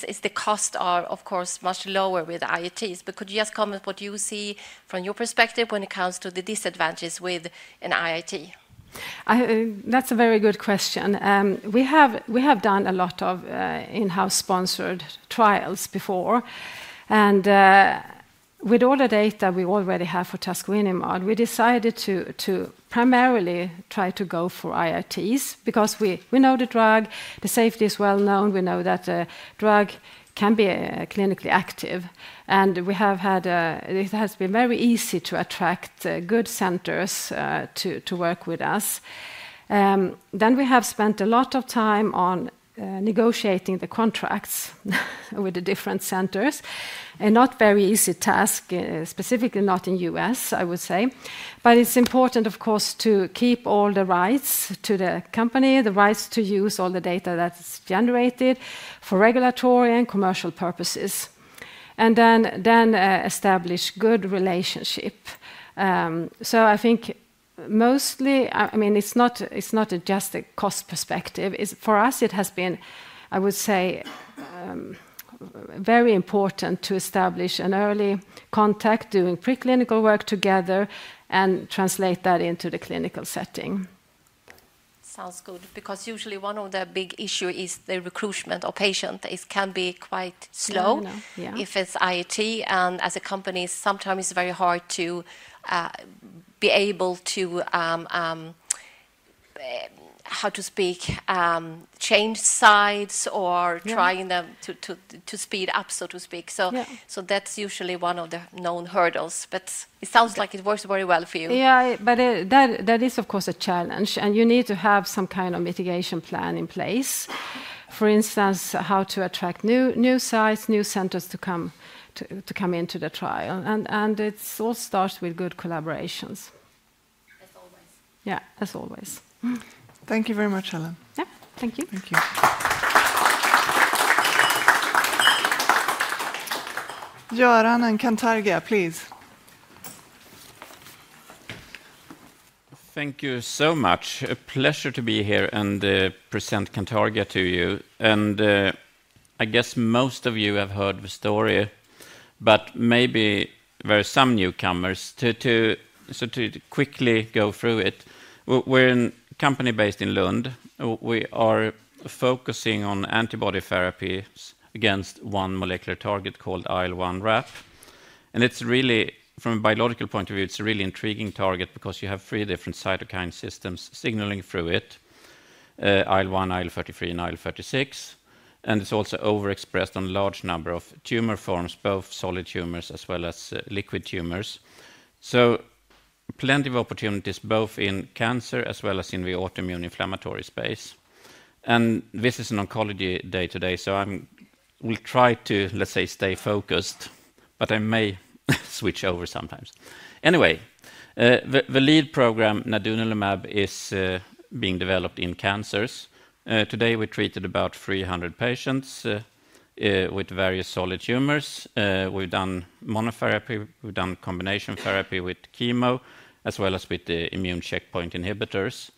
is the cost of course much lower with IITs. But could you just comment what you see from your perspective when it comes to the disadvantages with an IIT? That's a very good question. We have done a lot of in-house sponsored trials before. And with all the data we already have for tasquinimod, we decided to primarily try to go for IITs because we know the drug, the safety is well known. We know that the drug can be clinically active. And it has been very easy to attract good centers to work with us. Then we have spent a lot of time on negotiating the contracts with the different centers. A not very easy task, specifically not in the U.S., I would say. But it's important, of course, to keep all the rights to the company, the rights to use all the data that's generated for regulatory and commercial purposes. Then establish good relationship. So I think mostly, I mean, it's not just a cost perspective. For us, it has been, I would say, very important to establish an early contact doing preclinical work together and translate that into the clinical setting. Sounds good. Because usually one of the big issues is the recruitment of patients. It can be quite slow if it's IIT. As a company, sometimes it's very hard to be able to, how to speak, change sides or trying them to speed up, so to speak. So that's usually one of the known hurdles. But it sounds like it works very well for you. Yeah, but that is, of course, a challenge. You need to have some kind of mitigation plan in place. For instance, how to attract new sites, new centers to come into the trial. It all starts with good collaborations. As always. Yeah, as always. Thank you very much, Helén. Yeah, thank you. Thank you. Göran and Cantargia, please. Thank you so much. A pleasure to be here and present Cantargia to you. I guess most of you have heard the story, but maybe there are some newcomers to quickly go through it. We're a company based in Lund. We are focusing on antibody therapy against one molecular target called IL1RAP. It's really from a biological point of view, it's a really intriguing target because you have three different cytokine systems signaling through it, IL-1, IL-33, and IL-36. It's also overexpressed on a large number of tumor forms, both solid tumors as well as liquid tumors. So plenty of opportunities both in cancer as well as in the autoimmune inflammatory space. This is an oncology day today, so I'm will try to, let's say, stay focused, but I may switch over sometimes. Anyway, the lead program, nadunolimab, is being developed in cancers. Today we treated about 300 patients with various solid tumors. We've done monotherapy, we've done combination therapy with chemo, as well as with the immune checkpoint inhibitors.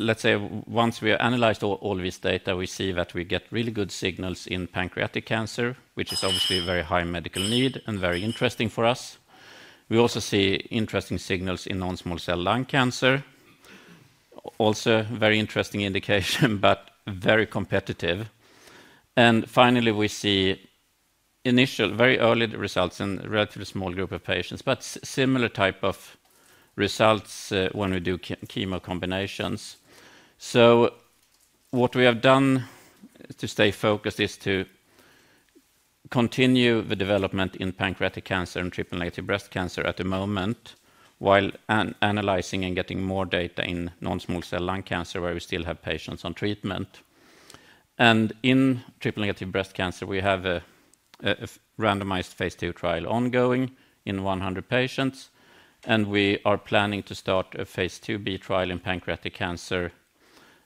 Let's say once we have analyzed all this data, we see that we get really good signals in pancreatic cancer, which is obviously a very high medical need and very interesting for us. We also see interesting signals in non-small cell lung cancer. Also a very interesting indication, but very competitive. And finally we see initial very early results in a relatively small group of patients, but similar type of results when we do chemo combinations. So what we have done to stay focused is to continue the development in pancreatic cancer and triple-negative breast cancer at the moment, while analyzing and getting more data in non-small cell lung cancer where we still have patients on treatment. In triple-negative breast cancer, we have a randomized phase 2 trial ongoing in 100 patients. We are planning to start a phase 2b trial in pancreatic cancer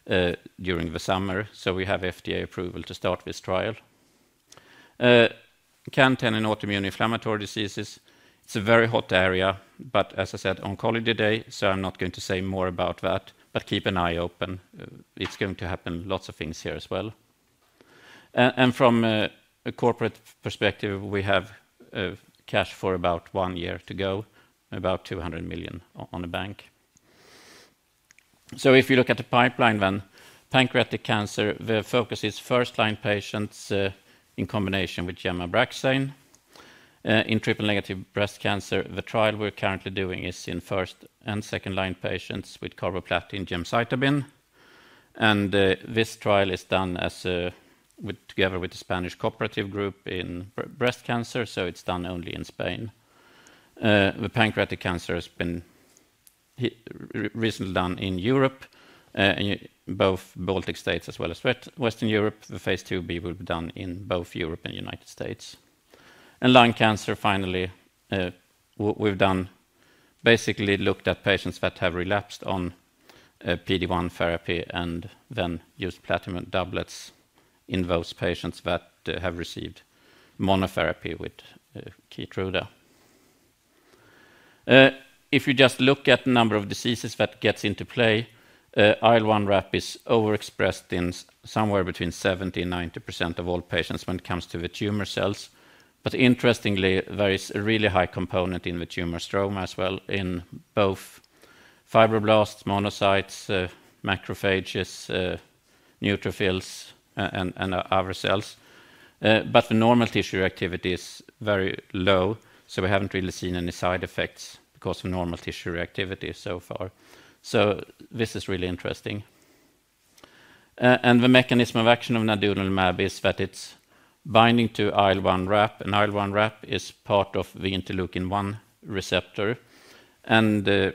during the summer. So we have FDA approval to start this trial. CAN10 in autoimmune inflammatory diseases. It's a very hot area, but as I said, oncology day, so I'm not going to say more about that, but keep an eye open. It's going to happen lots of things here as well. From a corporate perspective, we have cash for about one year to go, about 200 million in the bank. So if you look at the pipeline then, pancreatic cancer, the focus is first-line patients in combination with Gem/Abraxane. In triple negative breast cancer, the trial we're currently doing is in first and second-line patients with carboplatin gemcitabine. And this trial is done as a together with the Spanish cooperative group in breast cancer, so it's done only in Spain. The pancreatic cancer has been recently done in Europe, and both Baltic states as well as Western Europe. The phase two B will be done in both Europe and the United States. And lung cancer, finally, we've done basically looked at patients that have relapsed on PD-1 therapy and then used platinum doublets in those patients that have received monotherapy with Keytruda. If you just look at the number of diseases that gets into play, IL1RAP is overexpressed in somewhere between 70% to 90% of all patients when it comes to the tumor cells. But interestingly, there is a really high component in the tumor stroma as well, in both fibroblasts, monocytes, macrophages, neutrophils, and other cells. But the normal tissue reactivity is very low, so we haven't really seen any side effects because of normal tissue reactivity so far. So this is really interesting. And the mechanism of action of nadunolimab is that it's binding to IL1RAP. And IL1RAP is part of the interleukin-1 receptor. And...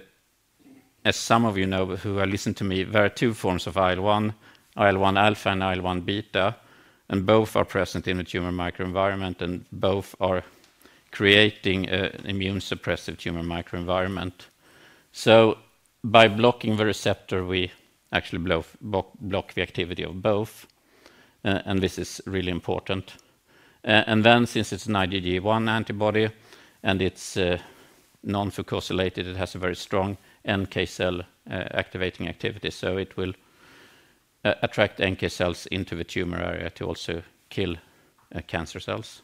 As some of you know who have listened to me, there are two forms of IL-1, IL-1 alpha and IL-1 beta. And both are present in the tumor microenvironment and both are creating an immune-suppressive tumor microenvironment. So by blocking the receptor, we actually block the activity of both. And this is really important. And then, since it's an IgG1 antibody and it's non-fucosylated, it has a very strong NK cell activating activity. So it will attract NK cells into the tumor area to also kill cancer cells.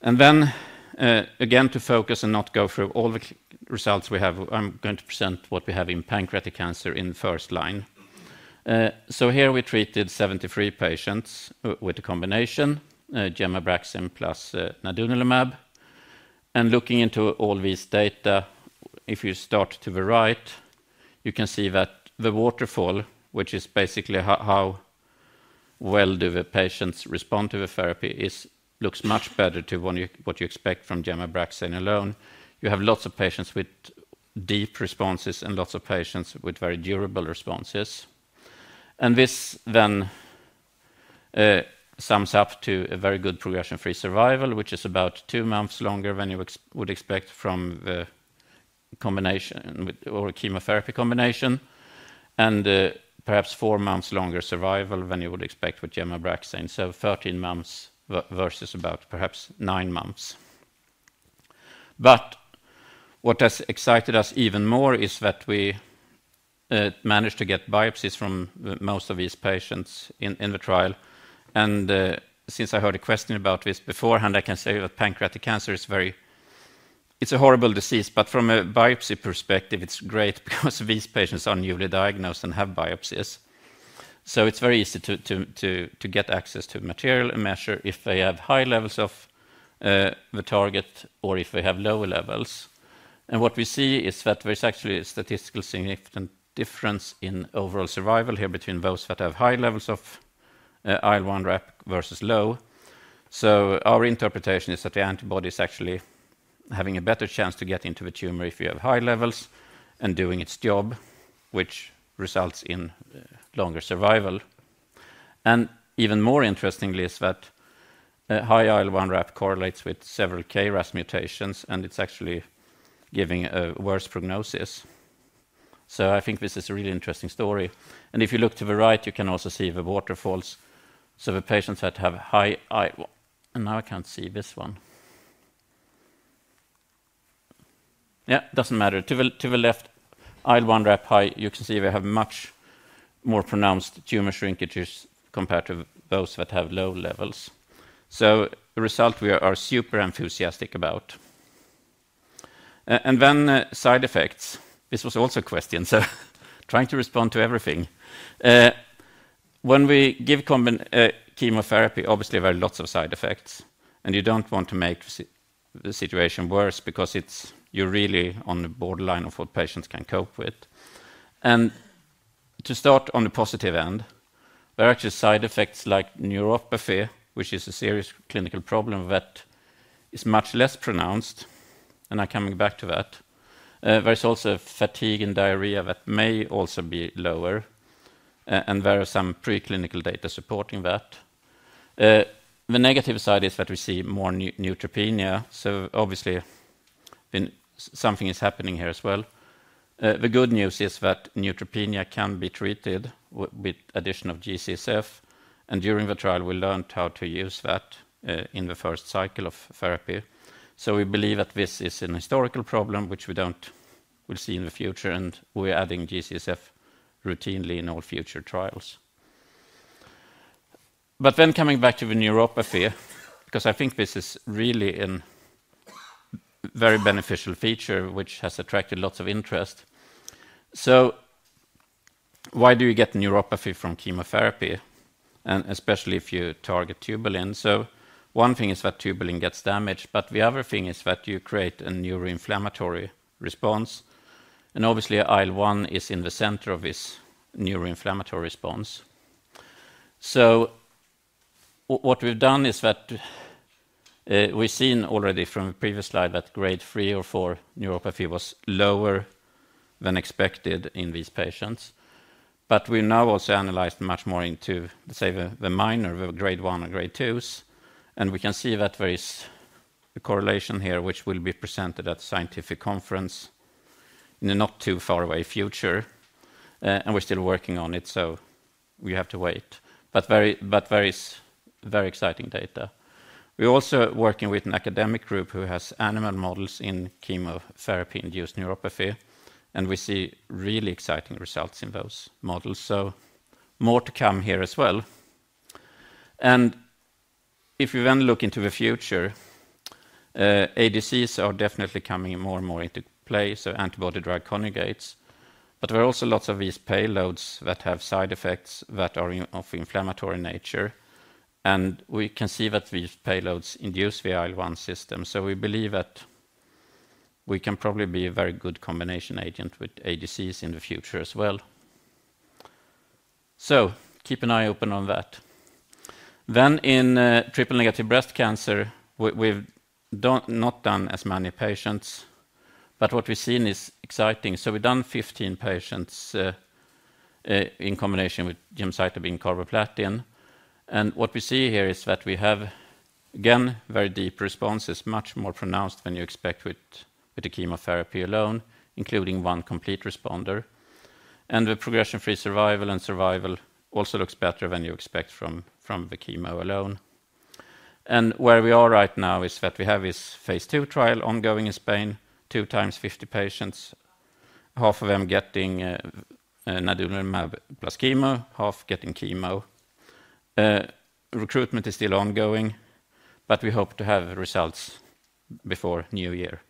And then, again, to focus and not go through all the results we have, I'm going to present what we have in pancreatic cancer in first line. So here we treated 73 patients with the combination, Gem/Abraxane plus nadunolimab. And looking into all these data, if you start to the right, you can see that the waterfall, which is basically how... well do the patients respond to the therapy, looks much better to what you expect from Gem/Abraxane alone. You have lots of patients with deep responses and lots of patients with very durable responses. And this then... sums up to a very good progression-free survival, which is about two months longer than you would expect from the combination or chemotherapy combination. And perhaps four months longer survival than you would expect with Gem/Abraxane. So 13 months versus about perhaps nine months. But what has excited us even more is that we managed to get biopsies from most of these patients in the trial. And since I heard a question about this beforehand, I can say that pancreatic cancer is very, it's a horrible disease, but from a biopsy perspective, it's great because these patients are newly diagnosed and have biopsies. So it's very easy to get access to material and measure if they have high levels of the target or if they have lower levels. What we see is that there is actually a statistically significant difference in overall survival here between those that have high levels of IL-1RAP versus low. So our interpretation is that the antibody is actually having a better chance to get into the tumor if you have high levels and doing its job, which results in longer survival. Even more interestingly is that high IL-1RAP correlates with several KRAS mutations and it's actually giving a worse prognosis. So I think this is a really interesting story. If you look to the right, you can also see the waterfalls. So the patients that have high IL-1RAP and now I can't see this one. Yeah, it doesn't matter. To the left, IL-1RAP high, you can see we have much more pronounced tumor shrinkages compared to those that have low levels. So, a result we are super enthusiastic about. And then side effects. This was also a question, so trying to respond to everything. When we give combination chemotherapy, obviously there are lots of side effects. And you don't want to make the situation worse because it's you're really on the borderline of what patients can cope with. And to start on the positive end, there are actually side effects like neuropathy, which is a serious clinical problem that is much less pronounced. And I'm coming back to that. There is also fatigue and diarrhea that may also be lower. And there are some preclinical data supporting that. The negative side is that we see more neutropenia, so obviously something is happening here as well. The good news is that neutropenia can be treated with addition of G-CSF, and during the trial we learned how to use that in the first cycle of therapy. So we believe that this is an historical problem, which we won't see in the future, and we're adding G-CSF routinely in all future trials. But then coming back to the neuropathy, because I think this is really a very beneficial feature, which has attracted lots of interest. So why do you get neuropathy from chemotherapy? And especially if you target tubulin. So one thing is that tubulin gets damaged, but the other thing is that you create a neuroinflammatory response. And obviously IL-1 is in the center of this neuroinflammatory response. So what we've done is that we've seen already from the previous slide that grade three or four neuropathy was lower than expected in these patients. But we now also analyzed much more into, let's say, the minor, the grade 1 and grade 2s. And we can see that there is... a correlation here, which will be presented at a scientific conference... in the not too far away future. And we're still working on it, so... we have to wait. But very very exciting data. We're also working with an academic group who has animal models in chemotherapy-induced neuropathy. And we see really exciting results in those models, so... more to come here as well. And... if we then look into the future... ADCs are definitely coming more and more into play, so antibody-drug conjugates. But there are also lots of these payloads that have side effects that are of inflammatory nature. And we can see that these payloads induce the IL-1 system, so we believe that... We can probably be a very good combination agent with ADCs in the future as well. So, keep an eye open on that. Then in triple-negative breast cancer, we've not done as many patients. But what we've seen is exciting. So we've done 15 patients in combination with gemcitabine and carboplatin. And what we see here is that we have again, very deep responses, much more pronounced than you expect with the chemotherapy alone, including one complete responder. And the progression-free survival and survival also looks better than you expect from the chemo alone. And where we are right now is that we have this phase two trial ongoing in Spain, two times 50 patients. Half of them getting nadunolimab plus chemo, half getting chemo. Recruitment is still ongoing. But we hope to have results before New Year.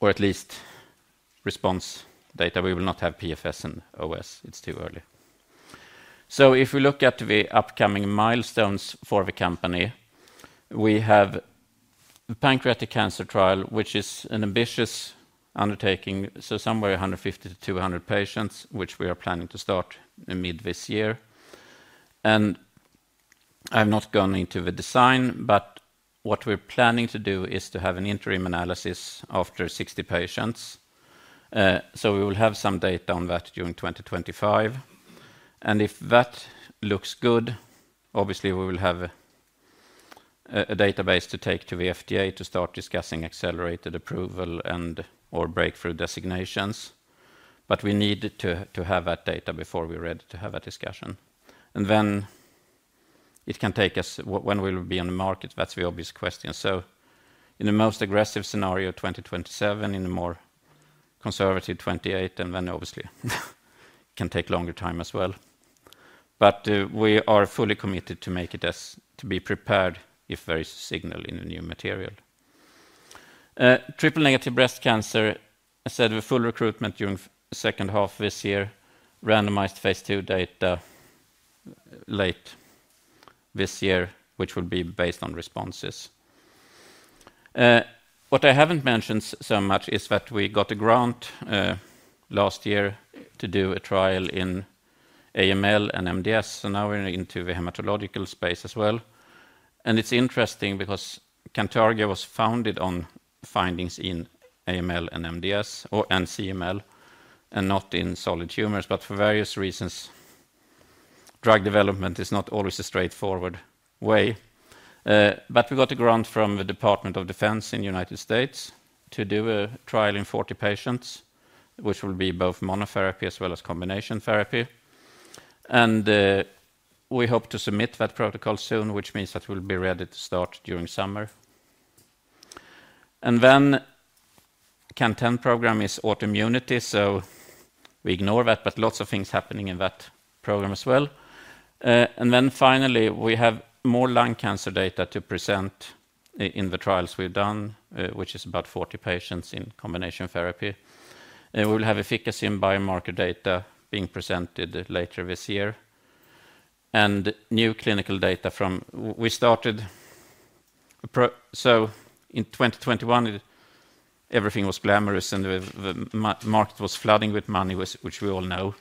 Or at least response data. We will not have PFS and OS, it's too early. So if we look at the upcoming milestones for the company, we have the pancreatic cancer trial, which is an ambitious undertaking, so somewhere 150 to 200 patients, which we are planning to start in mid this year. And I'm not going into the design, but what we're planning to do is to have an interim analysis after 60 patients. So we will have some data on that during 2025. And if that looks good, obviously we will have a database to take to the FDA to start discussing accelerated approval and/or breakthrough designations. But we need to have that data before we're ready to have a discussion. And then it can take us when we'll be on the market, that's the obvious question. So in the most aggressive scenario, 2027, in the more conservative 2028, and then obviously... It can take longer time as well. But we are fully committed to make it as to be prepared if there is a signal in the new material. Triple-negative breast cancer, I said with full recruitment during second half this year, randomized phase 2 data late this year, which will be based on responses. What I haven't mentioned so much is that we got a grant last year to do a trial in AML and MDS, so now we're into the hematological space as well. And it's interesting because Cantargia was founded on findings in AML and MDS or and CML, and not in solid tumors, but for various reasons drug development is not always a straightforward way. But we got a grant from the Department of Defense in the United States to do a trial in 40 patients, which will be both monotherapy as well as combination therapy. We hope to submit that protocol soon, which means that we'll be ready to start during summer. The CAN10 program is autoimmunity, so we ignore that, but lots of things happening in that program as well. Finally, we have more lung cancer data to present in the trials we've done, which is about 40 patients in combination therapy. We will have efficacy and biomarker data being presented later this year. New clinical data from we started so in 2021 everything was glamorous and the market was flooding with money, which we all know.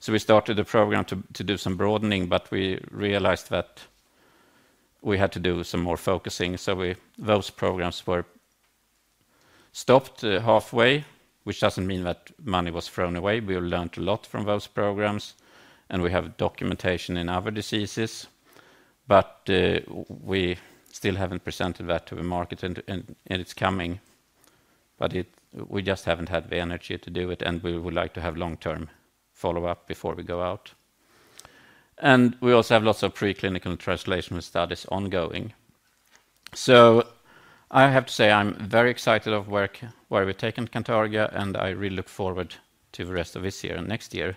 So we started the program to do some broadening, but we realized that we had to do some more focusing, so those programs were stopped halfway, which doesn't mean that money was thrown away. We learned a lot from those programs. We have documentation in other diseases. But we still haven't presented that to the market and it's coming. But we just haven't had the energy to do it and we would like to have long-term follow-up before we go out. And we also have lots of preclinical translational studies ongoing. So... I have to say I'm very excited about where we're taking Cantargia and I really look forward to the rest of this year and next year.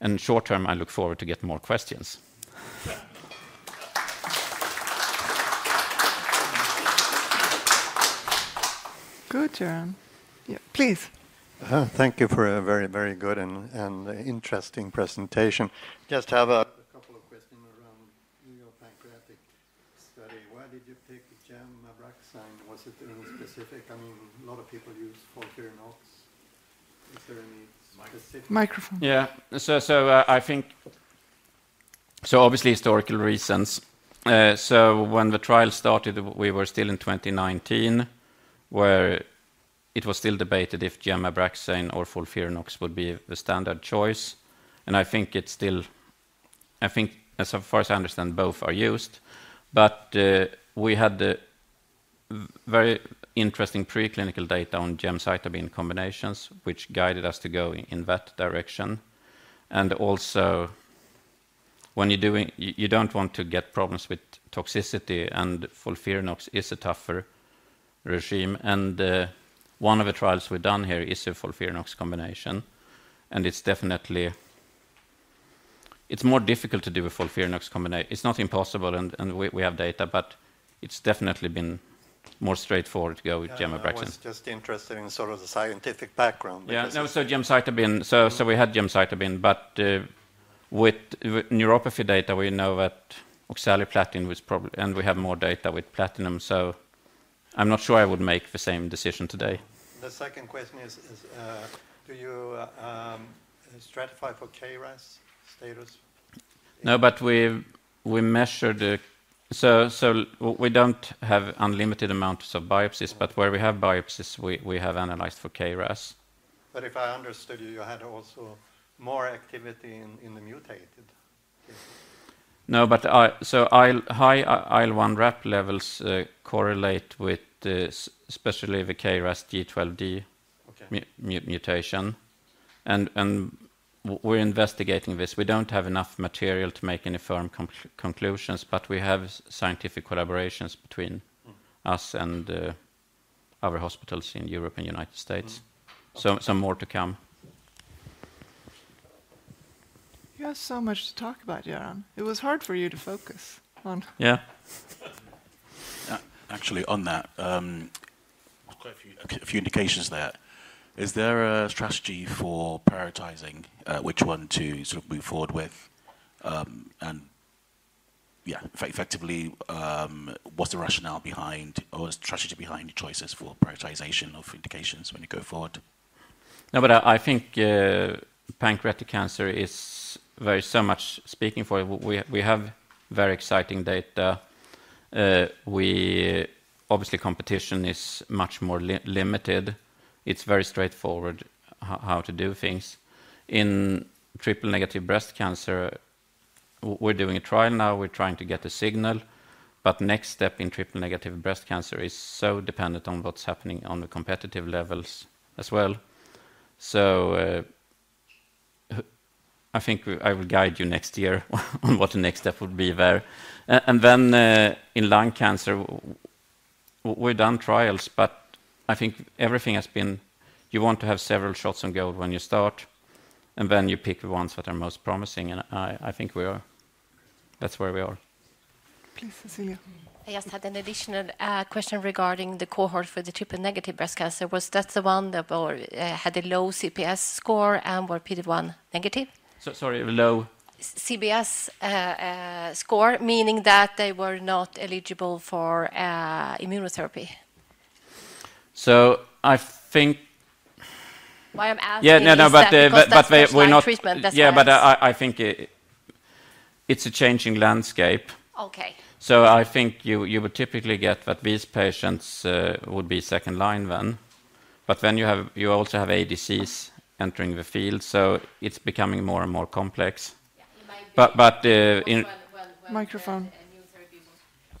And short-term I look forward to getting more questions. Good, Göran. Yeah, please. Thank you for a very, very good and interesting presentation. Just have a couple of questions around your pancreatic study. Why did you pick Gem/Abraxane? Was it any specific? I mean, a lot of people use FOLFIRINOX. Is there any specific... Microphone. Yeah, so I think... So obviously historical reasons. So when the trial started, we were still in 2019, where... It was still debated if Gem/Abraxane or FOLFIRINOX would be the standard choice. I think it's still... I think, as far as I understand, both are used. But we had... very interesting preclinical data on gemcitabine combinations, which guided us to go in that direction. And also... when you're doing... you don't want to get problems with toxicity and FOLFIRINOX is a tougher... regimen. And one of the trials we've done here is a FOLFIRINOX combination. And it's definitely... it's more difficult to do a FOLFIRINOX combination. It's not impossible and we have data, but... it's definitely been more straightforward to go with Gem/Abraxane. I was just interested in sort of the scientific background. Yeah, no, so gemcitabine... so we had gemcitabine, but... with neuropathy data, we know that oxaliplatin was probably... and we have more data with platinum, so... I'm not sure I would make the same decision today. The second question is, do you stratify for KRAS status? No, but we measure the... So we don't have unlimited amounts of biopsies, but where we have biopsies, we have analyzed for KRAS. But if I understood you, you had also more activity in the mutated cases? No, but so high IL1RAP levels correlate with the especially the KRAS G12D mutation. Okay. And we're investigating this. We don't have enough material to make any firm conclusions, but we have scientific collaborations between us and other hospitals in Europe and the United States. So some more to come. You have so much to talk about, Göran. It was hard for you to focus on. Yeah. Actually, on that... There's quite a few indications there. Is there a strategy for prioritizing which one to sort of move forward with? And yeah, effectively, what's the rationale behind or the strategy behind the choices for prioritization of indications when you go forward? No, but I think pancreatic cancer is very so much speaking for it. We have very exciting data. We obviously competition is much more limited. It's very straightforward how to do things. In triple-negative breast cancer, we're doing a trial now; we're trying to get a signal. But next step in triple-negative breast cancer is so dependent on what's happening on the competitive levels as well. So, I think I will guide you next year on what the next step would be there. And then in lung cancer, we've done trials, but I think everything has been you want to have several shots on goal when you start. And then you pick the ones that are most promising, and I think we are... that's where we are. Please, Cecilia. I just had an additional question regarding the cohort for the triple-negative breast cancer. Was that the one that had a low CPS score and were PD-1 negative? Sorry, low CPS score, meaning that they were not eligible for immunotherapy. So I think... Why I'm asking is that... Yeah, no, no, but we're not... Yeah, but I think... it's a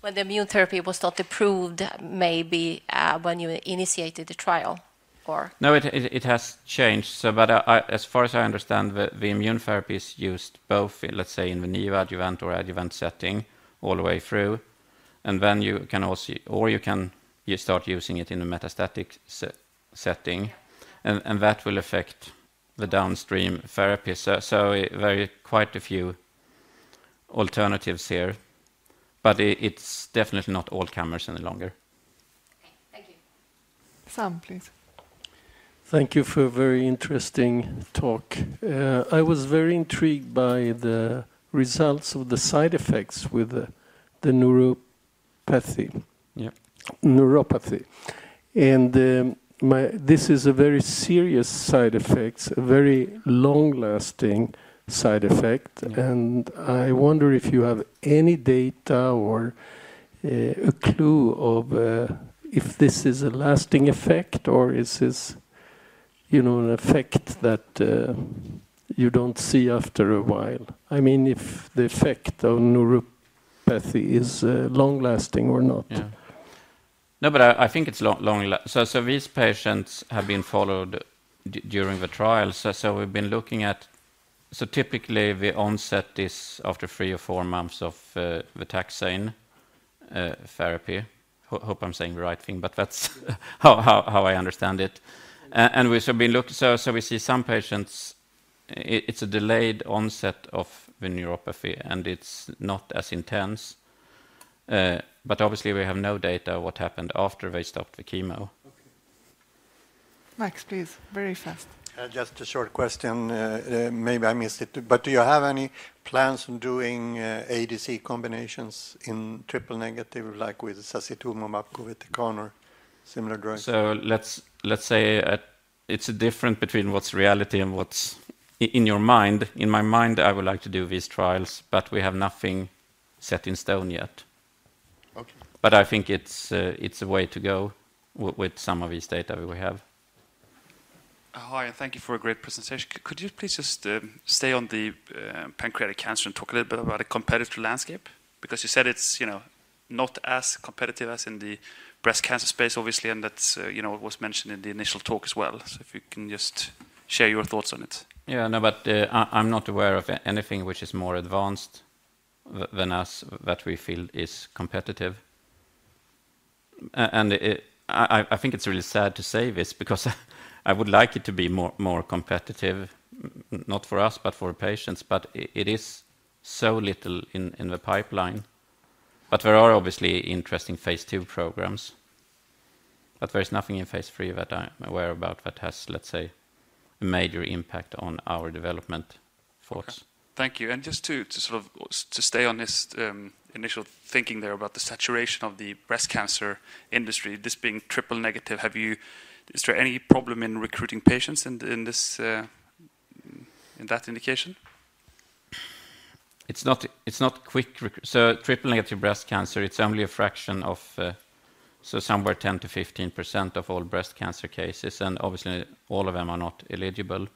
changing landscape. Okay. So I think you would typically get that these patients would be second line then. But then you also have ADCs entering the field, so it's becoming more and more complex. Yeah. You might. But... Microphone. When the immune therapy was not approved, maybe when you initiated the trial? Or no, it has changed, but as far as I understand, the immune therapy is used both, let's say, in the neoadjuvant or adjuvant setting all the way through. And then you can also... or you can start using it in the metastatic setting. And that will affect the downstream therapy. So very quite a few... alternatives here. But it's definitely not all comers any longer. Okay, thank you. Sam, please. Thank you for a very interesting talk. I was very intrigued by the results of the side effects with the neuropathy. Yeah, neuropathy. And this is a very serious side effect, a very long-lasting side effect. And I wonder if you have any data or a clue of if this is a lasting effect or is this... you know an effect that you don't see after a while. I mean, if the effect of neuropathy is long-lasting or not. Yeah, no, but I think it's long-lasting. So these patients have been followed during the trial. So we've been looking at... So typically we onset this after three or four months of the taxane therapy. Hope I'm saying the right thing, but that's how I understand it. And we've been looking... So we see some patients... it's a delayed onset of the neuropathy and it's not as intense. But obviously we have no data of what happened after they stopped the chemo. Okay, Max, please, very fast. Just a short question. Maybe I missed it, but do you have any plans on doing ADC combinations in triple negative, like with sacituzumab govitecan, similar drugs? So let's say it's a different between what's reality and what's... in your mind. In my mind, I would like to do these trials, but we have nothing set in stone yet. Okay, but I think it's a way to go with some of these data we have. Hi, and thank you for a great presentation. Could you please just stay on the pancreatic cancer and talk a little bit about the competitive landscape? Because you said it's, you know, not as competitive as in the breast cancer space, obviously, and that's, you know, what was mentioned in the initial talk as well. So if you can just share your thoughts on it. Yeah, no, but I'm not aware of anything which is more advanced than us that we feel is competitive. And I think it's really sad to say this because I would like it to be more competitive, not for us, but for patients, but it is so little in the pipeline. But there are obviously interesting phase 2 programs. But there is nothing in phase 3 that I'm aware of that has, let's say, a major impact on our development thoughts. Thank you. And just to sort of stay on this initial thinking there about the saturation of the breast cancer industry, this being triple-negative, have you... is there any problem in recruiting patients in this... in that indication? It's not quick. So triple-negative breast cancer, it's only a fraction of... so somewhere 10% to 15% of all breast cancer cases, and obviously all of them are not eligible.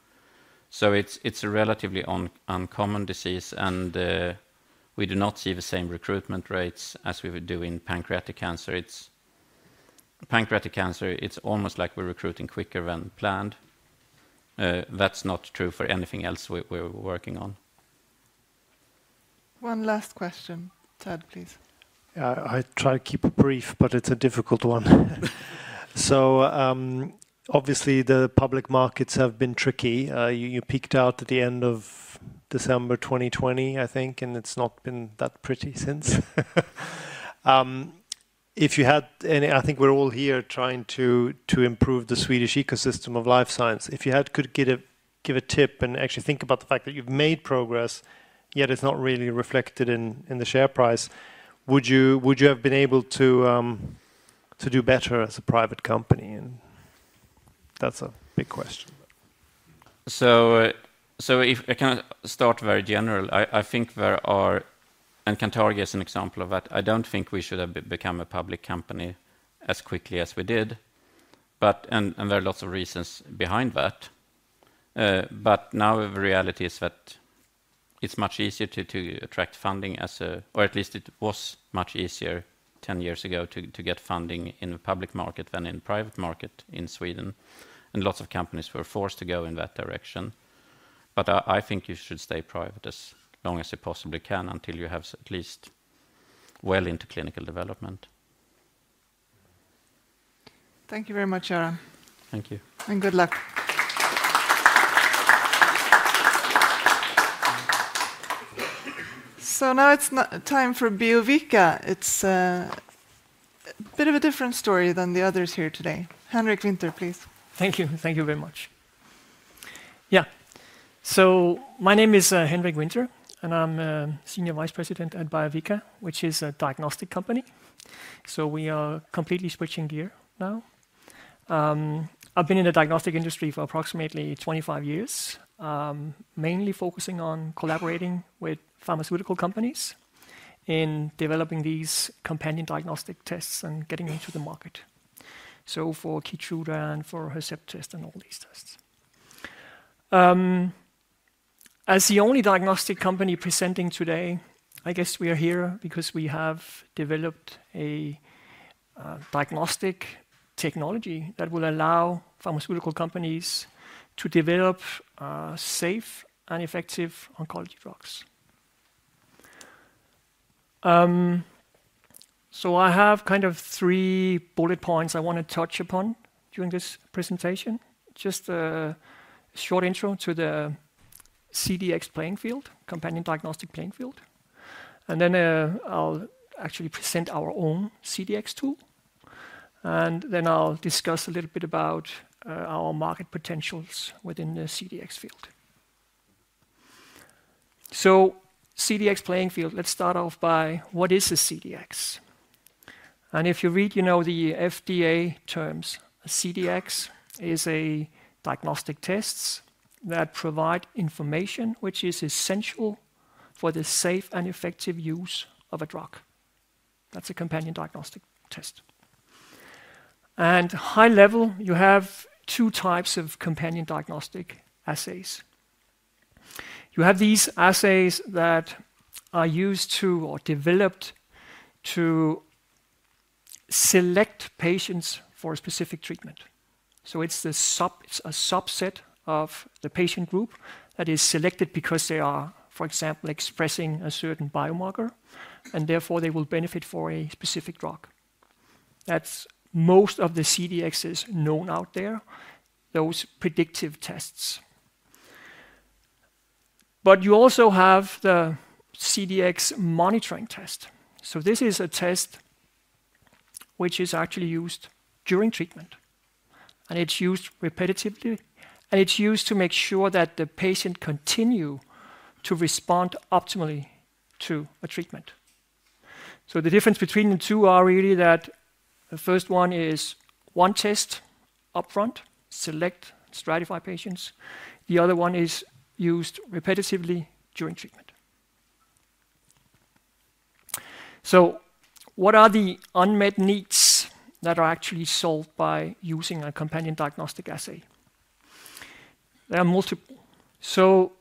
So it's a relatively uncommon disease and... we do not see the same recruitment rates as we would do in pancreatic cancer. It's... pancreatic cancer, it's almost like we're recruiting quicker than planned. That's not true for anything else we're working on. One last question, Ted, please. Yeah, I try to keep it brief, but it's a difficult one. So... obviously the public markets have been tricky. You peaked out at the end of December 2020, I think, and it's not been that pretty since. If you had any... I think we're all here trying to improve the Swedish ecosystem of life science. If you could give a tip and actually think about the fact that you've made progress, yet it's not really reflected in the share price, would you have been able to... to do better as a private company? And that's a big question. So if I can start very general, I think there are... and Cantargia is an example of that. I don't think we should have become a public company as quickly as we did. But there are lots of reasons behind that. But now the reality is that... It's much easier to attract funding as a... or at least it was much easier 10 years ago to get funding in the public market than in the private market in Sweden. Lots of companies were forced to go in that direction. I think you should stay private as long as you possibly can until you have at least... well into clinical development. Thank you very much, .Thank you. Good luck. Now it's time for Biovica. It's... a bit of a different story than the others here today. Henrik Winther, please. Thank you. Thank you very much. Yeah. My name is Henrik Winther and I'm a Senior Vice President at Biovica, which is a diagnostic company. We are completely switching gear now. I've been in the diagnostic industry for approximately 25 years, mainly focusing on collaborating with pharmaceutical companies in developing these companion diagnostic tests and getting them into the market. So for Keytruda and for Herceptin test and all these tests. As the only diagnostic company presenting today, I guess we are here because we have developed a diagnostic technology that will allow pharmaceutical companies to develop safe and effective oncology drugs. So I have kind of three bullet points I want to touch upon during this presentation. Just a short intro to the CDX playing field, companion diagnostic playing field. And then I'll actually present our own CDX tool. And then I'll discuss a little bit about our market potentials within the CDX field. So CDX playing field, let's start off by what is a CDX? If you read, you know, the FDA terms, a CDX is a diagnostic test that provides information which is essential for the safe and effective use of a drug. That's a companion diagnostic test. High level, you have two types of companion diagnostic assays. You have these assays that are used to or developed to... select patients for a specific treatment. So it's a subset of the patient group that is selected because they are, for example, expressing a certain biomarker and therefore they will benefit from a specific drug. That's most of the CDXs known out there, those predictive tests. But you also have the CDX monitoring test. So this is a test... which is actually used during treatment. It's used repetitively and it's used to make sure that the patient continue to respond optimally to a treatment. So the difference between the two are really that the first one is one test upfront, select, stratify patients. The other one is used repetitively during treatment. So what are the unmet needs that are actually solved by using a companion diagnostic assay? There are multiple. So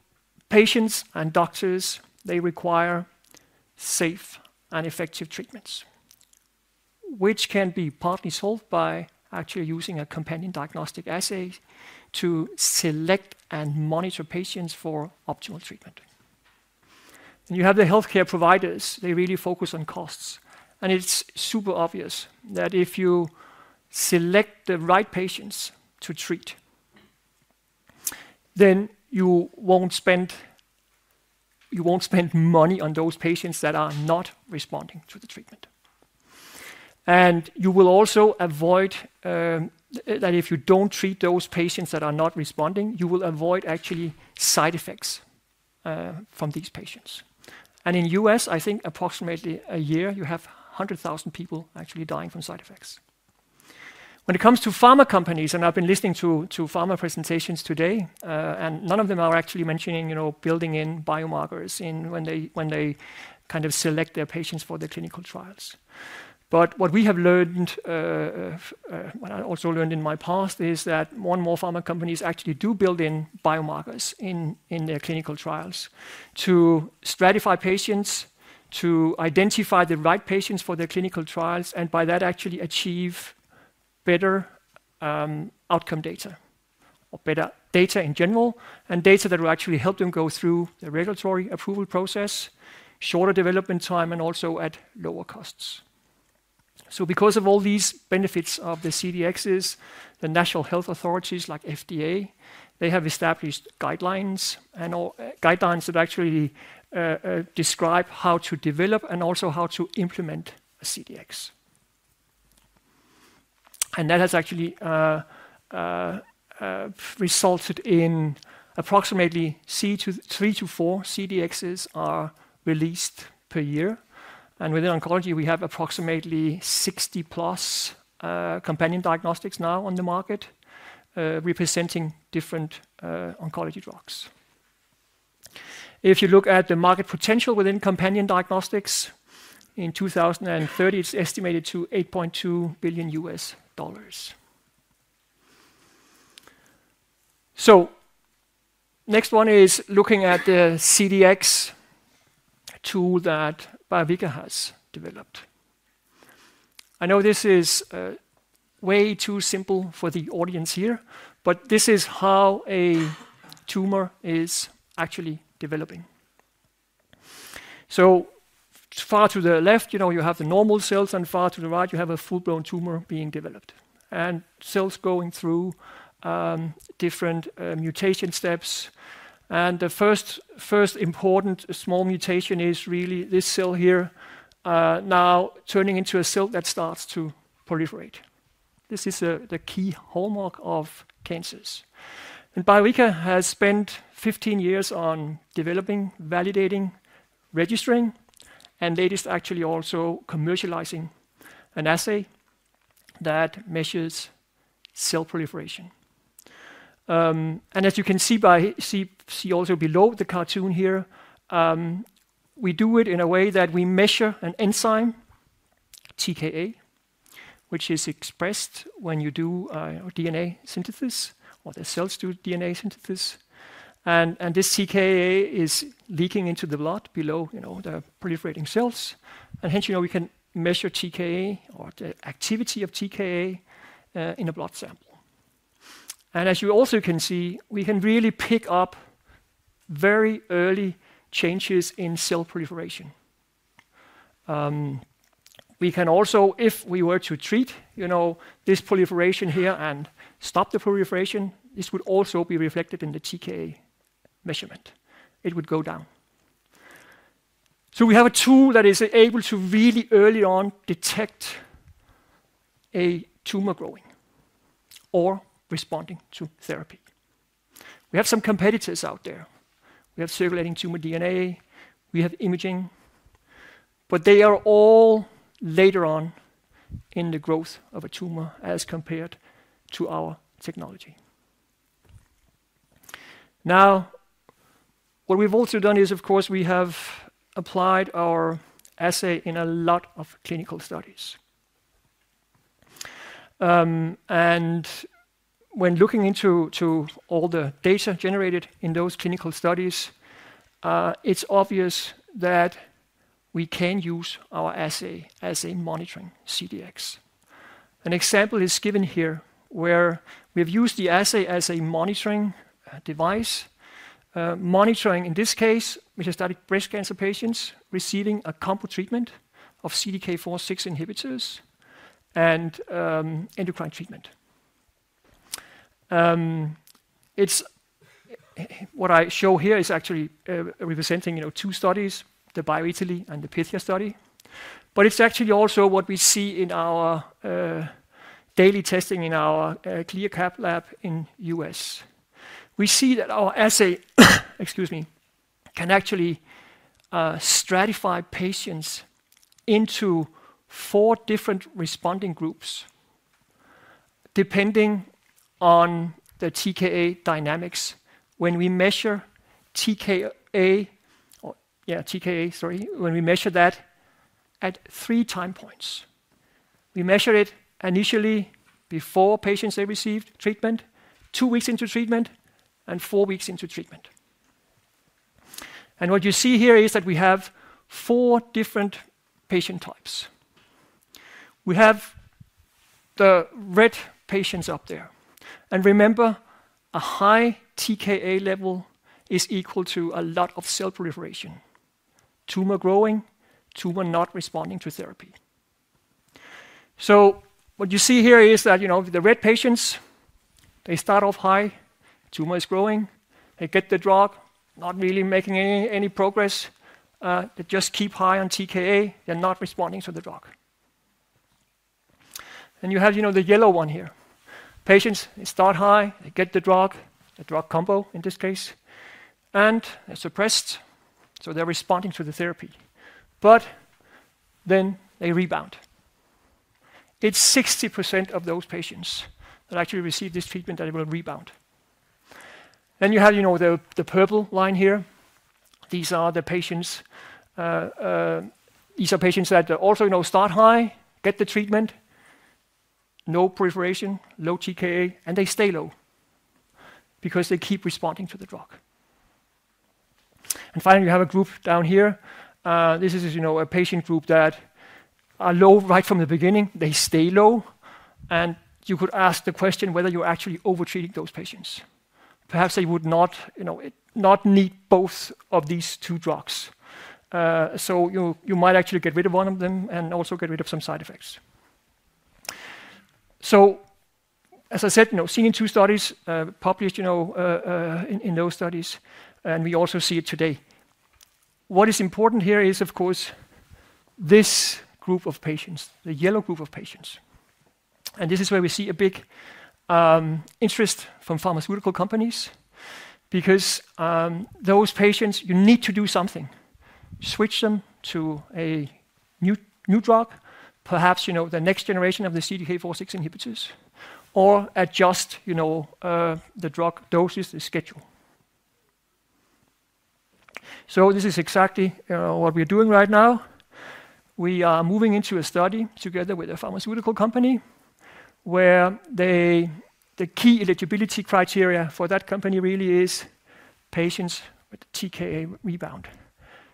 patients and doctors, they require safe and effective treatments. Which can be partly solved by actually using a companion diagnostic assay to select and monitor patients for optimal treatment. And you have the healthcare providers, they really focus on costs. And it's super obvious that if you select the right patients to treat... then you won't spend... you won't spend money on those patients that are not responding to the treatment. And you will also avoid... that if you don't treat those patients that are not responding, you will avoid actually side effects from these patients. In the US, I think approximately 100,000 people a year actually die from side effects. When it comes to pharma companies, and I've been listening to pharma presentations today, and none of them are actually mentioning, you know, building in biomarkers when they kind of select their patients for their clinical trials. What we have learned... what I also learned in my past is that more and more pharma companies actually do build in biomarkers in their clinical trials to stratify patients, to identify the right patients for their clinical trials, and by that actually achieve better outcome data. Better data in general and data that will actually help them go through the regulatory approval process, shorter development time, and also at lower costs. So because of all these benefits of the CDXs, the national health authorities like FDA, they have established guidelines and or guidelines that actually describe how to develop and also how to implement a CDX. And that has actually resulted in approximately three to four CDXs are released per year. And within oncology, we have approximately 60+ companion diagnostics now on the market representing different oncology drugs. If you look at the market potential within companion diagnostics, in 2030, it's estimated to $8.2 billion. Next one is looking at the CDX tool that Biovica has developed. I know this is way too simple for the audience here, but this is how a tumor is actually developing. So far to the left, you know, you have the normal cells and far to the right, you have a full-blown tumor being developed and cells going through different mutation steps. The first important small mutation is really this cell here now turning into a cell that starts to proliferate. This is the key hallmark of cancers. Biovica has spent 15 years on developing, validating, registering, and latest actually also commercializing an assay that measures cell proliferation. As you can see, also below the cartoon here, we do it in a way that we measure an enzyme, TKa, which is expressed when you do DNA synthesis or the cells do DNA synthesis. This TKa is leaking into the blood below, you know, the proliferating cells. Hence, you know, we can measure TKa or the activity of TKa in a blood sample. As you also can see, we can really pick up very early changes in cell proliferation. We can also, if we were to treat, you know, this proliferation here and stop the proliferation, this would also be reflected in the TKa measurement. It would go down. So we have a tool that is able to really early on detect a tumor growing or responding to therapy. We have some competitors out there. We have circulating tumor DNA, we have imaging, but they are all later on in the growth of a tumor as compared to our technology. Now, what we've also done is, of course, we have applied our assay in a lot of clinical studies. When looking into all the data generated in those clinical studies, it's obvious that we can use our assay as a monitoring CDX. An example is given here where we have used the assay as a monitoring device. Monitoring in this case, metastatic breast cancer patients receiving a combo treatment of CDK4/6 inhibitors and endocrine treatment. It's what I show here is actually representing, you know, two studies, the BioI and the Pythia study. But it's actually also what we see in our daily testing in our CLIA/CAP lab in the U.S. We see that our assay, excuse me, can actually stratify patients into four different responding groups depending on the TKa dynamics. When we measure TKa, when we measure that at three time points. We measure it initially before patients they received treatment, two weeks into treatment, and four weeks into treatment. And what you see here is that we have four different patient types. We have the red patients up there. Remember, a high TKa level is equal to a lot of cell proliferation, tumor growing, tumor not responding to therapy. So what you see here is that, you know, the red patients, they start off high, tumor is growing, they get the drug, not really making any progress. They just keep high on TKa, they're not responding to the drug. And you have, you know, the yellow one here. Patients start high, they get the drug, the drug combo in this case, and they're suppressed, so they're responding to the therapy. But then they rebound. It's 60% of those patients that actually receive this treatment that will rebound. And you have, you know, the purple line here. These are the patients... these are patients that also, you know, start high, get the treatment, no proliferation, low TKa, and they stay low because they keep responding to the drug. Finally, you have a group down here. This is, you know, a patient group that are low right from the beginning. They stay low. You could ask the question whether you're actually overtreating those patients. Perhaps they would not, you know, not need both of these two drugs. So you might actually get rid of one of them and also get rid of some side effects. So... as I said, you know, seen in two studies, published, you know, in those studies, and we also see it today. What is important here is, of course, this group of patients, the yellow group of patients. This is where we see a big interest from pharmaceutical companies because those patients, you need to do something, switch them to a new new drug, perhaps, you know, the next generation of the CDK4/6 inhibitors or adjust, you know, the drug doses, the schedule. So this is exactly what we are doing right now. We are moving into a study together with a pharmaceutical company where the the key eligibility criteria for that company really is patients with TKa rebound.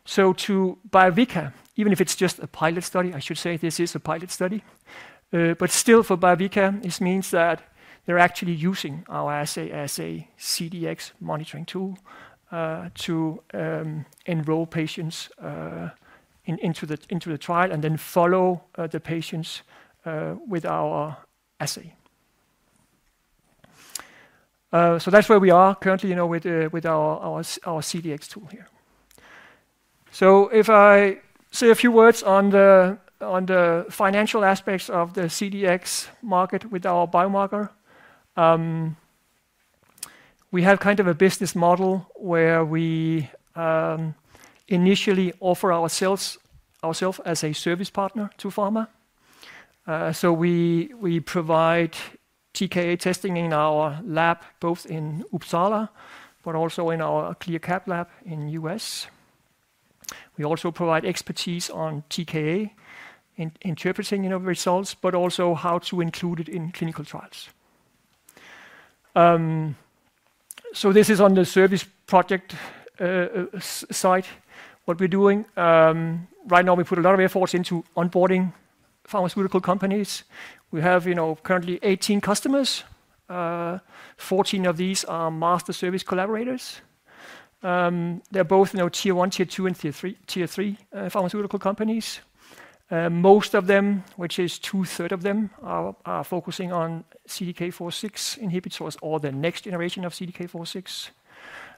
So to Biovica, even if it's just a pilot study, I should say this is a pilot study. But still for Biovica, this means that they're actually using our assay as a CDX monitoring tool to enroll patients in into the into the trial and then follow the patients with our assay. So that's where we are currently, you know, with with our our our CDX tool here. So if I say a few words on the financial aspects of the CDX market with our biomarker, we have kind of a business model where we initially offer ourselves as a service partner to pharma. So we provide TKa testing in our lab, both in Uppsala, but also in our CLIA lab in the US. We also provide expertise on TKa in interpreting, you know, results, but also how to include it in clinical trials. So this is on the service project side, what we're doing. Right now, we put a lot of efforts into onboarding pharmaceutical companies. We have, you know, currently 18 customers. 14 of these are master service collaborators. They're both, you know, tier one, tier two, and tier three pharmaceutical companies. Most of them, which is two-thirds of them, are focusing on CDK4/6 inhibitors or the next generation of CDK4/6.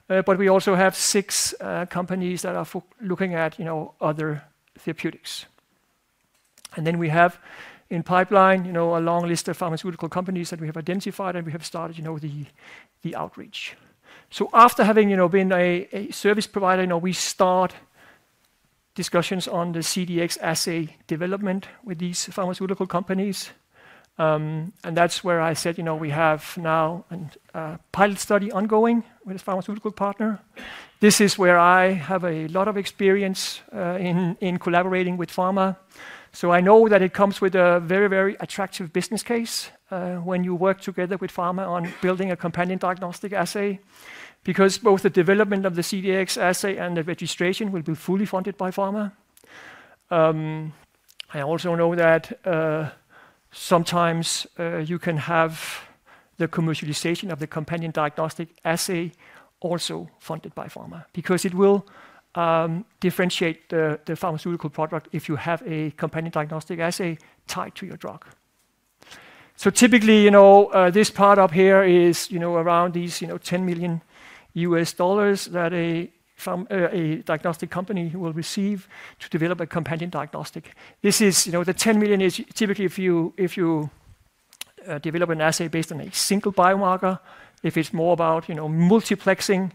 But we also have six companies that are looking at, you know, other therapeutics. And then we have in pipeline, you know, a long list of pharmaceutical companies that we have identified and we have started, you know, the outreach. So after having, you know, been a service provider, you know, we start discussions on the CDX assay development with these pharmaceutical companies. And that's where I said, you know, we have now a pilot study ongoing with a pharmaceutical partner. This is where I have a lot of experience in collaborating with pharma. So I know that it comes with a very, very attractive business case when you work together with pharma on building a companion diagnostic assay because both the development of the CDX assay and the registration will be fully funded by pharma. I also know that sometimes you can have the commercialization of the companion diagnostic assay also funded by pharma because it will differentiate the pharmaceutical product if you have a companion diagnostic assay tied to your drug. So typically, you know, this part up here is, you know, around these, you know, $10 million that a diagnostic company will receive to develop a companion diagnostic. This is, you know, the $10 million is typically if you develop an assay based on a single biomarker. If it's more about, you know, multiplexing,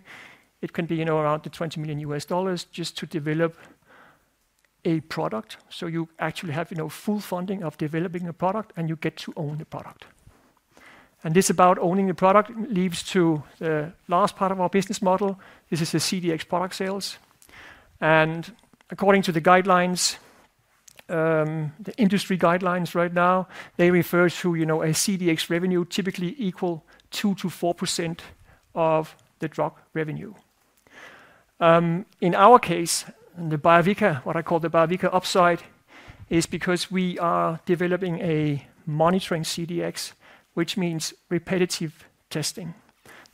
it can be, you know, around the $20 million just to develop a product. So you actually have, you know, full funding of developing a product and you get to own the product. And this about owning the product leads to the last part of our business model. This is the CDX product sales. According to the guidelines, the industry guidelines right now, they refer to, you know, a CDX revenue typically equal 2% to 4% of the drug revenue. In our case, in the Biovica, what I call the Biovica upside is because we are developing a monitoring CDX, which means repetitive testing.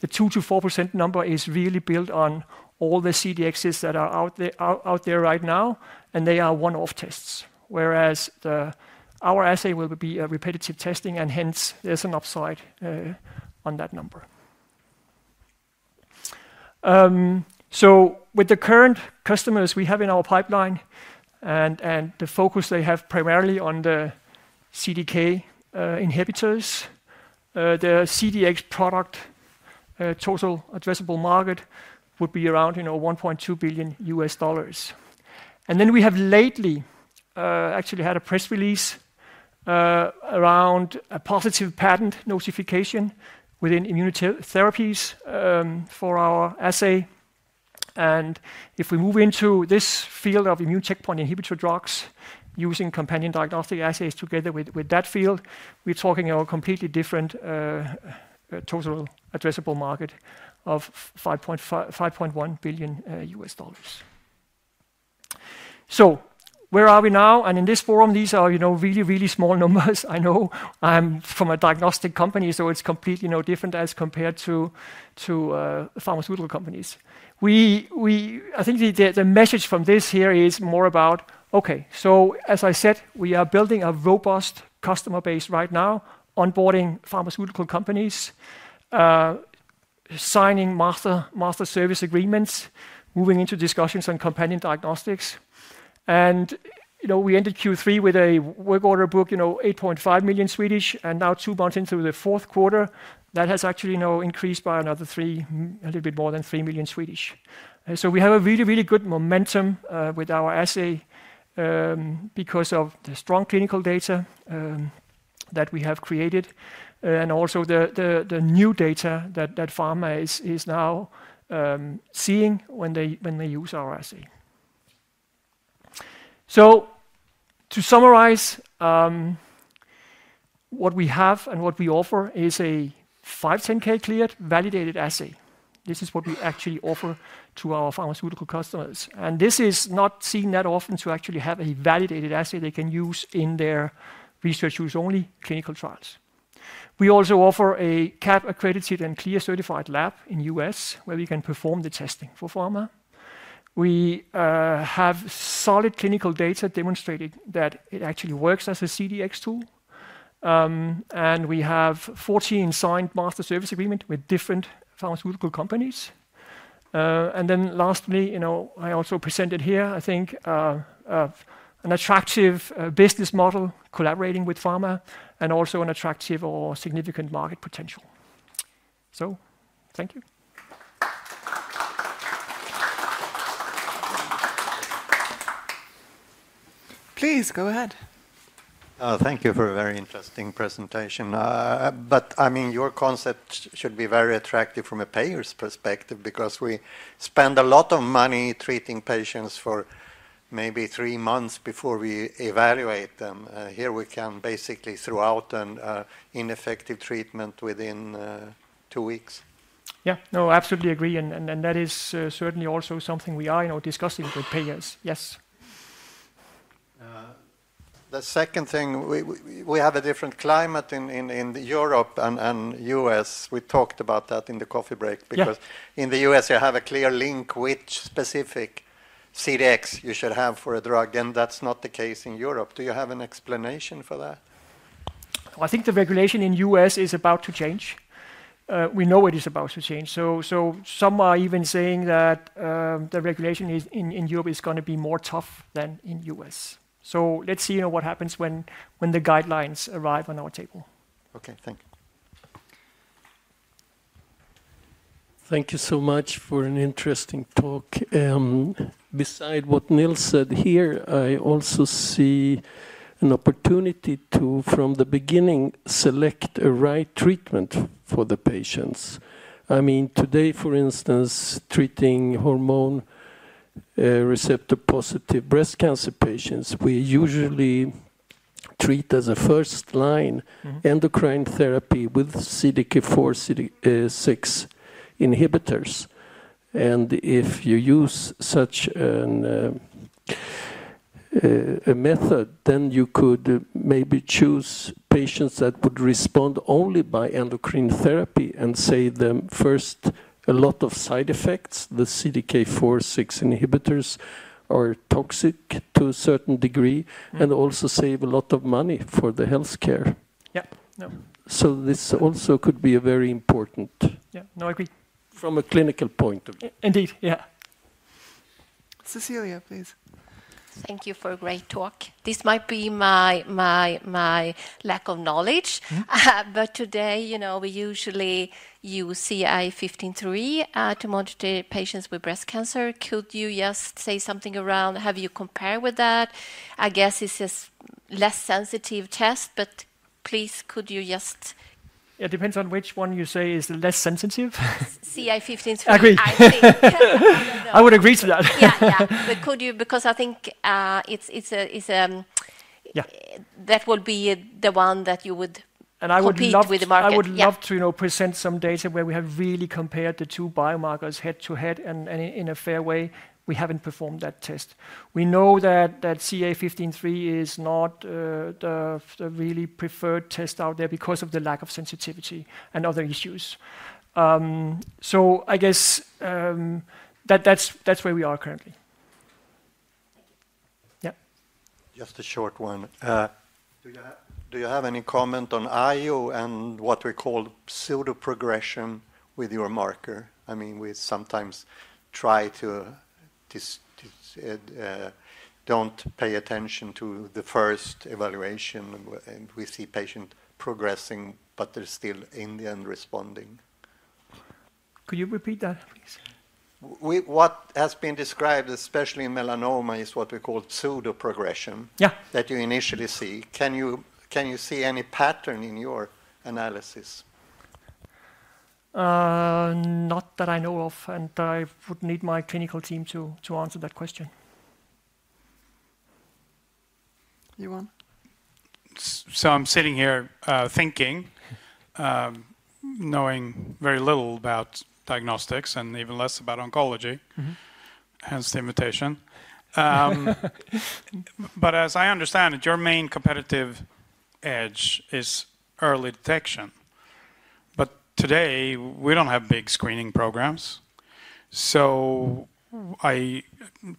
The 2% to 4% number is really built on all the CDXs that are out there out there right now, and they are one-off tests, whereas our assay will be a repetitive testing and hence there's an upside on that number. So with the current customers we have in our pipeline and the focus they have primarily on the CDK inhibitors, the CDX product total addressable market would be around, you know, $1.2 billion. Then we have lately actually had a press release around a positive patent notification within immune therapies for our assay. And if we move into this field of immune checkpoint inhibitor drugs using companion diagnostic assays together with that field, we're talking about a completely different total addressable market of $5.1 billion. So where are we now? And in this forum, these are, you know, really, really small numbers. I know I'm from a diagnostic company, so it's completely, you know, different as compared to pharmaceutical companies. I think the message from this here is more about, okay, so as I said, we are building a robust customer base right now, onboarding pharmaceutical companies, signing master service agreements, moving into discussions on companion diagnostics. And, you know, we ended Q3 with a work order book, you know, 8.5 million. Now two months into the fourth quarter, that has actually, you know, increased by another three, a little bit more than 3 million. So we have a really, really good momentum with our assay because of the strong clinical data that we have created and also the new data that pharma is now seeing when they use our assay. So to summarize, what we have and what we offer is a 510(k) cleared, validated assay. This is what we actually offer to our pharmaceutical customers. And this is not seen that often to actually have a validated assay they can use in their research use only clinical trials. We also offer a CAP accredited and CLIA certified lab in the U.S. where we can perform the testing for pharma. We have solid clinical data demonstrating that it actually works as a CDX tool. We have 14 signed master service agreements with different pharmaceutical companies. Then lastly, you know, I also presented here, I think, an attractive business model collaborating with pharma and also an attractive or significant market potential. Thank you. Please go ahead. Thank you for a very interesting presentation. But I mean, your concept should be very attractive from a payer's perspective because we spend a lot of money treating patients for maybe three months before we evaluate them. Here we can basically throw out an ineffective treatment within two weeks. Yeah, no, absolutely agree. And that is certainly also something we are, you know, discussing with payers. Yes. The second thing, we have a different climate in Europe and the US. We talked about that in the coffee break because in the US, you have a clear link which specific CDX you should have for a drug. That's not the case in Europe. Do you have an explanation for that? I think the regulation in the U.S. is about to change. We know it is about to change. Some are even saying that the regulation in Europe is going to be more tough than in the U.S. Let's see, you know, what happens when the guidelines arrive on our table. Okay, thank you. Thank you so much for an interesting talk. Besides what Nils said here, I also see an opportunity to, from the beginning, select the right treatment for the patients. I mean, today, for instance, treating hormone receptor positive breast cancer patients, we usually treat as a first-line endocrine therapy with CDK4/6 inhibitors. And if you use such a method, then you could maybe choose patients that would respond only by endocrine therapy and save them first a lot of side effects. The CDK4/6 inhibitors are toxic to a certain degree and also save a lot of money for the healthcare. Yeah, no. So this also could be a very important... Yeah, no, I agree. ...from a clinical point of view. Indeed, yeah. Cecilia, please. Thank you for a great talk. This might be my lack of knowledge, but today, you know, we usually use CA 15-3 to monitor patients with breast cancer. Could you just say something around, have you compared with that? I guess it's a less sensitive test, but please, could you just... It depends on which one you say is less sensitive. CA 15-3. Agree. I would agree to that. Yeah, yeah. But could you... because I think it's a... Yeah. That would be the one that you would compete with the market. I would love to, you know, present some data where we have really compared the two biomarkers head to head and in a fair way. We haven't performed that test. We know that CA 15-3 is not the really preferred test out there because of the lack of sensitivity and other issues. I guess that's where we are currently. Thank you. Yeah. Just a short one. Do you have any comment on IU and what we call pseudo-progression with your marker? I mean, we sometimes try to don't pay attention to the first evaluation and we see patient progressing, but they're still in the end responding. Could you repeat that, please? What has been described, especially in melanoma, is what we call pseudo-progression that you initially see. Can you see any pattern in your analysis? Not that I know of. I would need my clinical team to answer that question. Yvonne. So I'm sitting here thinking, knowing very little about diagnostics and even less about oncology. Hence the invitation. But as I understand it, your main competitive edge is early detection. But today, we don't have big screening programs. So I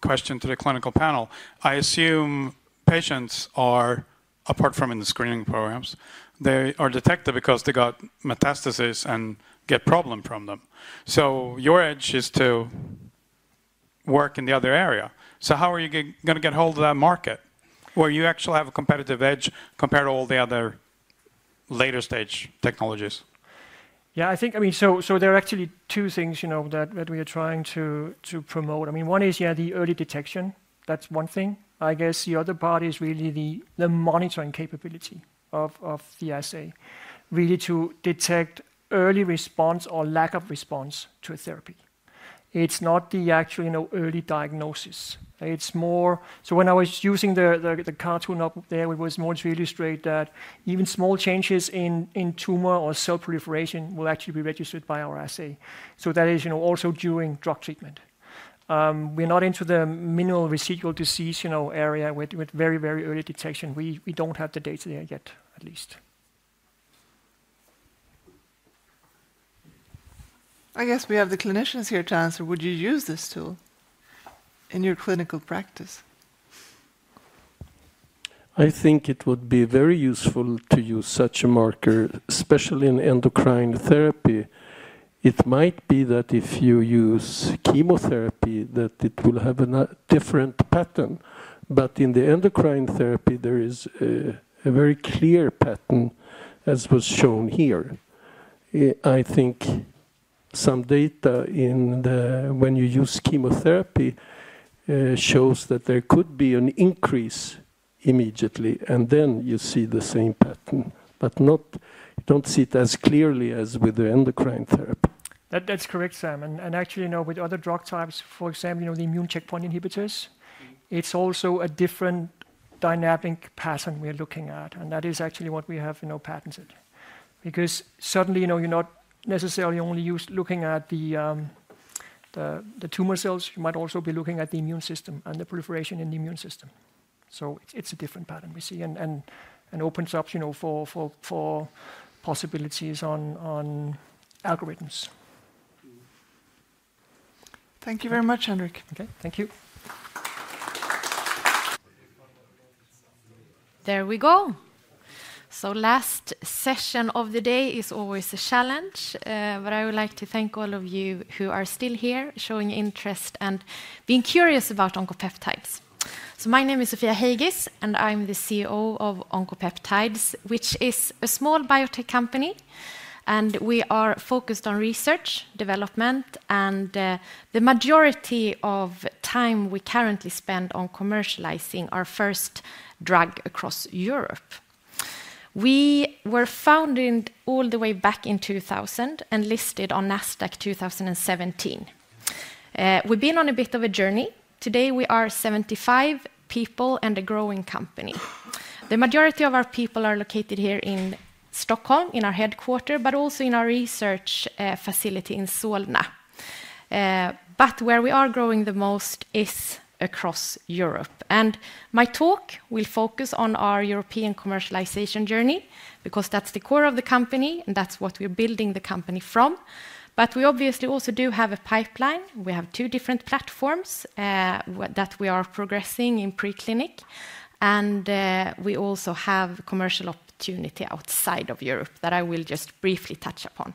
question to the clinical panel. I assume patients are, apart from in the screening programs, they are detected because they got metastasis and get problems from them. So your edge is to work in the other area. So how are you going to get hold of that market where you actually have a competitive edge compared to all the other later stage technologies? Yeah, I think. I mean, so there are actually two things, you know, that we are trying to promote. I mean, one is, yeah, the early detection. That's one thing. I guess the other part is really the monitoring capability of the assay, really to detect early response or lack of response to a therapy. It's not the actual, you know, early diagnosis. It's more. So when I was using the cartoon up there, it was more to illustrate that even small changes in tumor or cell proliferation will actually be registered by our assay. So that is, you know, also during drug treatment. We're not into the minimal residual disease, you know, area with very, very early detection. We don't have the data there yet, at least. I guess we have the clinicians here to answer. Would you use this tool in your clinical practice? I think it would be very useful to use such a marker, especially in endocrine therapy. It might be that if you use chemotherapy, that it will have a different pattern. But in the endocrine therapy, there is a very clear pattern, as was shown here. I think some data in when you use chemotherapy shows that there could be an increase immediately, and then you see the same pattern, but you don't see it as clearly as with the endocrine therapy. That's correct, Sam. And actually, you know, with other drug types, for example, you know, the immune checkpoint inhibitors, it's also a different dynamic pattern we are looking at. And that is actually what we have, you know, patented because suddenly, you know, you're not necessarily only looking at the tumor cells. You might also be looking at the immune system and the proliferation in the immune system. So it's a different pattern we see and opens up, you know, for possibilities on algorithms. Thank you very much, Henrik. Okay, thank you. There we go. So last session of the day is always a challenge, but I would like to thank all of you who are still here showing interest and being curious about Oncopeptides. So my name is Sofia Heigis and I'm the CEO of Oncopeptides, which is a small biotech company. And we are focused on research, development, and the majority of time we currently spend on commercializing our first drug across Europe. We were founded all the way back in 2000 and listed on NASDAQ 2017. We've been on a bit of a journey. Today, we are 75 people and a growing company. The majority of our people are located here in Stockholm, in our headquarters, but also in our research facility in Solna. But where we are growing the most is across Europe. My talk will focus on our European commercialization journey because that's the core of the company and that's what we're building the company from. But we obviously also do have a pipeline. We have two different platforms that we are progressing in preclinical. We also have commercial opportunity outside of Europe that I will just briefly touch upon.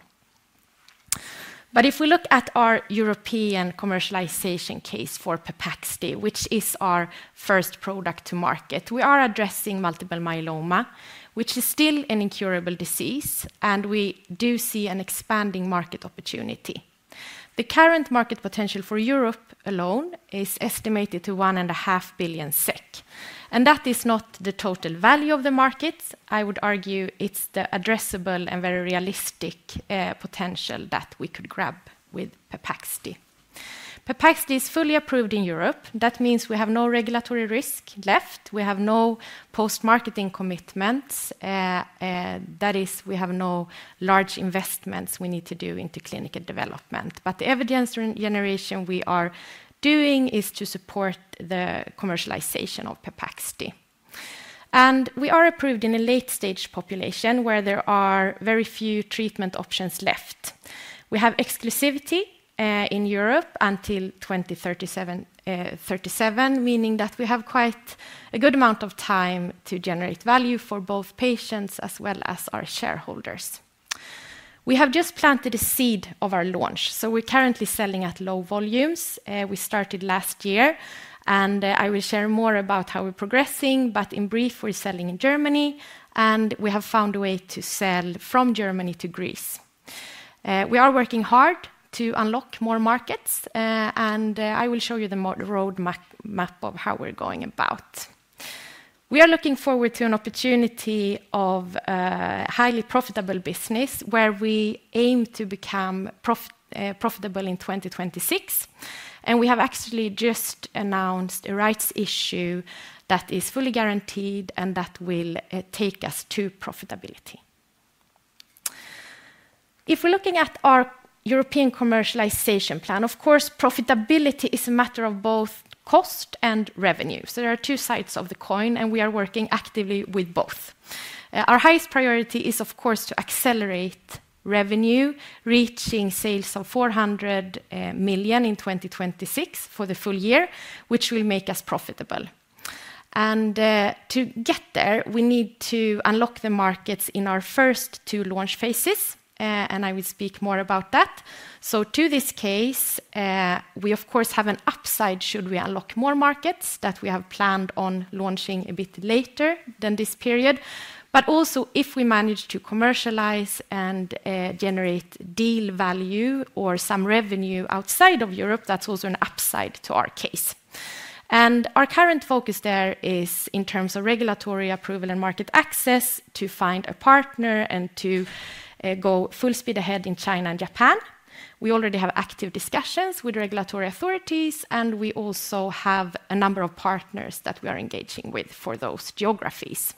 But if we look at our European commercialization case for Pepaxti, which is our first product to market, we are addressing multiple myeloma, which is still an incurable disease, and we do see an expanding market opportunity. The current market potential for Europe alone is estimated to 1.5 billion SEK. And that is not the total value of the market. I would argue it's the addressable and very realistic potential that we could grab with Pepaxti. Pepaxti is fully approved in Europe. That means we have no regulatory risk left. We have no post-marketing commitments. That is, we have no large investments we need to do into clinical development. But the evidence generation we are doing is to support the commercialization of Pepaxti. And we are approved in a late stage population where there are very few treatment options left. We have exclusivity in Europe until 2037, meaning that we have quite a good amount of time to generate value for both patients as well as our shareholders. We have just planted the seed of our launch. So we're currently selling at low volumes. We started last year. And I will share more about how we're progressing. But in brief, we're selling in Germany. And we have found a way to sell from Germany to Greece. We are working hard to unlock more markets. I will show you the roadmap of how we're going about. We are looking forward to an opportunity of highly profitable business where we aim to become profitable in 2026. We have actually just announced a rights issue that is fully guaranteed and that will take us to profitability. If we're looking at our European commercialization plan, of course, profitability is a matter of both cost and revenue. So there are two sides of the coin, and we are working actively with both. Our highest priority is, of course, to accelerate revenue, reaching sales of 400 million in 2026 for the full year, which will make us profitable. To get there, we need to unlock the markets in our first two launch phases. I will speak more about that. So to this case, we, of course, have an upside should we unlock more markets that we have planned on launching a bit later than this period. But also, if we manage to commercialize and generate deal value or some revenue outside of Europe, that's also an upside to our case. And our current focus there is in terms of regulatory approval and market access to find a partner and to go full speed ahead in China and Japan. We already have active discussions with regulatory authorities, and we also have a number of partners that we are engaging with for those geographies.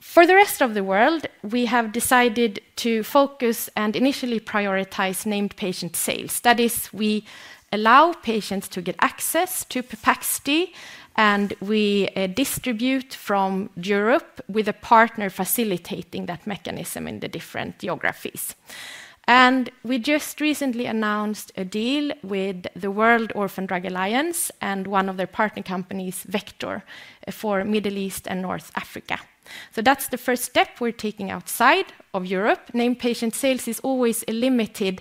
For the rest of the world, we have decided to focus and initially prioritize named patient sales. That is, we allow patients to get access to Pepaxti, and we distribute from Europe with a partner facilitating that mechanism in the different geographies. We just recently announced a deal with the World Orphan Drug Alliance and one of their partner companies, Vector, for Middle East and North Africa. That's the first step we're taking outside of Europe. Named patient sales is always a limited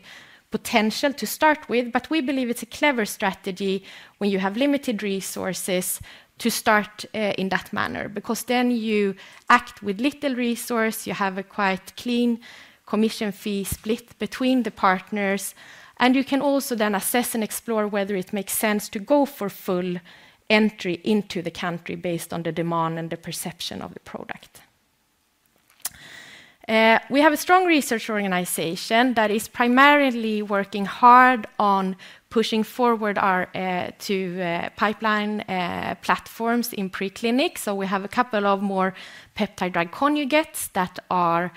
potential to start with, but we believe it's a clever strategy when you have limited resources to start in that manner because then you act with little resource. You have a quite clean commission fee split between the partners, and you can also then assess and explore whether it makes sense to go for full entry into the country based on the demand and the perception of the product. We have a strong research organization that is primarily working hard on pushing forward our two pipeline platforms in preclinical. We have a couple of more peptide drug conjugates that are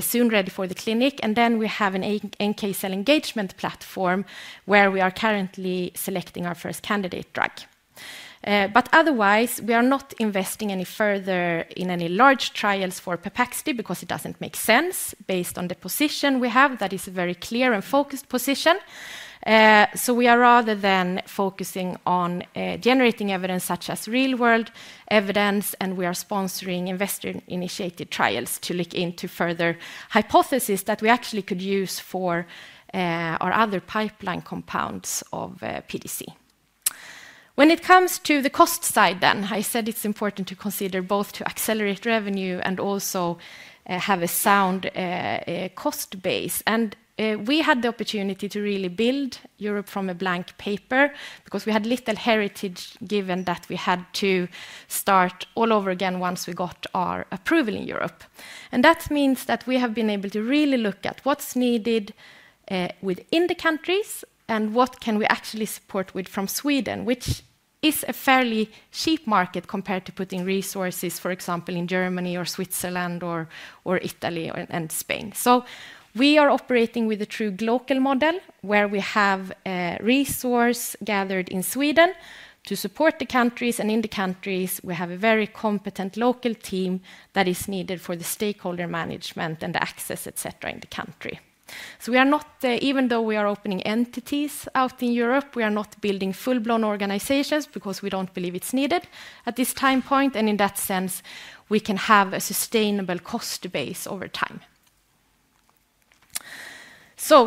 soon ready for the clinic. Then we have an NK cell engagement platform where we are currently selecting our first candidate drug. But otherwise, we are not investing any further in any large trials for Pepaxti because it doesn't make sense based on the position we have. That is a very clear and focused position. So, rather than focusing on generating evidence such as real-world evidence, we are sponsoring investigator-initiated trials to look into further hypotheses that we actually could use for our other pipeline compounds of PDC. When it comes to the cost side then, I said it's important to consider both to accelerate revenue and also have a sound cost base. And we had the opportunity to really build Europe from a blank paper because we had little heritage given that we had to start all over again once we got our approval in Europe. That means that we have been able to really look at what's needed within the countries and what can we actually support with from Sweden, which is a fairly cheap market compared to putting resources, for example, in Germany or Switzerland or Italy and Spain. We are operating with a true local model where we have resource gathered in Sweden to support the countries. In the countries, we have a very competent local team that is needed for the stakeholder management and the access, etc., in the country. We are not, even though we are opening entities out in Europe, we are not building full-blown organizations because we don't believe it's needed at this time point. In that sense, we can have a sustainable cost base over time.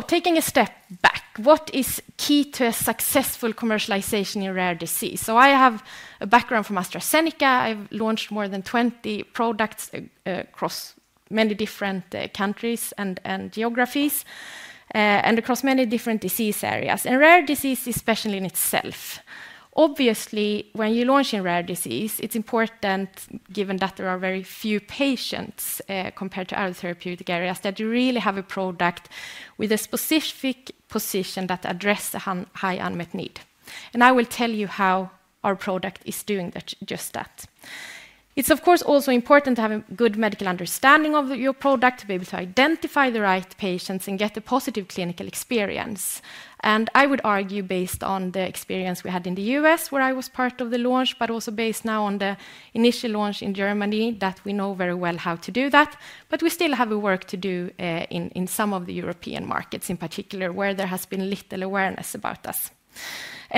Taking a step back, what is key to a successful commercialization in rare disease? I have a background from AstraZeneca. I've launched more than 20 products across many different countries and geographies and across many different disease areas. Rare disease is special in itself. Obviously, when you launch in rare disease, it's important, given that there are very few patients compared to other therapeutic areas, that you really have a product with a specific position that addresses a high unmet need. I will tell you how our product is doing just that. It's, of course, also important to have a good medical understanding of your product, to be able to identify the right patients and get a positive clinical experience. I would argue, based on the experience we had in the U.S. where I was part of the launch, but also based now on the initial launch in Germany, that we know very well how to do that. But we still have a work to do in some of the European markets, in particular, where there has been little awareness about us.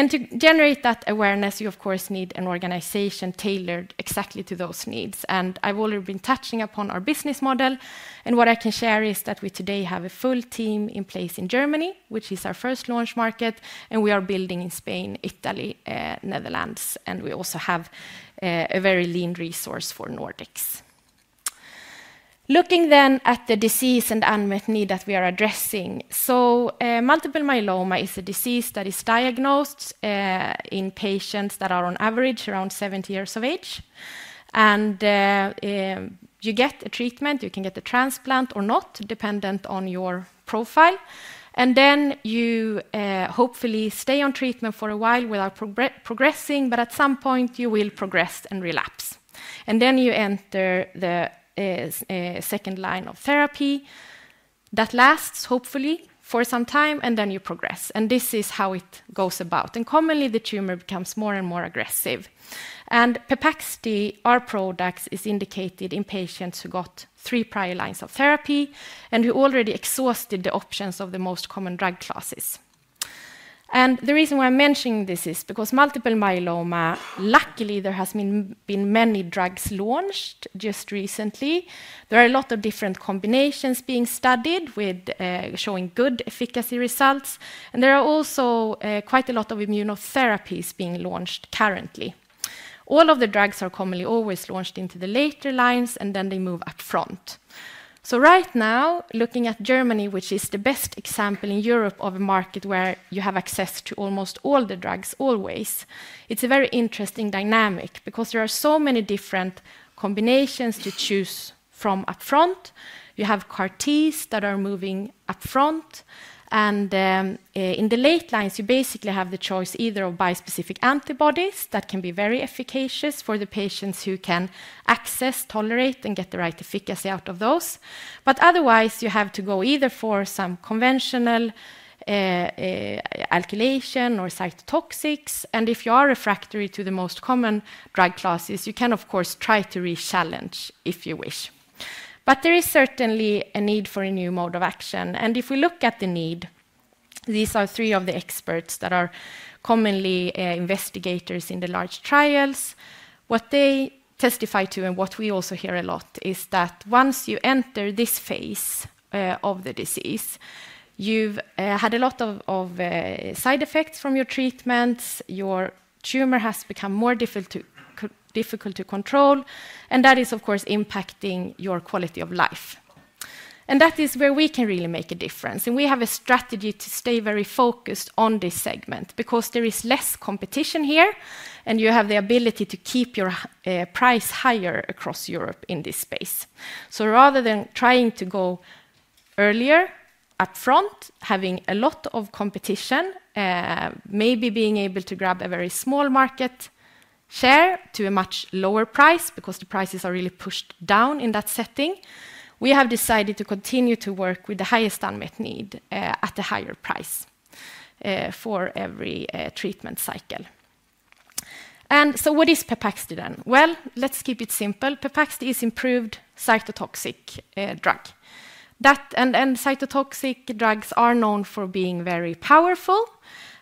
To generate that awareness, you, of course, need an organization tailored exactly to those needs. I've already been touching upon our business model. What I can share is that we today have a full team in place in Germany, which is our first launch market. We are building in Spain, Italy, Netherlands. We also have a very lean resource for Nordics. Looking then at the disease and unmet need that we are addressing, so multiple myeloma is a disease that is diagnosed in patients that are on average around 70 years of age. You get a treatment, you can get a transplant or not, dependent on your profile. Then you hopefully stay on treatment for a while without progressing, but at some point you will progress and relapse. Then you enter the second line of therapy that lasts hopefully for some time, and then you progress. This is how it goes about. Commonly, the tumor becomes more and more aggressive. Pepaxti, our product, is indicated in patients who got three prior lines of therapy and who already exhausted the options of the most common drug classes. The reason why I'm mentioning this is because multiple myeloma, luckily, there have been many drugs launched just recently. There are a lot of different combinations being studied, showing good efficacy results. There are also quite a lot of immunotherapies being launched currently. All of the drugs are commonly always launched into the later lines, and then they move up front. So right now, looking at Germany, which is the best example in Europe of a market where you have access to almost all the drugs always, it's a very interesting dynamic because there are so many different combinations to choose from up front. You have CAR-Ts that are moving up front. And in the late lines, you basically have the choice either of bispecific antibodies that can be very efficacious for the patients who can access, tolerate, and get the right efficacy out of those. But otherwise, you have to go either for some conventional calculation or cytotoxics. And if you are refractory to the most common drug classes, you can, of course, try to rechallenge if you wish. But there is certainly a need for a new mode of action. If we look at the need, these are three of the experts that are commonly investigators in the large trials. What they testify to and what we also hear a lot is that once you enter this phase of the disease, you've had a lot of side effects from your treatments. Your tumor has become more difficult to control. And that is, of course, impacting your quality of life. And that is where we can really make a difference. And we have a strategy to stay very focused on this segment because there is less competition here, and you have the ability to keep your price higher across Europe in this space. So rather than trying to go earlier, up front, having a lot of competition, maybe being able to grab a very small market share to a much lower price because the prices are really pushed down in that setting, we have decided to continue to work with the highest unmet need at the higher price for every treatment cycle. And so what is Pepaxti then? Well, let's keep it simple. Pepaxti is an improved cytotoxic drug. That and cytotoxic drugs are known for being very powerful.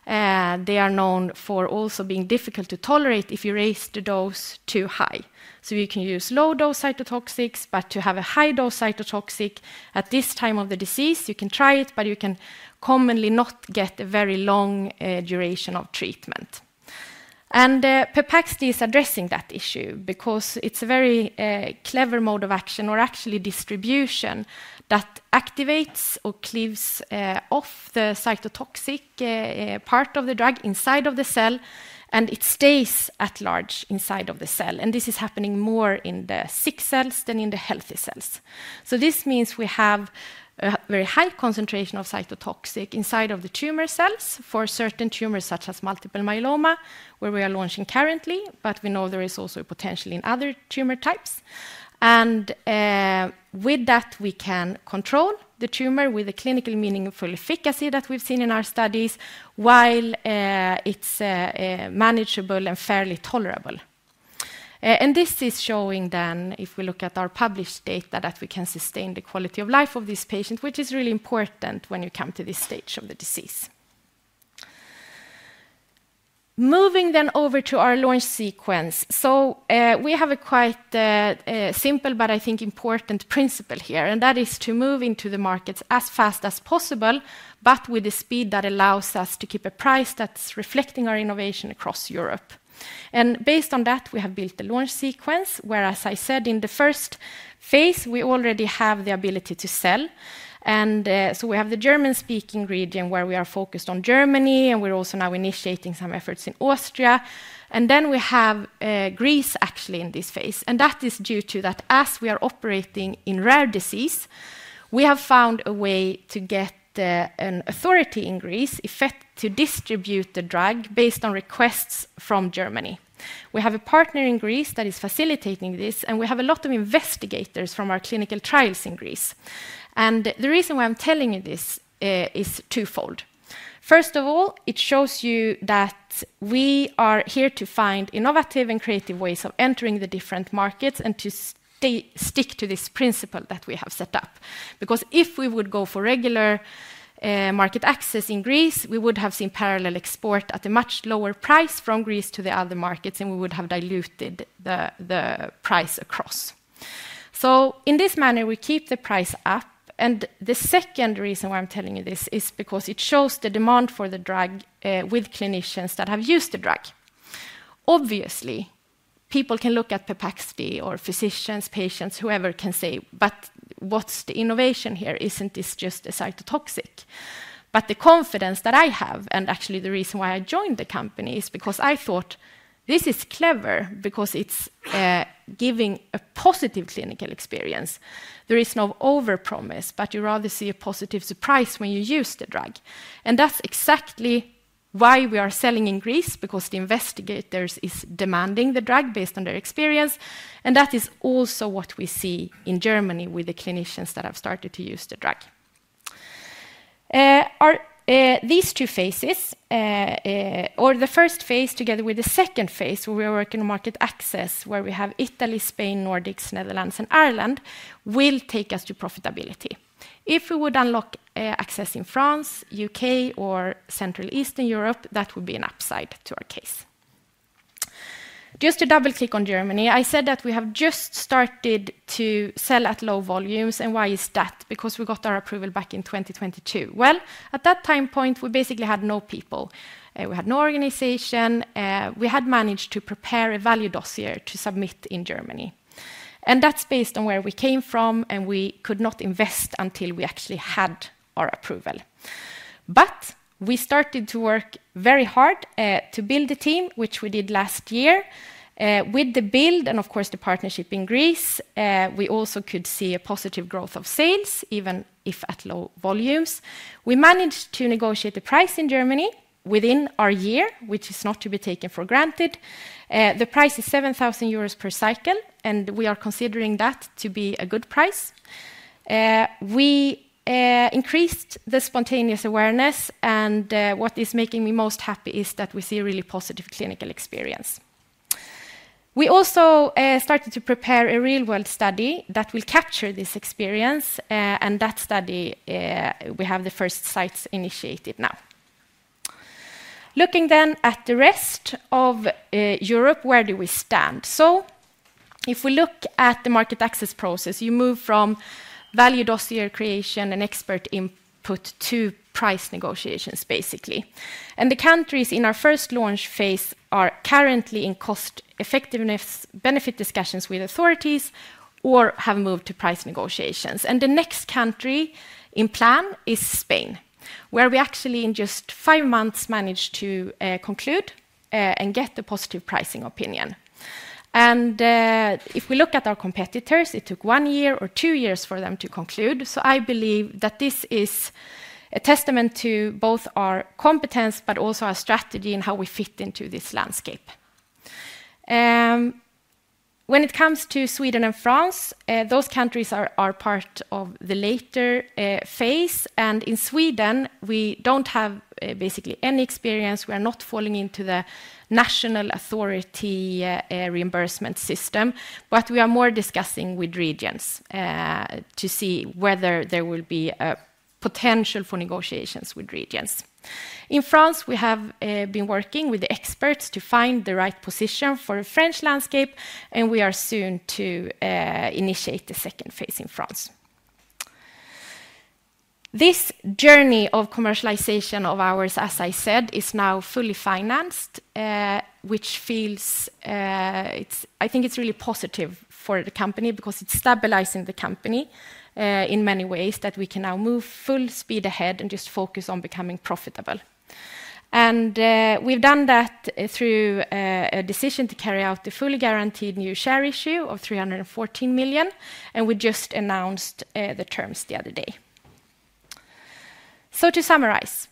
They are known for also being difficult to tolerate if you raise the dose too high. So you can use low-dose cytotoxics, but to have a high-dose cytotoxic at this time of the disease, you can try it, but you can commonly not get a very long duration of treatment. Pepaxti is addressing that issue because it's a very clever mode of action or actually distribution that activates or cleaves off the cytotoxic part of the drug inside of the cell, and it stays at large inside of the cell. This is happening more in the sick cells than in the healthy cells. So this means we have a very high concentration of cytotoxic inside of the tumor cells for certain tumors such as multiple myeloma, where we are launching currently, but we know there is also potential in other tumor types. And with that, we can control the tumor with the clinically meaningful efficacy that we've seen in our studies while it's manageable and fairly tolerable. This is showing then, if we look at our published data, that we can sustain the quality of life of this patient, which is really important when you come to this stage of the disease. Moving then over to our launch sequence. We have a quite simple, but I think important principle here, and that is to move into the markets as fast as possible, but with a speed that allows us to keep a price that's reflecting our innovation across Europe. Based on that, we have built a launch sequence where, as I said, in the first phase, we already have the ability to sell. So we have the German-speaking region where we are focused on Germany, and we're also now initiating some efforts in Austria. Then we have Greece, actually, in this phase. That is due to that, as we are operating in rare disease, we have found a way to get an authority in Greece to distribute the drug based on requests from Germany. We have a partner in Greece that is facilitating this, and we have a lot of investigators from our clinical trials in Greece. The reason why I'm telling you this is twofold. First of all, it shows you that we are here to find innovative and creative ways of entering the different markets and t stick to this principle that we have set up. Because if we would go for regular market access in Greece, we would have seen parallel export at a much lower price from Greece to the other markets, and we would have diluted the price across. In this manner, we keep the price up. The second reason why I'm telling you this is because it shows the demand for the drug with clinicians that have used the drug. Obviously, people can look at Pepaxti or physicians, patients, whoever can say, but what's the innovation here? Isn't this just a cytotoxic? The confidence that I have, and actually the reason why I joined the company, is because I thought this is clever because it's giving a positive clinical experience. There is no overpromise, but you rather see a positive surprise when you use the drug. That's exactly why we are selling in Greece, because the investigators are demanding the drug based on their experience. That is also what we see in Germany with the clinicians that have started to use the drug. These two phases, or the first phase together with the second phase where we are working on market access, where we have Italy, Spain, Nordics, Netherlands, and Ireland, will take us to profitability. If we would unlock access in France, UK, or Central Eastern Europe, that would be an upside to our case. Just to double-click on Germany, I said that we have just started to sell at low volumes. And why is that? Because we got our approval back in 2022. Well, at that time point, we basically had no people. We had no organization. We had managed to prepare a value dossier to submit in Germany. And that's based on where we came from, and we could not invest until we actually had our approval. But we started to work very hard to build a team, which we did last year. With the build and, of course, the partnership in Greece, we also could see a positive growth of sales, even if at low volumes. We managed to negotiate a price in Germany within our year, which is not to be taken for granted. The price is 7,000 euros per cycle, and we are considering that to be a good price. We increased the spontaneous awareness, and what is making me most happy is that we see a really positive clinical experience. We also started to prepare a real-world study that will capture this experience, and that study, we have the first sites initiated now. Looking then at the rest of Europe, where do we stand? So if we look at the market access process, you move from value dossier creation and expert input to price negotiations, basically. The countries in our first launch phase are currently in cost-effectiveness benefit discussions with authorities or have moved to price negotiations. The next country in plan is Spain, where we actually, in just five months, managed to conclude and get a positive pricing opinion. If we look at our competitors, it took one year or two years for them to conclude. So I believe that this is a testament to both our competence, but also our strategy in how we fit into this landscape. When it comes to Sweden and France, those countries are part of the later phase. In Sweden, we don't have basically any experience. We are not falling into the national authority reimbursement system. But we are discussing with regions to see whether there will be a potential for negotiations with regions. In France, we have been working with the experts to find the right position for the French landscape, and we are soon to initiate the second phase in France. This journey of commercialization of ours, as I said, is now fully financed, which feels, it's I think it's really positive for the company because it's stabilizing the company, in many ways, that we can now move full speed ahead and just focus on becoming profitable. We've done that through a decision to carry out the fully guaranteed new share issue of 314 million. We just announced the terms the other day. To summarize,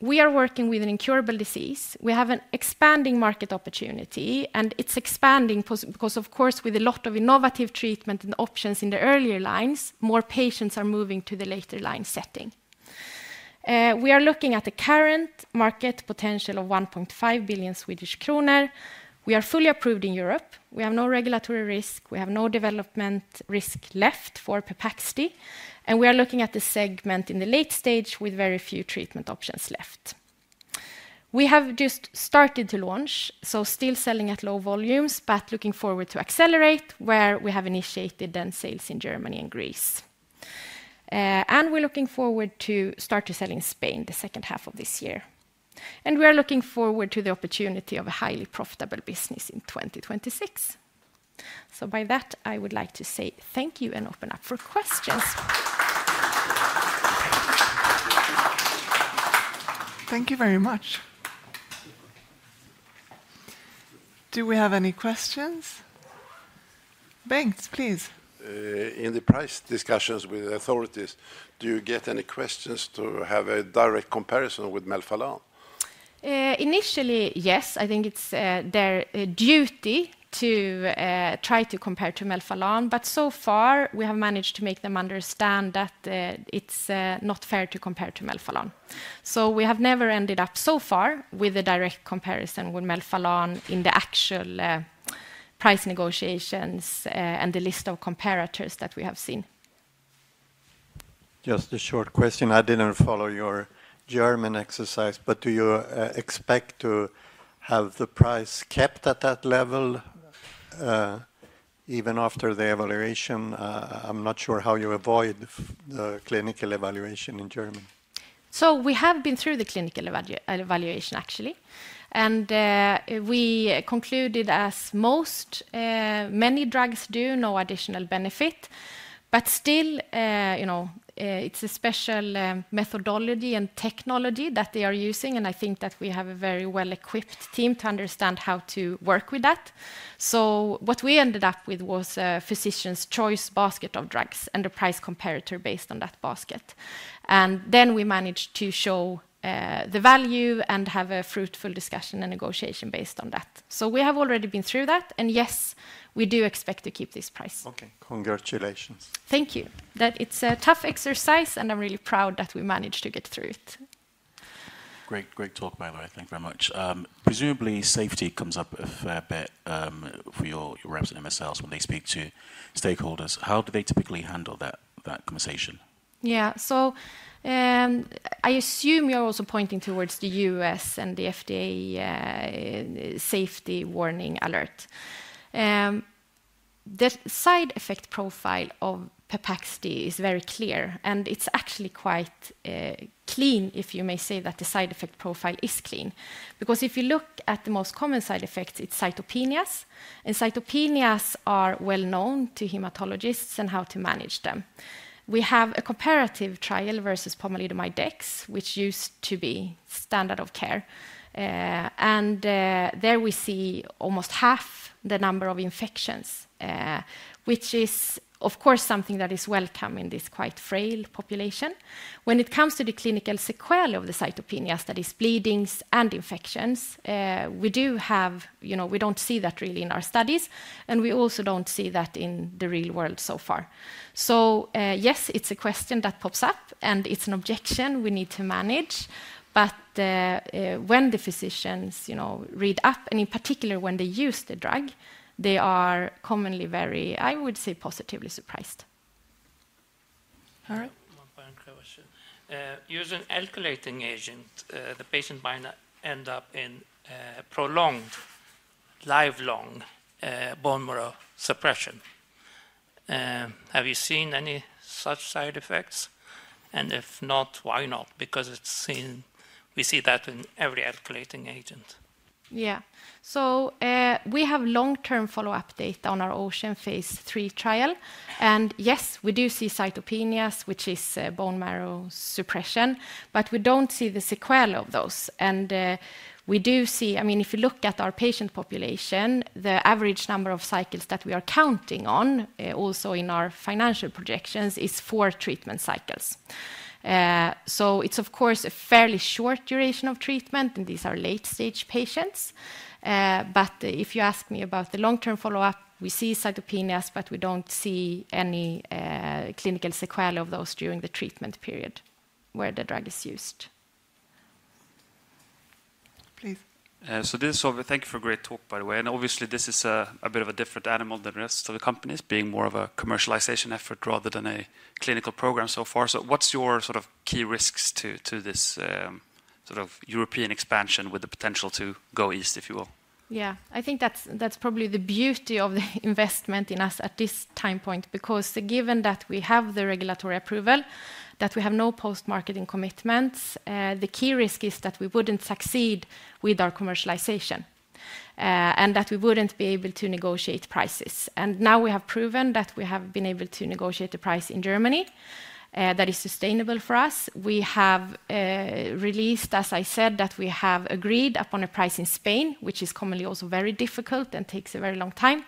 we are working with an incurable disease. We have an expanding market opportunity, and it's expanding because, of course, with a lot of innovative treatment and options in the earlier lines, more patients are moving to the later line setting. We are looking at the current market potential of 1.5 billion Swedish kronor. We are fully approved in Europe. We have no regulatory risk. We have no development risk left for Pepaxti. We are looking at the segment in the late stage with very few treatment options left. We have just started to launch, so still selling at low volumes, but looking forward to accelerate, where we have initiated the sales in Germany and Greece. We're looking forward to start to sell in Spain the second half of this year. We are looking forward to the opportunity of a highly profitable business in 2026. By that, I would like to say thank you and open up for questions. Thank you very much. Do we have any questions? Bengt, please. In the price discussions with the authorities, do you get any questions to have a direct comparison with melphalan? Initially, yes. I think it's their duty to try to compare to melphalan. But so far, we have managed to make them understand that it's not fair to compare to melphalan. So we have never ended up so far with a direct comparison with melphalan in the actual price negotiations and the list of comparators that we have seen. Just a short question. I didn't follow your German experience, but do you expect to have the price kept at that level? Even after the evaluation, I'm not sure how you avoid the clinical evaluation in Germany. So we have been through the clinical evaluation, actually. And we concluded as most, many drugs do, no additional benefit. But still, you know, it's a special methodology and technology that they are using. I think that we have a very well-equipped team to understand how to work with that. What we ended up with was a physician's choice basket of drugs and a price comparator based on that basket. Then we managed to show the value and have a fruitful discussion and negotiation based on that. We have already been through that. Yes, we do expect to keep this price. Okay, congratulations. Thank you. That it's a tough exercise, and I'm really proud that we managed to get through it. Great, great talk, Sofia. I thank you very much. Presumably, safety comes up a fair bit for your representatives when they speak to stakeholders. How do they typically handle that conversation? Yeah, so, I assume you're also pointing towards the U.S. and the FDA, safety warning alert. The side effect profile of Pepaxti is very clear, and it's actually quite clean if you may say that the side effect profile is clean. Because if you look at the most common side effects, it's cytopenias. Cytopenias are well known to hematologists and how to manage them. We have a comparative trial versus pomalidomide dex, which used to be standard of care, and there we see almost half the number of infections, which is, of course, something that is welcome in this quite frail population. When it comes to the clinical sequelae of the cytopenias, that is bleedings and infections, we do have, you know, we don't see that really in our studies, and we also don't see that in the real world so far. So, yes, it's a question that pops up, and it's an objection we need to manage. When the physicians, you know, read up, and in particular when they use the drug, they are commonly very, I would say, positively surprised. Harald? One final question. Use an alkylating agent, the patient might end up in prolonged, lifelong bone marrow suppression. Have you seen any such side effects? And if not, why not? Because it's seen we see that in every alkylating agent. Yeah, so we have long-term follow-up data on our OCEAN phase III trial. And yes, we do see cytopenias, which is bone marrow suppression, but we don't see the sequelae of those. And we do see, I mean, if you look at our patient population, the average number of cycles that we are counting on, also in our financial projections, is four treatment cycles. So it's, of course, a fairly short duration of treatment, and these are late-stage patients. But if you ask me about the long-term follow-up, we see cytopenias, but we don't see any clinical sequelae of those during the treatment period where the drug is used. Please. So this, thank you for a great talk, by the way. And obviously, this is a bit of a different animal than the rest of the companies, being more of a commercialization effort rather than a clinical program so far. So what's your sort of key risks to this sort of European expansion with the potential to go east, if you will? Yeah, I think that's probably the beauty of the investment in us at this time point, because given that we have the regulatory approval, that we have no post-marketing commitments, the key risk is that we wouldn't succeed with our commercialization and that we wouldn't be able to negotiate prices. Now we have proven that we have been able to negotiate the price in Germany that is sustainable for us. We have released, as I said, that we have agreed upon a price in Spain, which is commonly also very difficult and takes a very long time.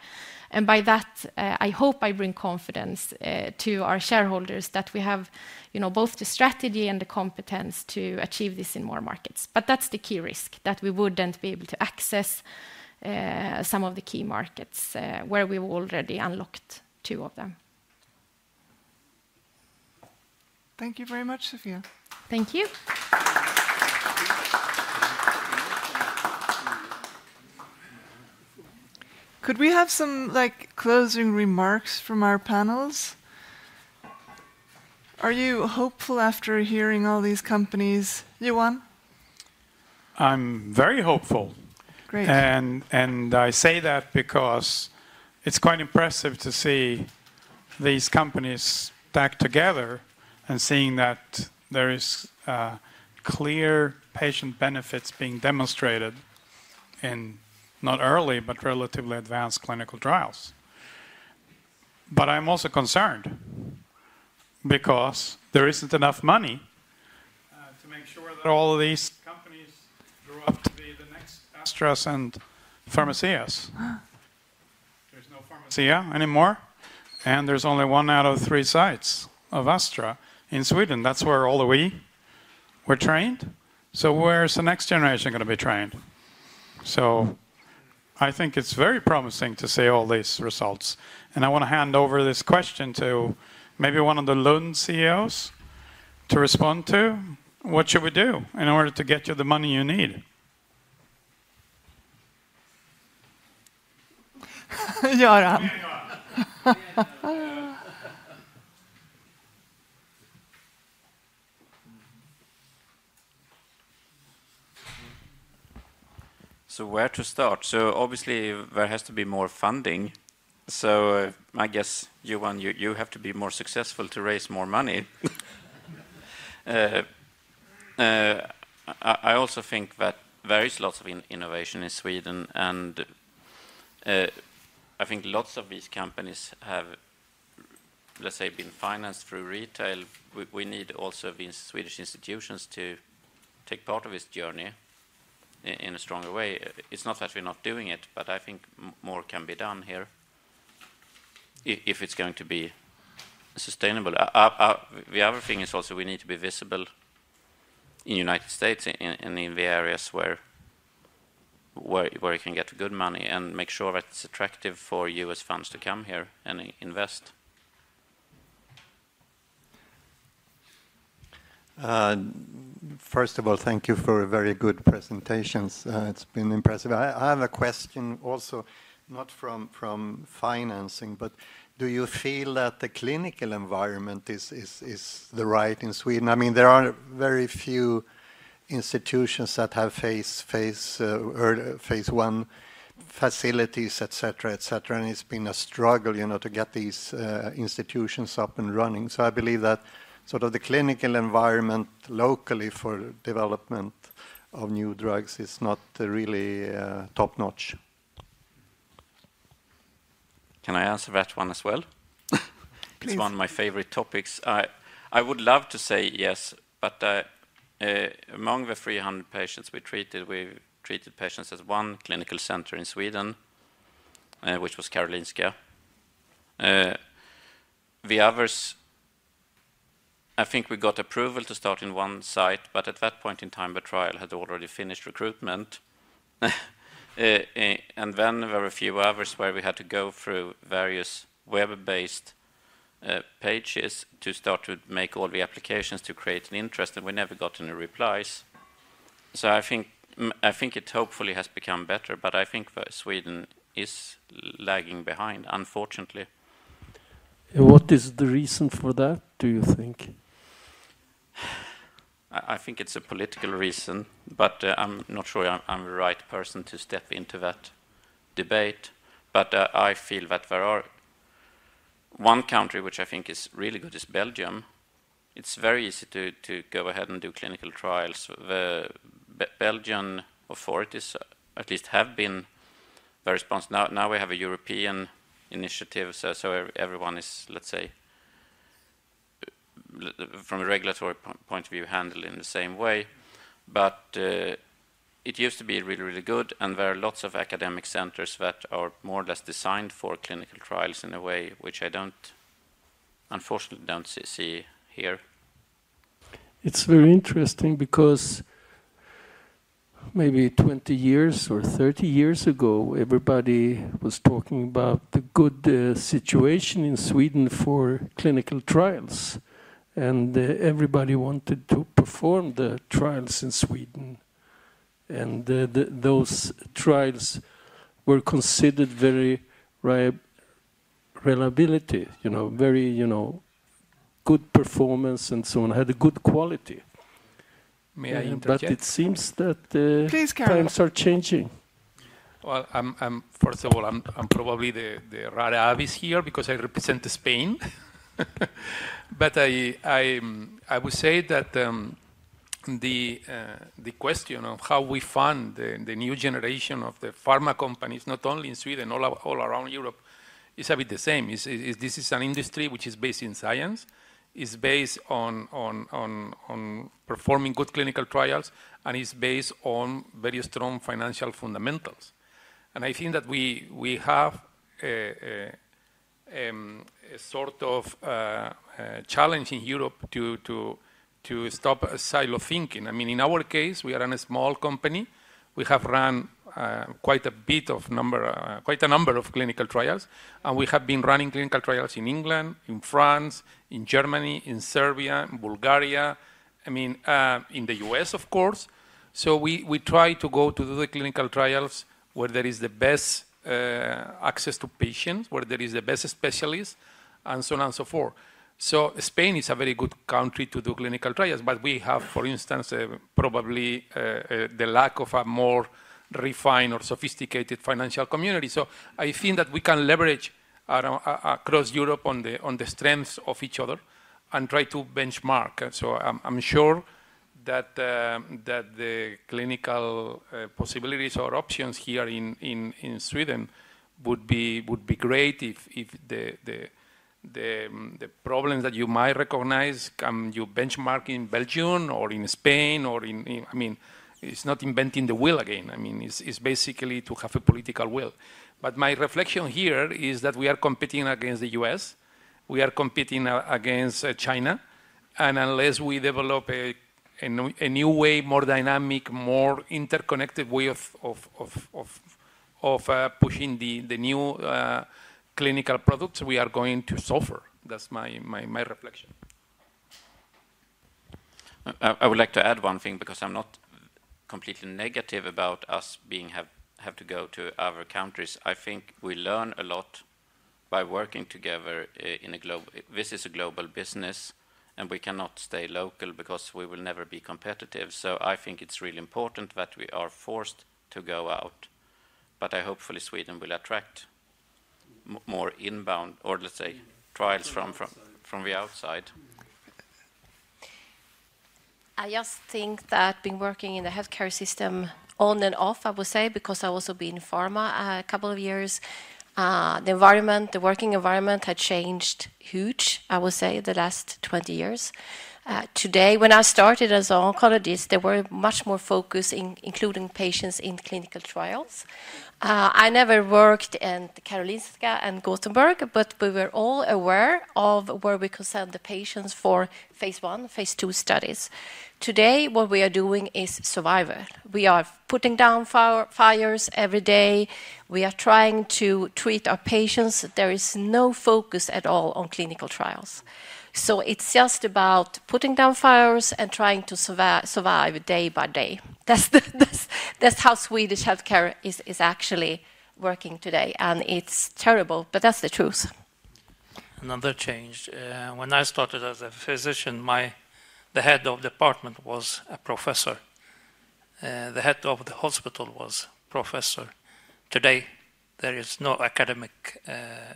By that, I hope I bring confidence to our shareholders that we have both the strategy and the competence to achieve this in more markets. But that's the key risk, that we wouldn't be able to access some of the key markets where we've already unlocked two of them. Thank you very much, Sofia. Thank you. Could we have some closing remarks from our panelists? Are you hopeful after hearing all these companies? Göran? I'm very hopeful. Great. And I say that because it's quite impressive to see these companies stick together and seeing that there are clear patient benefits being demonstrated in not early, but relatively advanced clinical trials. But I'm also concerned because there isn't enough money to make sure that all of these companies grow up to be the next Astra and Pharmacia. There's no pharmaceuticals anymore. And there's only one out of three sites of Astra in Sweden. That's where all of we were trained. So where's the next generation going to be trained? So I think it's very promising to see all these results. And I want to hand over this question to maybe one of the Lund CEOs to respond to. What should we do in order to get you the money you need? Göran. So where to start? So obviously, there has to be more funding. I guess, Johan, you have to be more successful to raise more money. I also think that there is lots of innovation in Sweden. I think lots of these companies have, let's say, been financed through retail. We need also these Swedish institutions to take part of this journey in a stronger way. It's not that we're not doing it, but I think more can be done here if it's going to be sustainable. The other thing is also we need to be visible in the United States and in the areas where it can get good money and make sure that it's attractive for U.S. funds to come here and invest. First of all, thank you for very good presentations. It's been impressive. I have a question also, not from financing, but do you feel that the clinical environment is the right in Sweden? I mean, there are very few institutions that have phase one facilities, et cetera, et cetera. And it's been a struggle to get these institutions up and running. So I believe that sort of the clinical environment locally for development of new drugs is not really top-notch. Can I answer that one as well? It's one of my favorite topics. I would love to say yes, but among the 300 patients we treated, we treated patients at one clinical center in Sweden, which was Karolinska. The others, I think we got approval to start in one site, but at that point in time, the trial had already finished recruitment. And then there were a few others where we had to go through various web-based pages to start to make all the applications to create an interest. And we never got any replies. I think it hopefully has become better, but I think Sweden is lagging behind, unfortunately. What is the reason for that, do you think? I think it's a political reason, but I'm not sure I'm the right person to step into that debate. I feel that there are one country which I think is really good, is Belgium. It's very easy to go ahead and do clinical trials. The Belgian authorities at least have been very responsive. Now we have a European initiative, so everyone is, let's say, from a regulatory point of view, handled in the same way. But it used to be really, really good. There are lots of academic centers that are more or less designed for clinical trials in a way which I don't, unfortunately, see here. It's very interesting because maybe 20 years or 30 years ago, everybody was talking about the good situation in Sweden for clinical trials. Everybody wanted to perform the trials in Sweden. Those trials were considered very reliable, very good performance, and so on, had a good quality. May I interject? It seems that times are changing. Well, first of all, I'm probably the rara avis here because I represent Spain. I would say that the question of how we fund the new generation of the pharma companies, not only in Sweden, all around Europe, is a bit the same. This is an industry which is based in science. It's based on performing good clinical trials. It's based on very strong financial fundamentals. I think that we have a sort of challenge in Europe to stop a silo thinking. I mean, in our case, we are a small company. We have run quite a number of clinical trials. We have been running clinical trials in England, in France, in Germany, in Serbia, in Bulgaria, I mean, in the U.S., of course. We try to do the clinical trials where there is the best access to patients, where there is the best specialists, and so on and so forth. Spain is a very good country to do clinical trials. But we have, for instance, probably the lack of a more refined or sophisticated financial community. So I think that we can leverage across Europe on the strengths of each other and try to benchmark. So I'm sure that the clinical possibilities or options here in Sweden would be great if the problems that you might recognize, you benchmark in Belgium or in Spain or in, I mean, it's not inventing the wheel again. I mean, it's basically to have a political will. But my reflection here is that we are competing against the U.S. We are competing against China. And unless we develop a new way, more dynamic, more interconnected way of pushing the new clinical products, we are going to suffer. That's my reflection. I would like to add one thing because I'm not completely negative about us being have to go to other countries. I think we learn a lot by working together in a global this is a global business. And we cannot stay local because we will never be competitive. So I think it's really important that we are forced to go out. But I hopefully Sweden will attract more inbound or, let's say, trials from the outside. I just think that being working in the healthcare system on and off, I would say, because I've also been in pharma a couple of years, the environment, the working environment had changed huge, I would say, the last 20 years. Today, when I started as an oncologist, there was much more focus, including patients in clinical trials. I never worked in Karolinska and Gothenburg, but we were all aware of where we could send the patients for phase one, phase two studies. Today, what we are doing is survival. We are putting down fires every day. We are trying to treat our patients. There is no focus at all on clinical trials. It's just about putting down fires and trying to survive day by day. That's how Swedish healthcare is actually working today. It's terrible, but that's the truth. Another change. When I started as a physician, the head of department was a professor. The head of the hospital was a professor. Today, there is no academic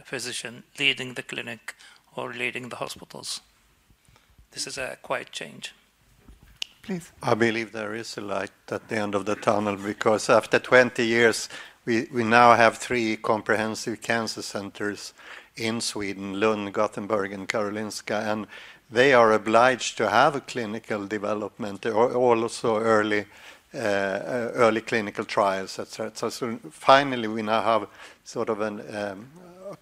physician leading the clinic or leading the hospitals. This is a quiet change. Please. I believe there is a light at the end of the tunnel because after 20 years, we now have three comprehensive cancer centers in Sweden: Lund, Gothenburg, and Karolinska. They are obliged to have a clinical development or also early clinical trials, et cetera. Finally, we now have sort of a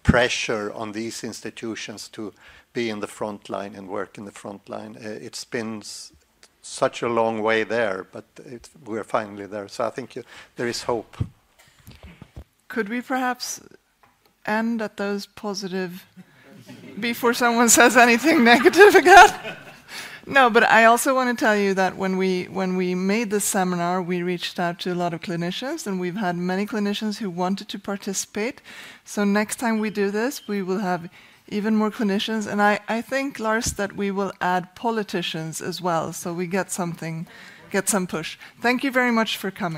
pressure on these institutions to be in the front line and work in the front line. It spins such a long way there, but we're finally there. So I think there is hope. Could we perhaps end at those positive before someone says anything negative again? No, but I also want to tell you that when we made this seminar, we reached out to a lot of clinicians. And we've had many clinicians who wanted to participate. So next time we do this, we will have even more clinicians. And I think, Lars, that we will add politicians as well so we get some push. Thank you very much for coming.